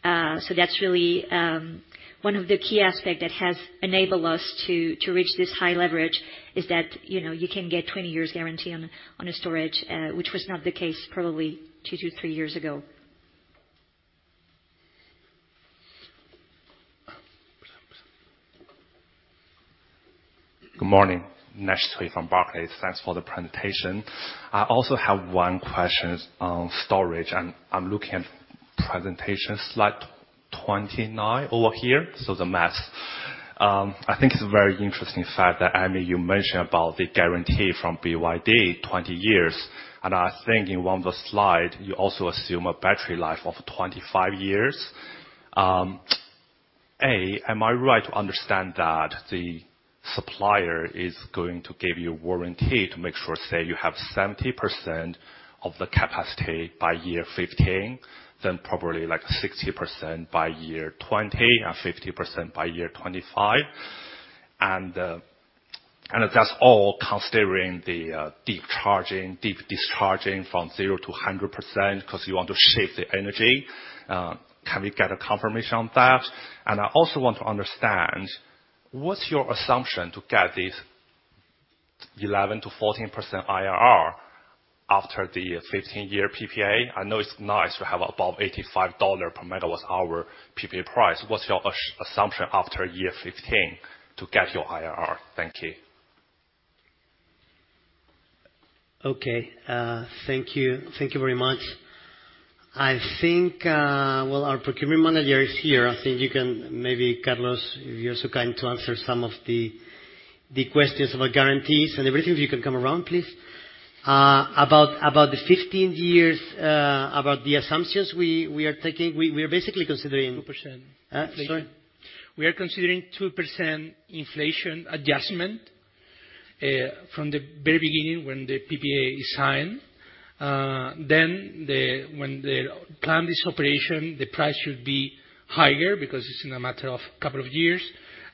So that's really one of the key aspect that has enabled us to reach this high leverage, is that, you know, you can get 20 years guarantee on a storage, which was not the case probably 2-3 years ago. Good morning. Namsen Chui from Barclays. Thanks for the presentation. I also have one question on storage, and I'm looking at presentation slide 29 over here, so the maths. I think it's a very interesting fact that, Emi, you mentioned about the guarantee from BYD, 20 years, and I think in one of the slide, you also assume a battery life of 25 years. Am I right to understand that the supplier is going to give you a warranty to make sure, say, you have 70% of the capacity by year 15, then probably like 60% by year 20, and 50% by year 25? And that's all considering the deep charging, deep discharging from 0% to 100%, 'cause you want to shape the energy. Can we get a confirmation on that? And I also want to understand, what's your assumption to get this 11%-14% IRR after the 15-year PPA? I know it's nice to have above $85 per MWh PPA price. What's your assumption after year 15 to get your IRR? Thank you. Okay. Thank you. Thank you very much. I think... Well, our procurement manager is here. I think you can, maybe Carlos, if you're so kind, to answer some of the, the questions about guarantees and everything, if you can come around, please. About, about the 15 years, about the assumptions we, we are taking, we, we are basically considering- Two percent. Uh, sorry? We are considering 2% inflation adjustment from the very beginning when the PPA is signed. Then, when they plan this operation, the price should be higher because it's in a matter of couple of years,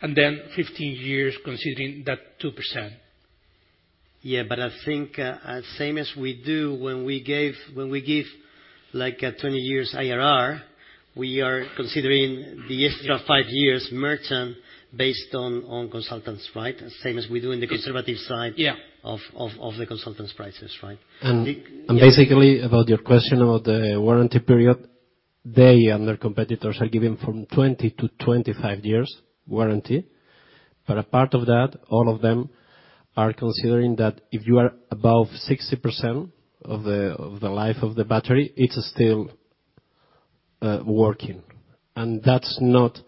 and then 15 years considering that 2%. Yeah, but I think, same as we do when we give, like, a 20 years IRR, we are considering the extra 5 years merchant based on, on consultants, right? The same as we do in the conservative side- Yeah - of the consultants' prices, right? And basically, about your question about the warranty period, they and their competitors are giving from 20-25 years warranty. But apart from that, all of them are considering that if you are above 60% of the life of the battery, it's still working. And that's not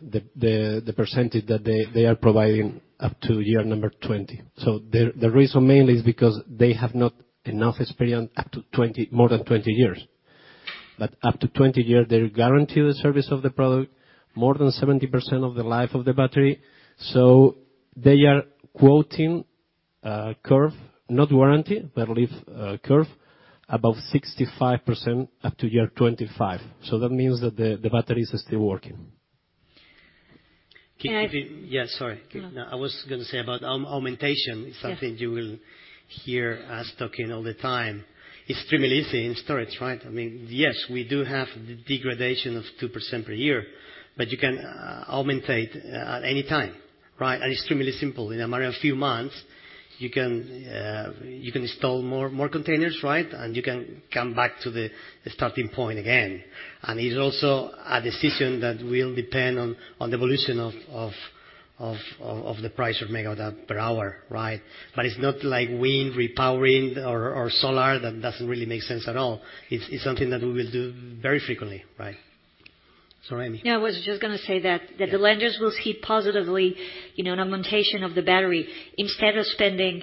the percentage that they are providing up to year number 20. So the reason mainly is because they have not enough experience up to 20, more than 20 years. But up to 20 years, they guarantee the service of the product more than 70% of the life of the battery, so they are quoting a curve, not warranty, but a curve above 65% up to year 25. So that means that the battery is still working. Can I- Keep it... Yeah, sorry. No. I was gonna say about augmentation. Yeah is something you will hear us talking all the time. It's extremely easy in storage, right? I mean, yes, we do have the degradation of 2% per year, but you can augment at any time, right? And it's extremely simple. In a matter of few months, you can install more containers, right? And you can come back to the starting point again. And it's also a decision that will depend on the evolution of the price of MWh, right? But it's not like wind repowering, or solar, that doesn't really make sense at all. It's something that we will do very frequently, right. Sorry, Emi. Yeah, I was just gonna say that- Yeah... that the lenders will see positively, you know, an augmentation of the battery. Instead of spending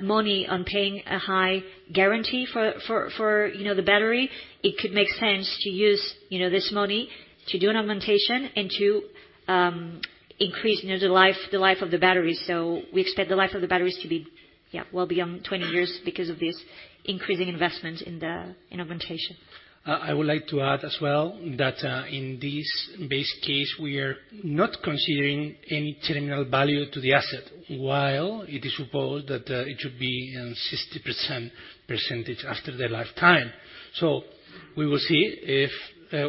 money on paying a high guarantee for, for, for, you know, the battery, it could make sense to use, you know, this money to do an augmentation and to increase, you know, the life, the life of the battery. So we expect the life of the batteries to be, yeah, well beyond 20 years because of this increasing investment in the, in augmentation. I would like to add as well, that, in this base case, we are not considering any terminal value to the asset, while it is supposed that, it should be in 60% percentage after their lifetime. So we will see if,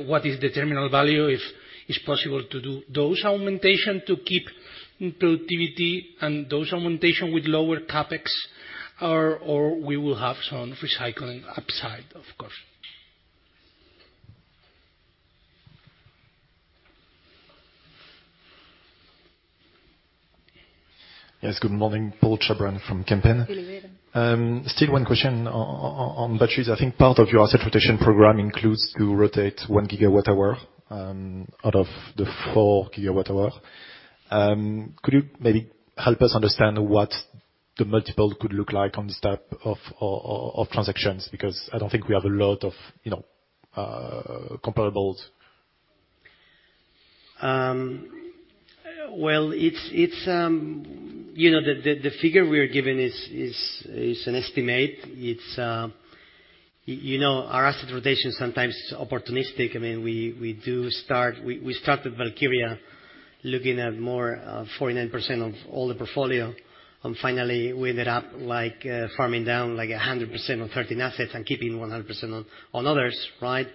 what is the terminal value, if it's possible to do those augmentation to keep productivity and those augmentation with lower CapEx, or we will have some recycling upside, of course. Yes, good morning. Paul Chabran from Kempen. Good evening. Still one question on batteries. I think part of your asset rotation program includes to rotate 1 GWh out of the 4 GWh. Could you maybe help us understand what the multiple could look like on this type of transactions? Because I don't think we have a lot of, you know, comparables. Well, you know, the figure we are giving is an estimate. You know, our asset rotation sometimes is opportunistic. I mean, we start with Valkyria, looking at more 49% of all the portfolio, and finally, we ended up, like, farming down, like, 100% on 13 assets and keeping 100% on others, right?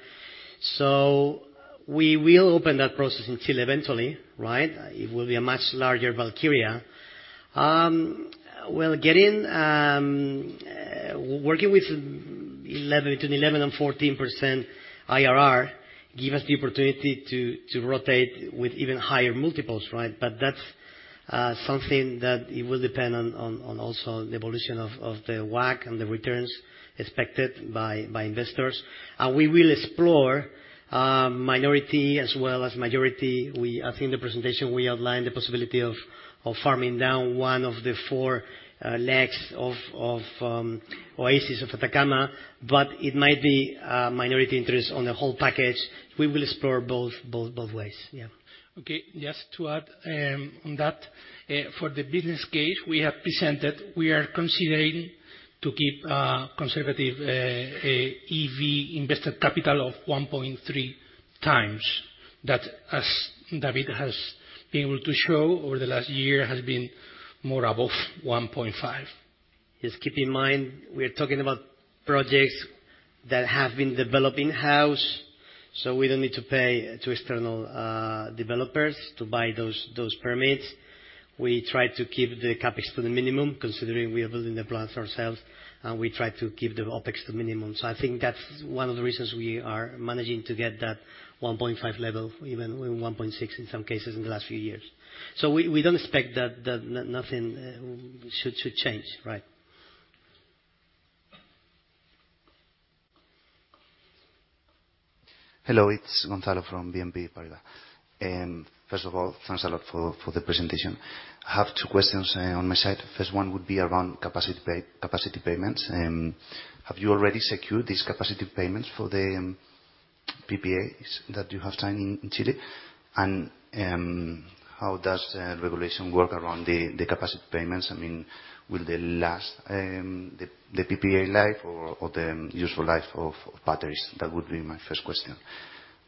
So we will open that process in Chile eventually, right? It will be a much larger Valkyria. Well, getting working with 11%-14% IRR gives us the opportunity to rotate with even higher multiples, right? But that's something that it will depend on also the evolution of the WACC and the returns expected by investors. We will explore minority as well as majority. I think the presentation, we outlined the possibility of farm-down one of the four legs of Oasis de Atacama, but it might be minority interest on the whole package. We will explore both ways. Yeah. Okay. Just to add, on that, for the business case we have presented, we are considering to keep a conservative, EV invested capital of 1.3 times. That, as David has been able to show over the last year, has been more above 1.5. Just keep in mind, we are talking about projects that have been developed in-house, so we don't need to pay to external developers to buy those permits. We try to keep the CapEx to the minimum, considering we are building the plants ourselves, and we try to keep the OpEx to minimum. So I think that's one of the reasons we are managing to get that 1.5 level, even 1.6 in some cases, in the last few years. So we don't expect that nothing should change. Right? Hello, it's Gonzalo from BNP Paribas. And first of all, thanks a lot for the presentation. I have two questions on my side. First one would be around capacity pay, capacity payments. Have you already secured these capacity payments for the PPAs that you have signed in Chile? And how does the regulation work around the capacity payments? I mean, will they last the PPA life or the useful life of batteries? That would be my first question.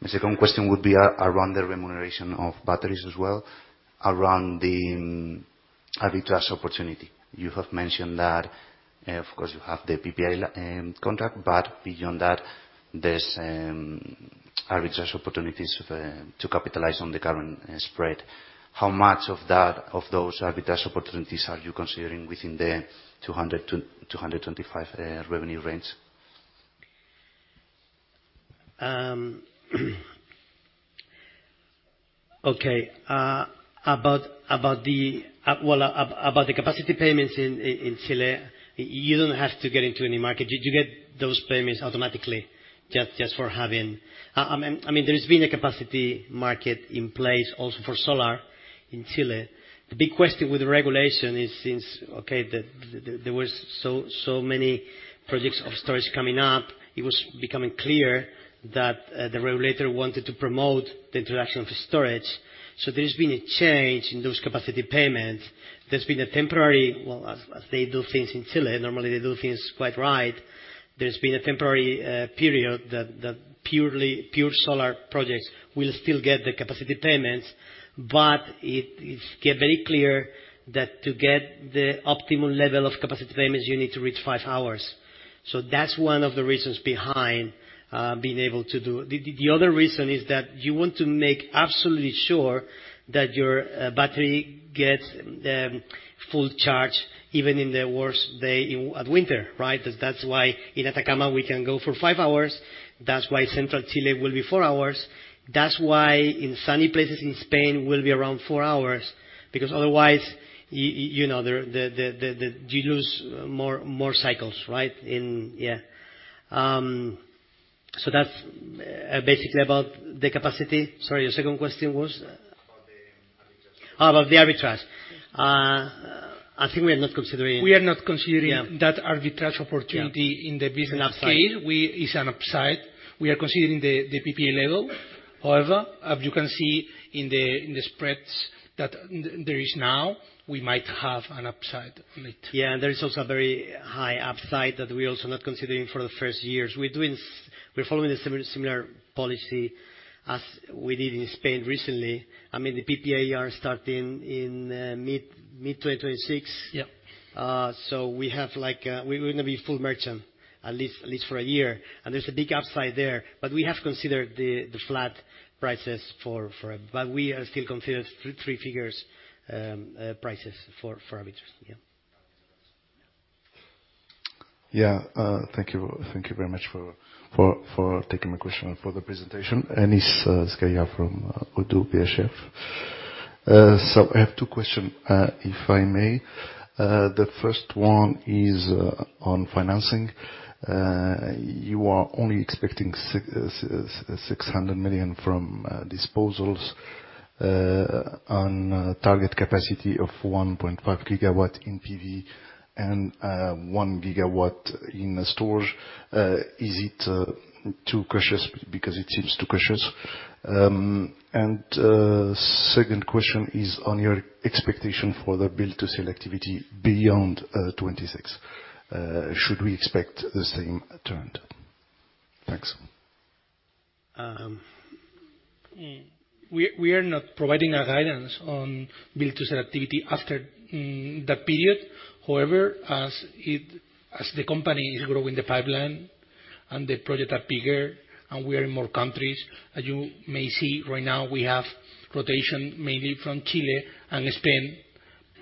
My second question would be around the remuneration of batteries as well, around the arbitrage opportunity. You have mentioned that of course you have the PPA contract, but beyond that, there's arbitrage opportunities to capitalize on the current spread. How much of that, of those arbitrage opportunities are you considering within the 200-225 revenue range? Okay. About the capacity payments in Chile, you don't have to get into any market. You get those payments automatically just for having... I mean, there's been a capacity market in place also for solar in Chile. The big question with the regulation is since there was so many projects of storage coming up, it was becoming clear that the regulator wanted to promote the introduction of storage. So there's been a change in those capacity payments. There's been a temporary, as they do things in Chile, normally they do things quite right. There's been a temporary period that pure solar projects will still get the capacity payments, but it's getting very clear that to get the optimal level of capacity payments, you need to reach five hours. So that's one of the reasons behind being able to do it. The other reason is that you want to make absolutely sure that your battery gets the full charge, even in the worst day in winter, right? That's why in Atacama, we can go for five hours. That's why central Chile will be four hours. That's why in sunny places in Spain will be around four hours, because otherwise, you know, you lose more cycles, right? Yeah. So that's basically about the capacity. Sorry, your second question was? About the arbitrage. About the arbitrage. I think we are not considering- We are not considering- Yeah... that arbitrage opportunity- Yeah... in the business case. We, it's an upside. We are considering the PPA level. However, as you can see in the spreads that there is now, we might have an upside on it. Yeah, and there is also a very high upside that we're also not considering for the first years. We're doing we're following a similar, similar policy as we did in Spain recently. I mean, the PPA are starting in, mid, mid-2026. Yeah. So we have like, we're going to be full merchant, at least, at least for a year. And there's a big upside there, but we have considered the flat prices for... But we are still considered three figures prices for arbitrage. Yeah. Yeah, thank you. Thank you very much for taking my question and for the presentation. Anis Zgaya from Oddo BHF. So I have two question, if I may. The first one is on financing. You are only expecting 600 million from disposals on a target capacity of 1.5 gigawatts in PV and 1 gigawatt in storage. Is it too cautious? Because it seems too cautious. Second question is on your expectation for the build-to-sell activity beyond 2026. Should we expect the same trend? Thanks. We are not providing guidance on build-to-sell activity after that period. However, as the company is growing the pipeline and the project are bigger and we are in more countries, as you may see right now, we have rotation mainly from Chile and Spain.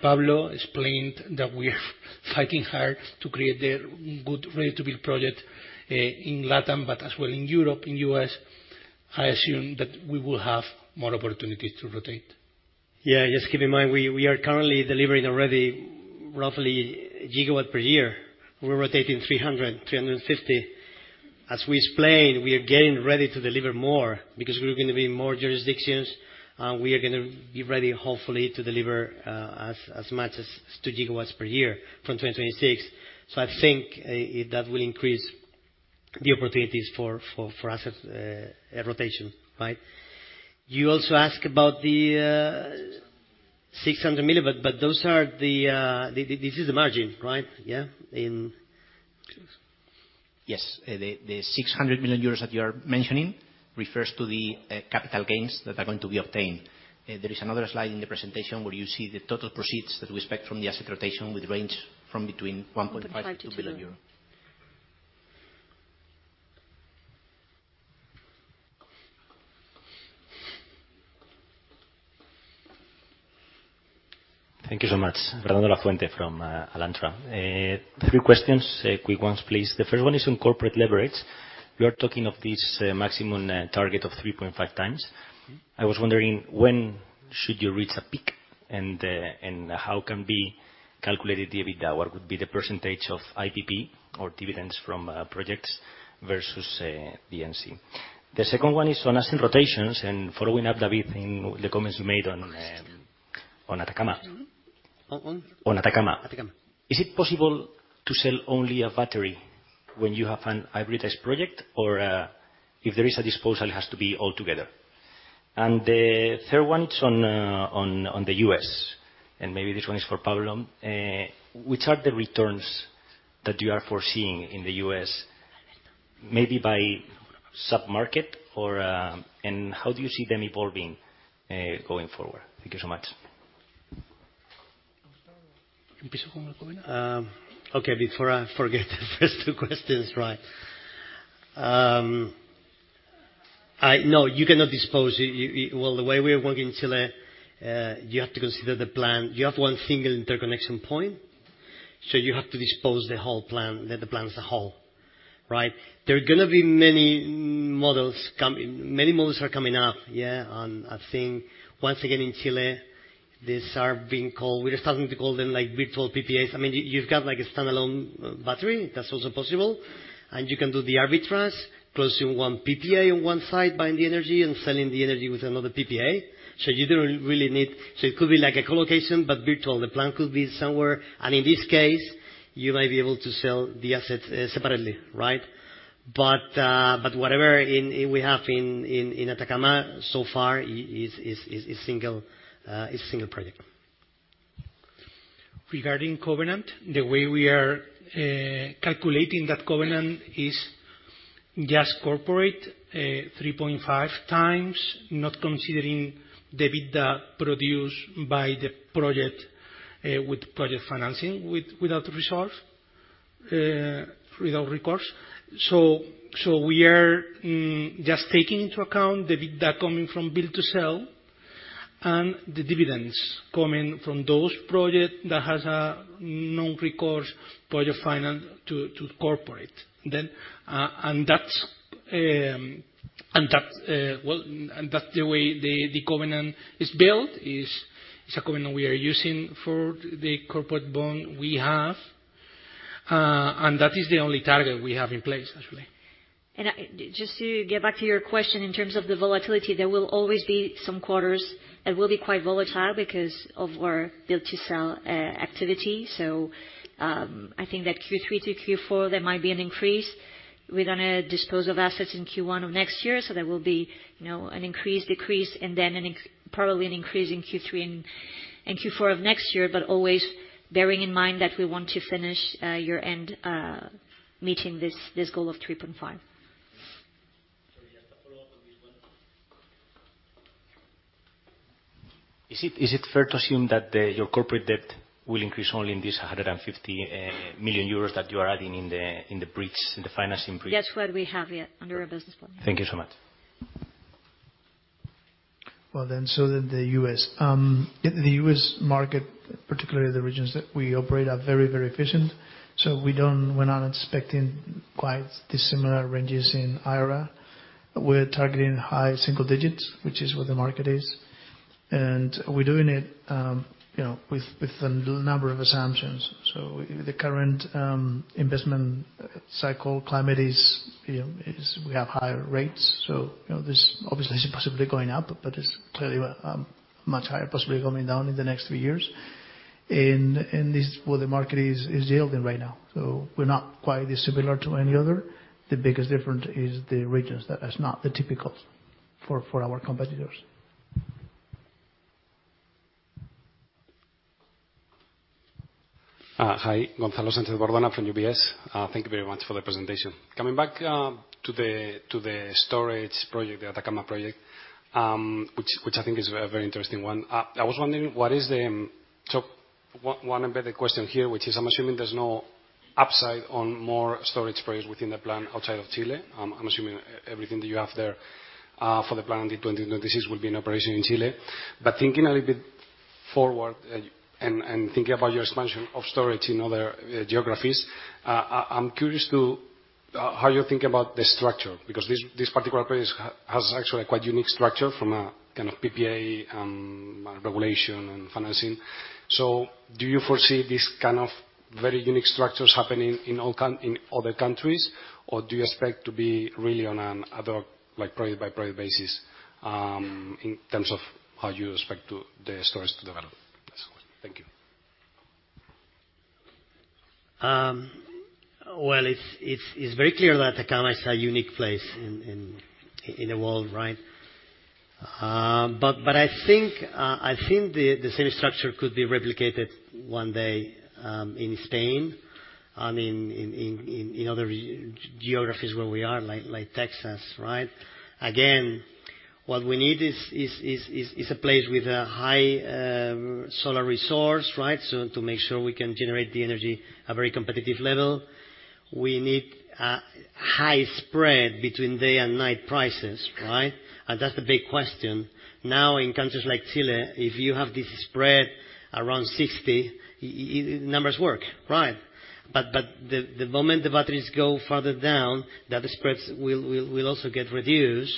Pablo explained that we are fighting hard to create the good ready-to-build project in Latin, but as well in Europe, in U.S. I assume that we will have more opportunities to rotate. Yeah, just keep in mind, we are currently delivering already roughly 1 GW per year. We're rotating 300-350. As we explained, we are getting ready to deliver more because we're going to be in more jurisdictions, and we are going to be ready, hopefully, to deliver as much as 2 GW per year from 2026. So I think that will increase the opportunities for asset rotation, right? You also ask about the 600 MW, but those are the, this is the margin, right? Yeah, in-... Yes, the, the 600 million euros that you are mentioning refers to the, capital gains that are going to be obtained. There is another slide in the presentation where you see the total proceeds that we expect from the asset rotation, which range from between 1.5 billion to 2 billion euro. Thank you so much. Fernando Lafuente from Alantra. Three questions, quick ones, please. The first one is on corporate leverage. You are talking of this maximum target of 3.5 times. I was wondering, when should you reach a peak, and, and how can be calculated the EBITDA? What would be the percentage of IPP or dividends from projects versus D&C? The second one is on asset rotations, and following up, David, in the comments you made on Atacama. On one? On Atacama. Atacama. Is it possible to sell only a battery when you have a hybridized project, or if there is a disposal, it has to be altogether? The third one is on the U.S., and maybe this one is for Pablo. Which are the returns that you are foreseeing in the U.S., maybe by sub-market? And how do you see them evolving going forward? Thank you so much. Okay, before I forget the first two questions, right. No, you cannot dispose. Well, the way we are working in Chile, you have to consider the plan. You have one single interconnection point, so you have to dispose the whole plan, the plan as a whole, right? There are gonna be many models coming-- many models are coming up, yeah, on, I think once again in Chile, these are being called, we are starting to call them, like, virtual PPAs. I mean, you, you've got, like, a standalone battery. That's also possible, and you can do the arbitrage, closing one PPA on one side, buying the energy and selling the energy with another PPA. So you don't really need... So it could be like a co-location, but virtual. The plan could be somewhere, and in this case, you might be able to sell the assets separately, right? But whatever we have in Atacama so far is single project. Regarding covenant, the way we are calculating that covenant is just corporate 3.5 times, not considering the EBITDA produced by the project with project financing, without recourse. So we are just taking into account the EBITDA coming from build to sell and the dividends coming from those projects that has a non-recourse project finance to corporate. Then, and that's the way the covenant is built, it's a covenant we are using for the corporate bond we have. And that is the only target we have in place, actually. And I, just to get back to your question, in terms of the volatility, there will always be some quarters that will be quite volatile because of our build-to-sell activity. So, I think that Q3 to Q4, there might be an increase. We're gonna dispose of assets in Q1 of next year, so there will be, you know, an increase, decrease, and then probably an increase in Q3 and Q4 of next year, but always bearing in mind that we want to finish year-end meeting this goal of 3.5. Sorry, just a follow-up on this one. Is it, is it fair to assume that the, your corporate debt will increase only in this 150 million euros that you are adding in the, in the bridge, in the financing bridge? That's what we have, yeah, under our business plan. Thank you so much. Well, then, so then the U.S. In the U.S. market, particularly the regions that we operate are very, very efficient, so we don't—we're not expecting quite dissimilar ranges in IRA. We're targeting high single digits, which is where the market is, and we're doing it, you know, with a number of assumptions. So the current investment cycle climate is, you know, we have higher rates, so you know, this obviously is possibly going up, but it's clearly much higher, possibly coming down in the next few years. And this is what the market is yielding right now, so we're not quite dissimilar to any other. The biggest difference is the regions. That is not the typical for our competitors. Hi. Gonzalo Sánchez-Bordona from UBS. Thank you very much for the presentation. Coming back to the storage project, the Atacama project, which I think is a very interesting one. I was wondering, what is the... So one embedded question here, which is I'm assuming there's no upside on more storage projects within the plan outside of Chile. I'm assuming everything that you have there for the plan in 2029-2036 will be in operation in Chile. But thinking a little bit forward and thinking about your expansion of storage in other geographies, I'm curious to how you think about the structure, because this particular case has actually a quite unique structure from a kind of PPA regulation and financing. So do you foresee these kind of very unique structures happening in all coun- in other countries, or do you expect to be really on an other, like, project-by-project basis, in terms of how you expect to the storage to develop? Thank you. Well, it's very clear that Atacama is a unique place in the world, right? But I think the same structure could be replicated one day in Spain, in other geographies where we are, like Texas, right? Again, what we need is a place with a high solar resource, right? So to make sure we can generate the energy at a very competitive level, we need a high spread between day and night prices, right? And that's the big question. Now, in countries like Chile, if you have this spread around 60, numbers work, right? But the moment the batteries go farther down, the spreads will also get reduced.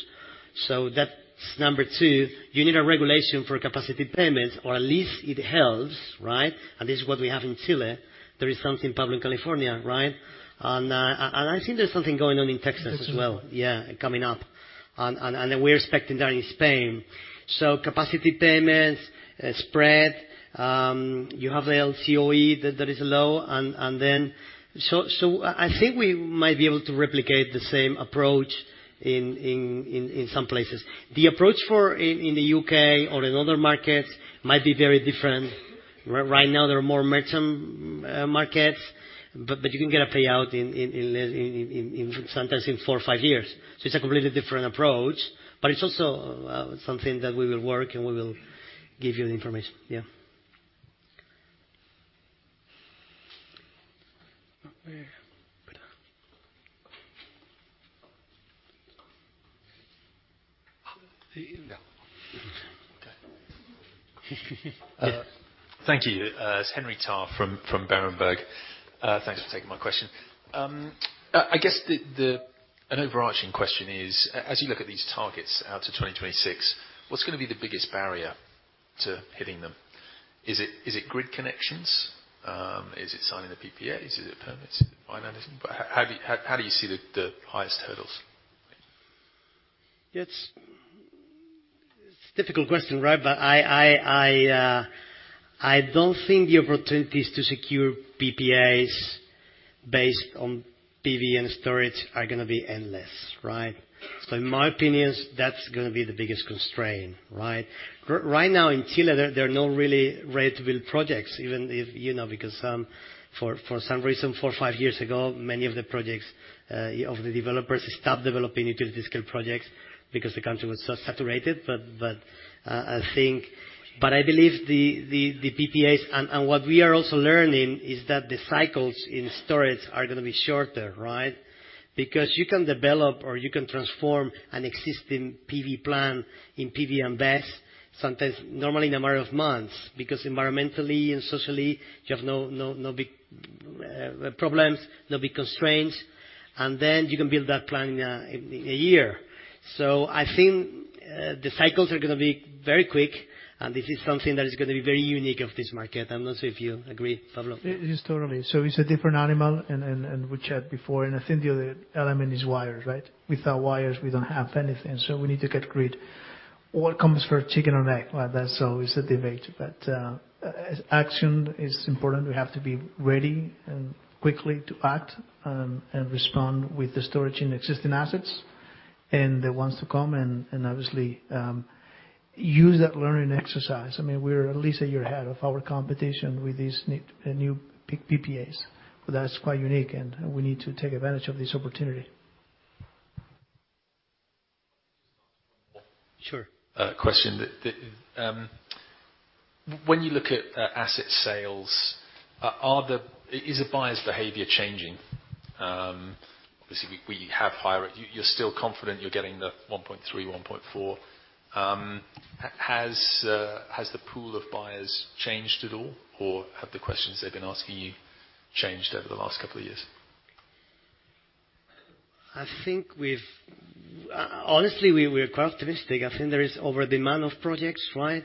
So that's number two. You need a regulation for capacity payments, or at least it helps, right? And this is what we have in Chile. There is something Pablo in California, right? And I think there's something going on in Texas as well, yeah, coming up. And we're expecting that in Spain. So capacity payments spread, you have the LCOE, that is low, and then. So I think we might be able to replicate the same approach in some places. The approach for in the UK or in other markets might be very different. Right now, there are more merchant markets, but you can get a payout in sometimes in four or five years. So it's a completely different approach, but it's also something that we will work, and we will give you the information. Yeah. Ah, here you go. Okay. Thank you. It's Henry Tarr from Berenberg. Thanks for taking my question. I guess an overarching question is, as you look at these targets out to 2026, what's gonna be the biggest barrier to hitting them? Is it grid connections? Is it signing the PPAs? Is it permits, financing? But how do you see the highest hurdles? It's a difficult question, right? But I don't think the opportunities to secure PPAs based on PV and storage are gonna be endless, right? So in my opinion, that's gonna be the biggest constraint, right? Right now, in Chile, there are no really ready-to-build projects, even if, you know, because some, for some reason, four, five years ago, many of the projects of the developers stopped developing utility-scale projects because the country was so saturated. But I believe the PPAs, and what we are also learning is that the cycles in storage are gonna be shorter, right? Because you can develop or you can transform an existing PV plant in PV and BESS, sometimes normally in a matter of months, because environmentally and socially, you have no, no, no big problems, no big constraints, and then you can build that plant in a year. So I think the cycles are gonna be very quick, and this is something that is gonna be very unique of this market. I'm not sure if you agree, Pablo. Yes, totally. So it's a different animal, and we chat before, and I think the other element is wires, right? Without wires, we don't have anything, so we need to get grid. What comes first, chicken or egg? Well, that's always a debate, but action is important. We have to be ready and quickly to act, and respond with the storage in existing assets and the ones to come, and obviously, use that learning exercise. I mean, we're at least a year ahead of our competition with these new PPAs. But that's quite unique, and we need to take advantage of this opportunity. Sure. Question: when you look at asset sales, is the buyer's behavior changing? Obviously, you're still confident you're getting the 1.3, 1.4. Has the pool of buyers changed at all, or have the questions they've been asking you changed over the last couple of years? I think we've honestly, we're quite optimistic. I think there is overdemand of projects, right?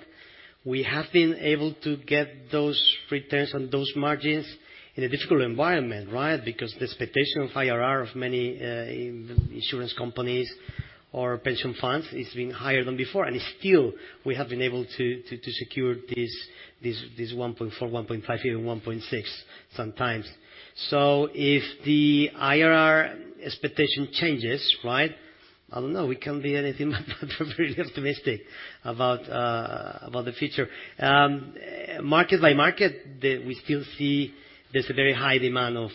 We have been able to get those returns and those margins in a difficult environment, right? Because the expectation of IRR of many in insurance companies or pension funds, it's been higher than before, and still, we have been able to secure this 1.4, 1.5, even 1.6 sometimes. So if the IRR expectation changes, right? I don't know. We can't be anything but very optimistic about the future. Market by market, we still see there's a very high demand of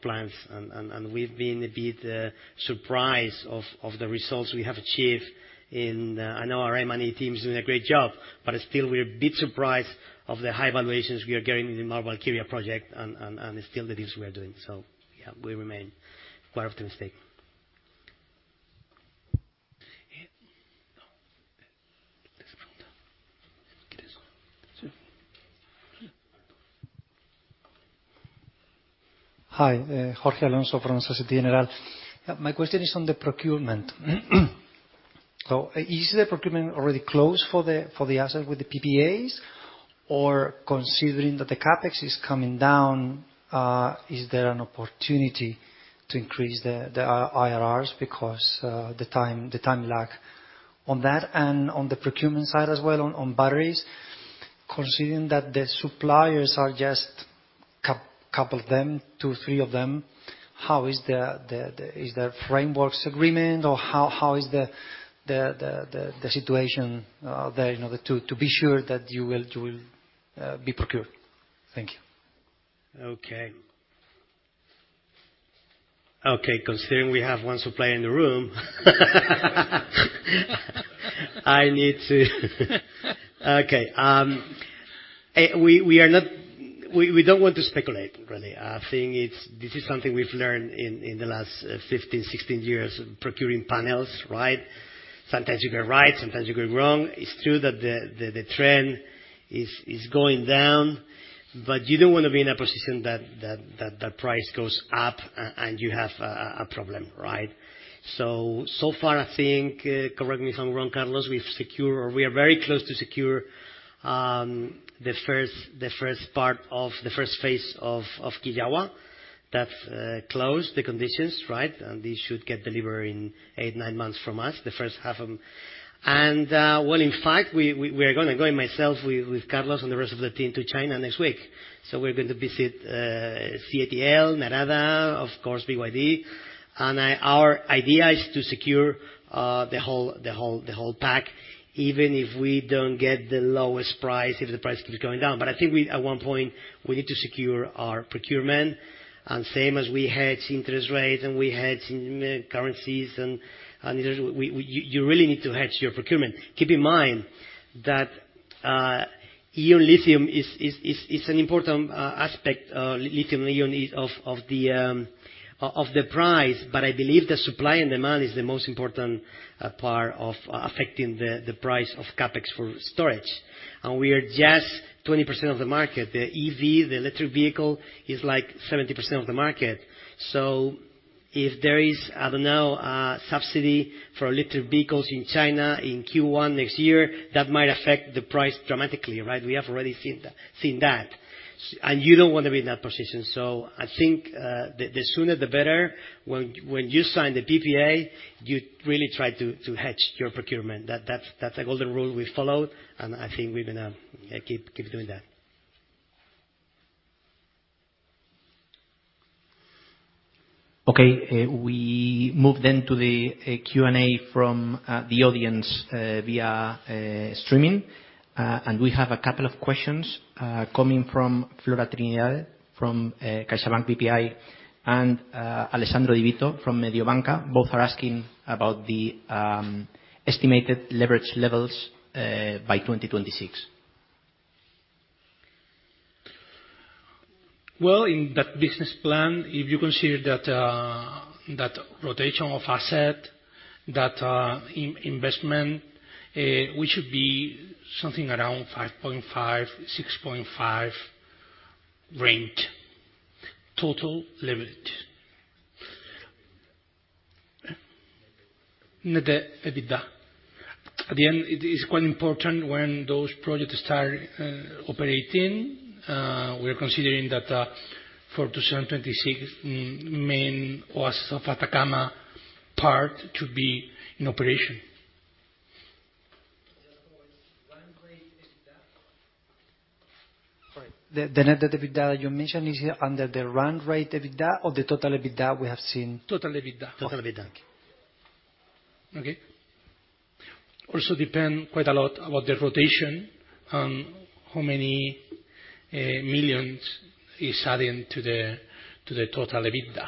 plants, and we've been a bit surprised of the results we have achieved in... I know our M&A team is doing a great job, but still, we're a bit surprised of the high valuations we are getting in the Valkyria project and still the deals we are doing. So yeah, we remain quite optimistic. No. There's a problem. Sure. Hi, Jorge Alonso from Société Générale. My question is on the procurement. So is the procurement already closed for the, for the asset with the PPAs? Or considering that the CapEx is coming down, is there an opportunity to increase the, the IRRs because, the time, the time lag on that? And on the procurement side as well, on, on batteries, considering that the suppliers are just a couple of them, two, three of them, how is the, the, the, is there frameworks agreement or how, how is the, the, the, the, the situation, there, you know, to, to be sure that you will, you will, be procured? Thank you. Okay. Okay, considering we have one supplier in the room. Okay, we are not. We don't want to speculate, Rene. I think this is something we've learned in the last 15, 16 years procuring panels, right? Sometimes you get it right, sometimes you get it wrong. It's true that the trend is going down, but you don't want to be in a position that the price goes up and you have a problem, right? So far, I think, correct me if I'm wrong, Carlos, we've secured or we are very close to secure the first part of the first phase of Quillagua. That closed the conditions, right? And this should get delivered in 8, 9 months from us, the first half of them. And, well, in fact, we are gonna go, and myself with Carlos and the rest of the team, to China next week. So we're going to visit CATL, Narada, of course, BYD. And our idea is to secure the whole pack, even if we don't get the lowest price, if the price keeps going down. But I think we, at one point, need to secure our procurement. And same as we hedge interest rates, and we hedge in currencies, and you really need to hedge your procurement. Keep in mind that ion lithium is an important aspect, lithium ion is of the price, but I believe the supply and demand is the most important part of affecting the price of CapEx for storage. We are just 20% of the market. The EV, the electric vehicle, is like 70% of the market. So if there is, I don't know, a subsidy for electric vehicles in China in Q1 next year, that might affect the price dramatically, right? We have already seen that, seen that. And you don't want to be in that position. So I think, the sooner the better. When you sign the PPA, you really try to hedge your procurement. That's a golden rule we followed, and I think we're gonna keep doing that. Okay, we move then to the Q&A from the audience via streaming. We have a couple of questions coming from Flora Trindade, from CaixaBank BPI, and from Mediobanca Alessandro Pozzi. Both are asking about the estimated leverage levels by 2026. Well, in that business plan, if you consider that, that rotation of asset, that, investment, we should be something around 5.5-6.5 range, total leverage net EBITDA. At the end, it is quite important when those projects start operating. We are considering that, for 2026, main Oasis de Atacama part to be in operation. Just for its run rate EBITDA? Sorry, the net debt EBITDA you mentioned, is it under the run rate EBITDA or the total EBITDA we have seen? Total EBITDA. Total EBITDA, okay. Okay. Also depend quite a lot about the rotation on how many millions is adding to the total EBITDA.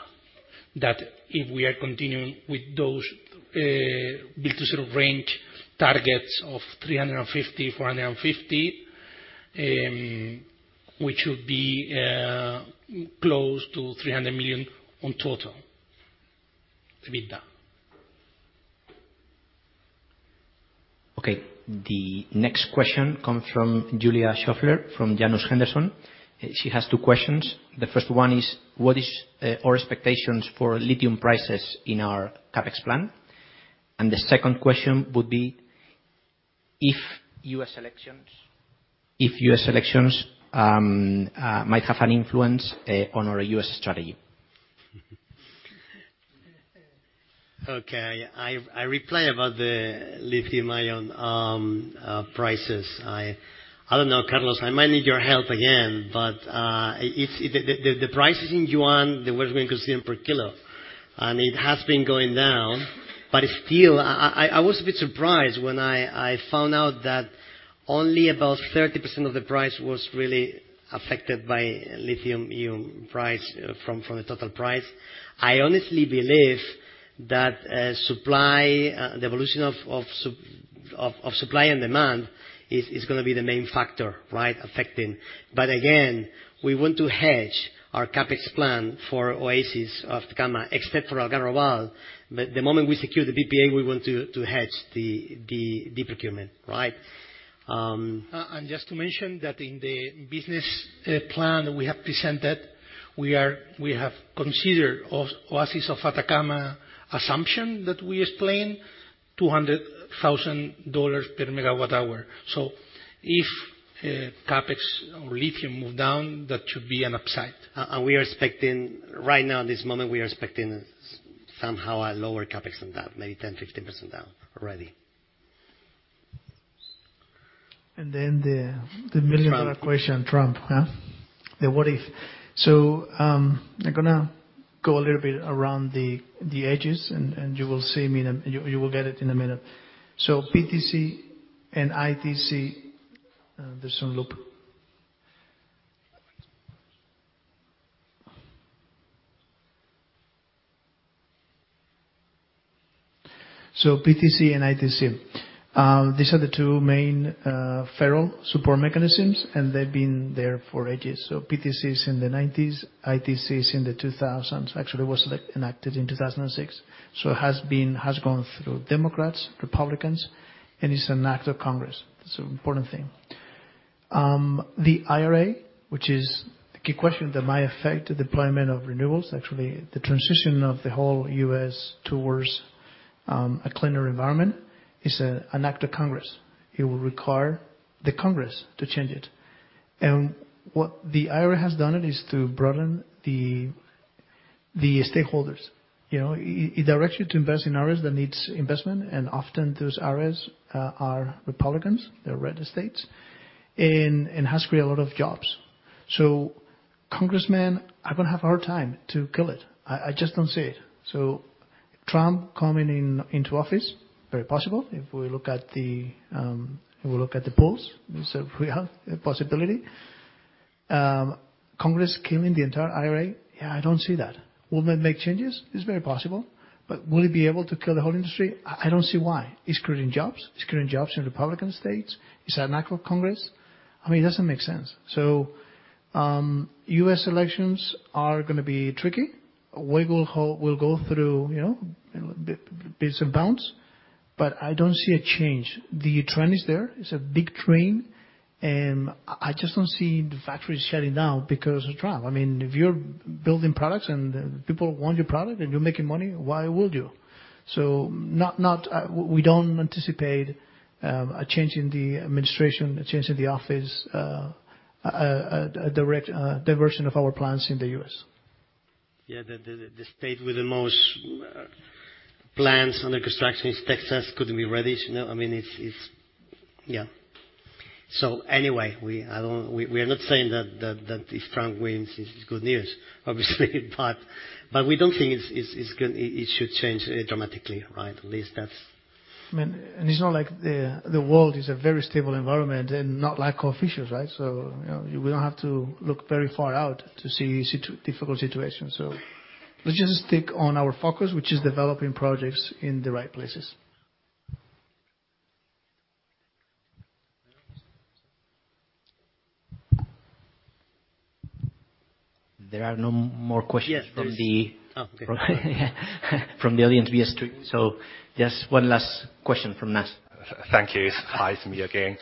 That if we are continuing with those build-to-sell sort of range targets of 350-450, which would be close to 300 million on total EBITDA. Okay, the next question comes from Julia Scheufler, from Janus Henderson. She has two questions. The first one is: What is our expectations for lithium prices in our CapEx plan? And the second question would be: If U.S. elections might have an influence on our U.S. strategy? Okay. I reply about the lithium-ion prices. I don't know, Carlos, I might need your help again, but it's the price is in yuan, the yuan we consider per kilo, and it has been going down. But still, I was a bit surprised when I found out that only about 30% of the price was really affected by lithium-ion price from the total price. I honestly believe that the evolution of supply and demand is gonna be the main factor, right, affecting. But again, we want to hedge our CapEx plan for Oasis de Atacama, except for Algarrobal. But the moment we secure the PPA, we want to hedge the procurement. Right? And just to mention that in the business plan we have presented, we have considered Oasis de Atacama assumption that we explained, $200,000 per MWh. So if CapEx or lithium move down, that should be an upside. We are expecting, right now, at this moment, we are expecting somehow a lower CapEx than that, maybe 10%-15% down already. And then the million-dollar question, Trump, huh? The what if. So, I'm gonna go a little bit around the edges, and you will see me in a minute. So PTC and ITC, there's some loop. So PTC and ITC. These are the two main federal support mechanisms, and they've been there for ages. So PTC is in the 1990s, ITC is in the 2000s. Actually, it was, like, enacted in 2006, so it has gone through Democrats, Republicans, and it's an act of Congress. It's an important thing. The IRA, which is the key question that might affect the deployment of renewables, actually, the transition of the whole U.S. towards a cleaner environment, is an act of Congress. It will require the Congress to change it. What the IRA has done is to broaden the stakeholders. You know, it directs you to invest in areas that needs investment, and often those areas are Republicans, they're red states, and has created a lot of jobs. So congressmen are gonna have a hard time to kill it. I just don't see it. So Trump coming into office, very possible. If we look at the polls, so we have a possibility. Congress killing the entire IRA, yeah, I don't see that. Will they make changes? It's very possible, but will it be able to kill the whole industry? I don't see why. It's creating jobs. It's creating jobs in Republican states. It's an act of Congress. I mean, it doesn't make sense. So, US elections are gonna be tricky. We'll go through, you know, bits and bounds, but I don't see a change. The trend is there, it's a big train, and I just don't see the factories shutting down because of Trump. I mean, if you're building products and people want your product and you're making money, why would you? So not. We don't anticipate a change in the administration, a change in the office, a direct diversion of our plans in the U.S. Yeah, the state with the most plans under construction is Texas, couldn't be readied. You know, I mean, it's, it's... Yeah. So anyway, we—I don't, we are not saying that if Trump wins, it's good news, obviously, but we don't think it's gonna—it should change dramatically, right? At least that's- I mean, it's not like the world is a very stable environment and not like officials, right? So, you know, we don't have to look very far out to see difficult situations. So let's just stick on our focus, which is developing projects in the right places. There are no more questions. Yes, there is. From the audience. Yes, so just one last question from Nas. Thank you. Hi, it's me again.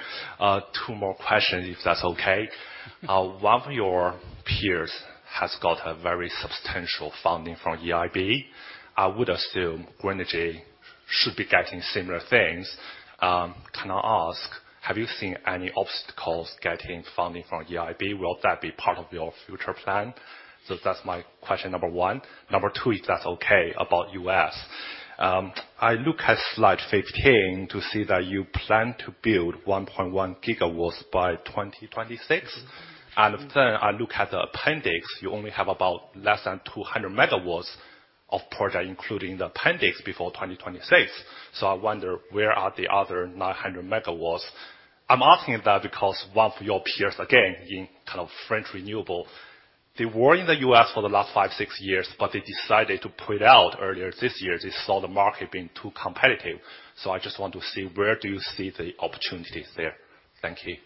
Two more questions, if that's okay. Uh- One of your peers has got a very substantial funding from EIB. I would assume Grenergy should be getting similar things. Can I ask, have you seen any obstacles getting funding from EIB? Will that be part of your future plan? So that's my question number one. Number two, if that's okay, about U.S. I look at slide 15 to see that you plan to build 1.1 GW by 2026. Then I look at the appendix, you only have about less than 200 MW of project, including the appendix, before 2026. So I wonder, where are the other 900 MW? I'm asking that because one of your peers, again, in kind of French renewable, they were in the US for the last five, six years, but they decided to pull out earlier this year. They saw the market being too competitive. So I just want to see where do you see the opportunities there? Thank you.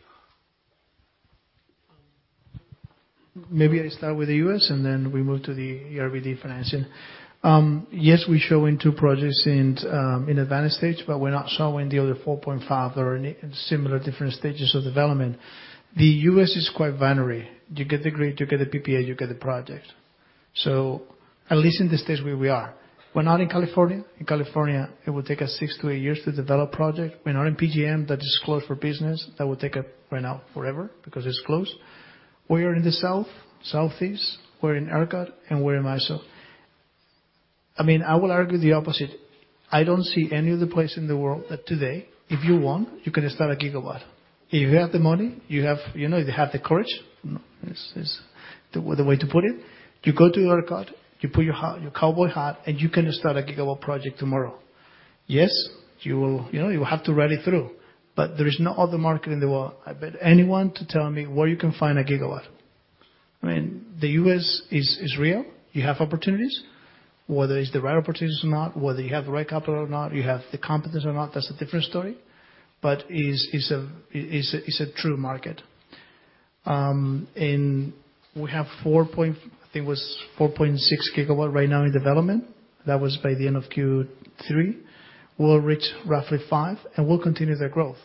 Maybe I start with the U.S., and then we move to the EIB financing. Yes, we're showing two projects in, in advanced stage, but we're not showing the other 4.5 or in similar different stages of development. The U.S. is quite binary. You get the grid, you get the PPA, you get the project. So at least in the states where we are. We're not in California. In California, it would take us 6-8 years to develop project. We're not in PJM, that is closed for business. That would take us right now, forever, because it's closed. We are in the South, Southeast, we're in ERCOT, and we're in MISO. I mean, I will argue the opposite. I don't see any other place in the world that today, if you want, you can start a gigawatt. If you have the money, you have, you know, if you have the courage, is the way to put it, you go to ERCOT, you put your hat, your cowboy hat, and you can start a gigawatt project tomorrow. Yes, you will, you know, you have to rally through, but there is no other market in the world. I bet anyone to tell me where you can find a gigawatt. I mean, the U.S. is real. You have opportunities, whether it's the right opportunities or not, whether you have the right capital or not, you have the competence or not, that's a different story, but it's a true market. And we have 4.6 gigawatt right now in development. That was by the end of Q3. We'll reach roughly 5, and we'll continue that growth.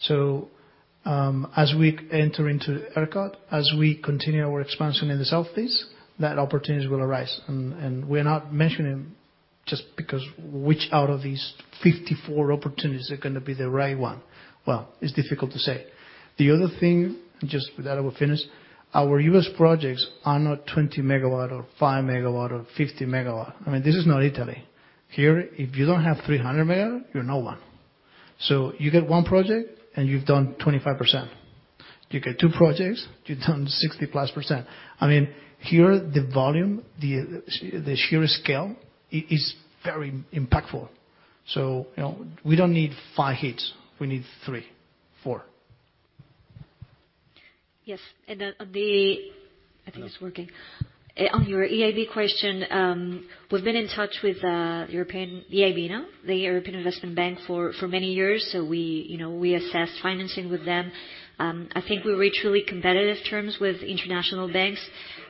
So, as we enter into ERCOT, as we continue our expansion in the Southeast, that opportunities will arise. And, and we're not mentioning just because which out of these 54 opportunities are gonna be the right one. Well, it's difficult to say. The other thing, just with that, I will finish, our U.S. projects are not 20 MW or 5 MW or 50 MW. I mean, this is not Italy. Here, if you don't have 300 MW, you're no one. So you get one project, and you've done 25%. You get two projects, you've done 60+%. I mean, here, the volume, the, the sheer scale is very impactful. So, you know, we don't need 5 hits, we need 3, 4. Yes, I think it's working. On your EIB question, we've been in touch with EIB now, the European Investment Bank, for many years, so you know, we assess financing with them. I think we reach really competitive terms with international banks.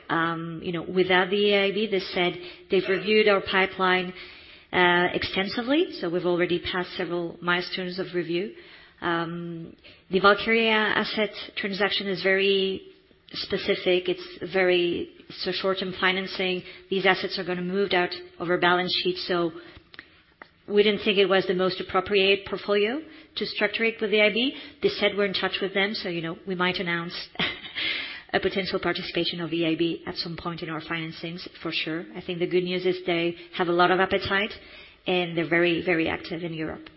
You know, without the EIB, they said they've reviewed our pipeline extensively, so we've already passed several milestones of review. The Valkyria asset transaction is very specific. It's very so short-term financing. These assets are gonna move out of our balance sheet, so we didn't think it was the most appropriate portfolio to structure it with the EIB. They said we're in touch with them, so you know, we might announce a potential participation of EIB at some point in our financings, for sure. I think the good news is they have a lot of appetite, and they're very, very active in Europe.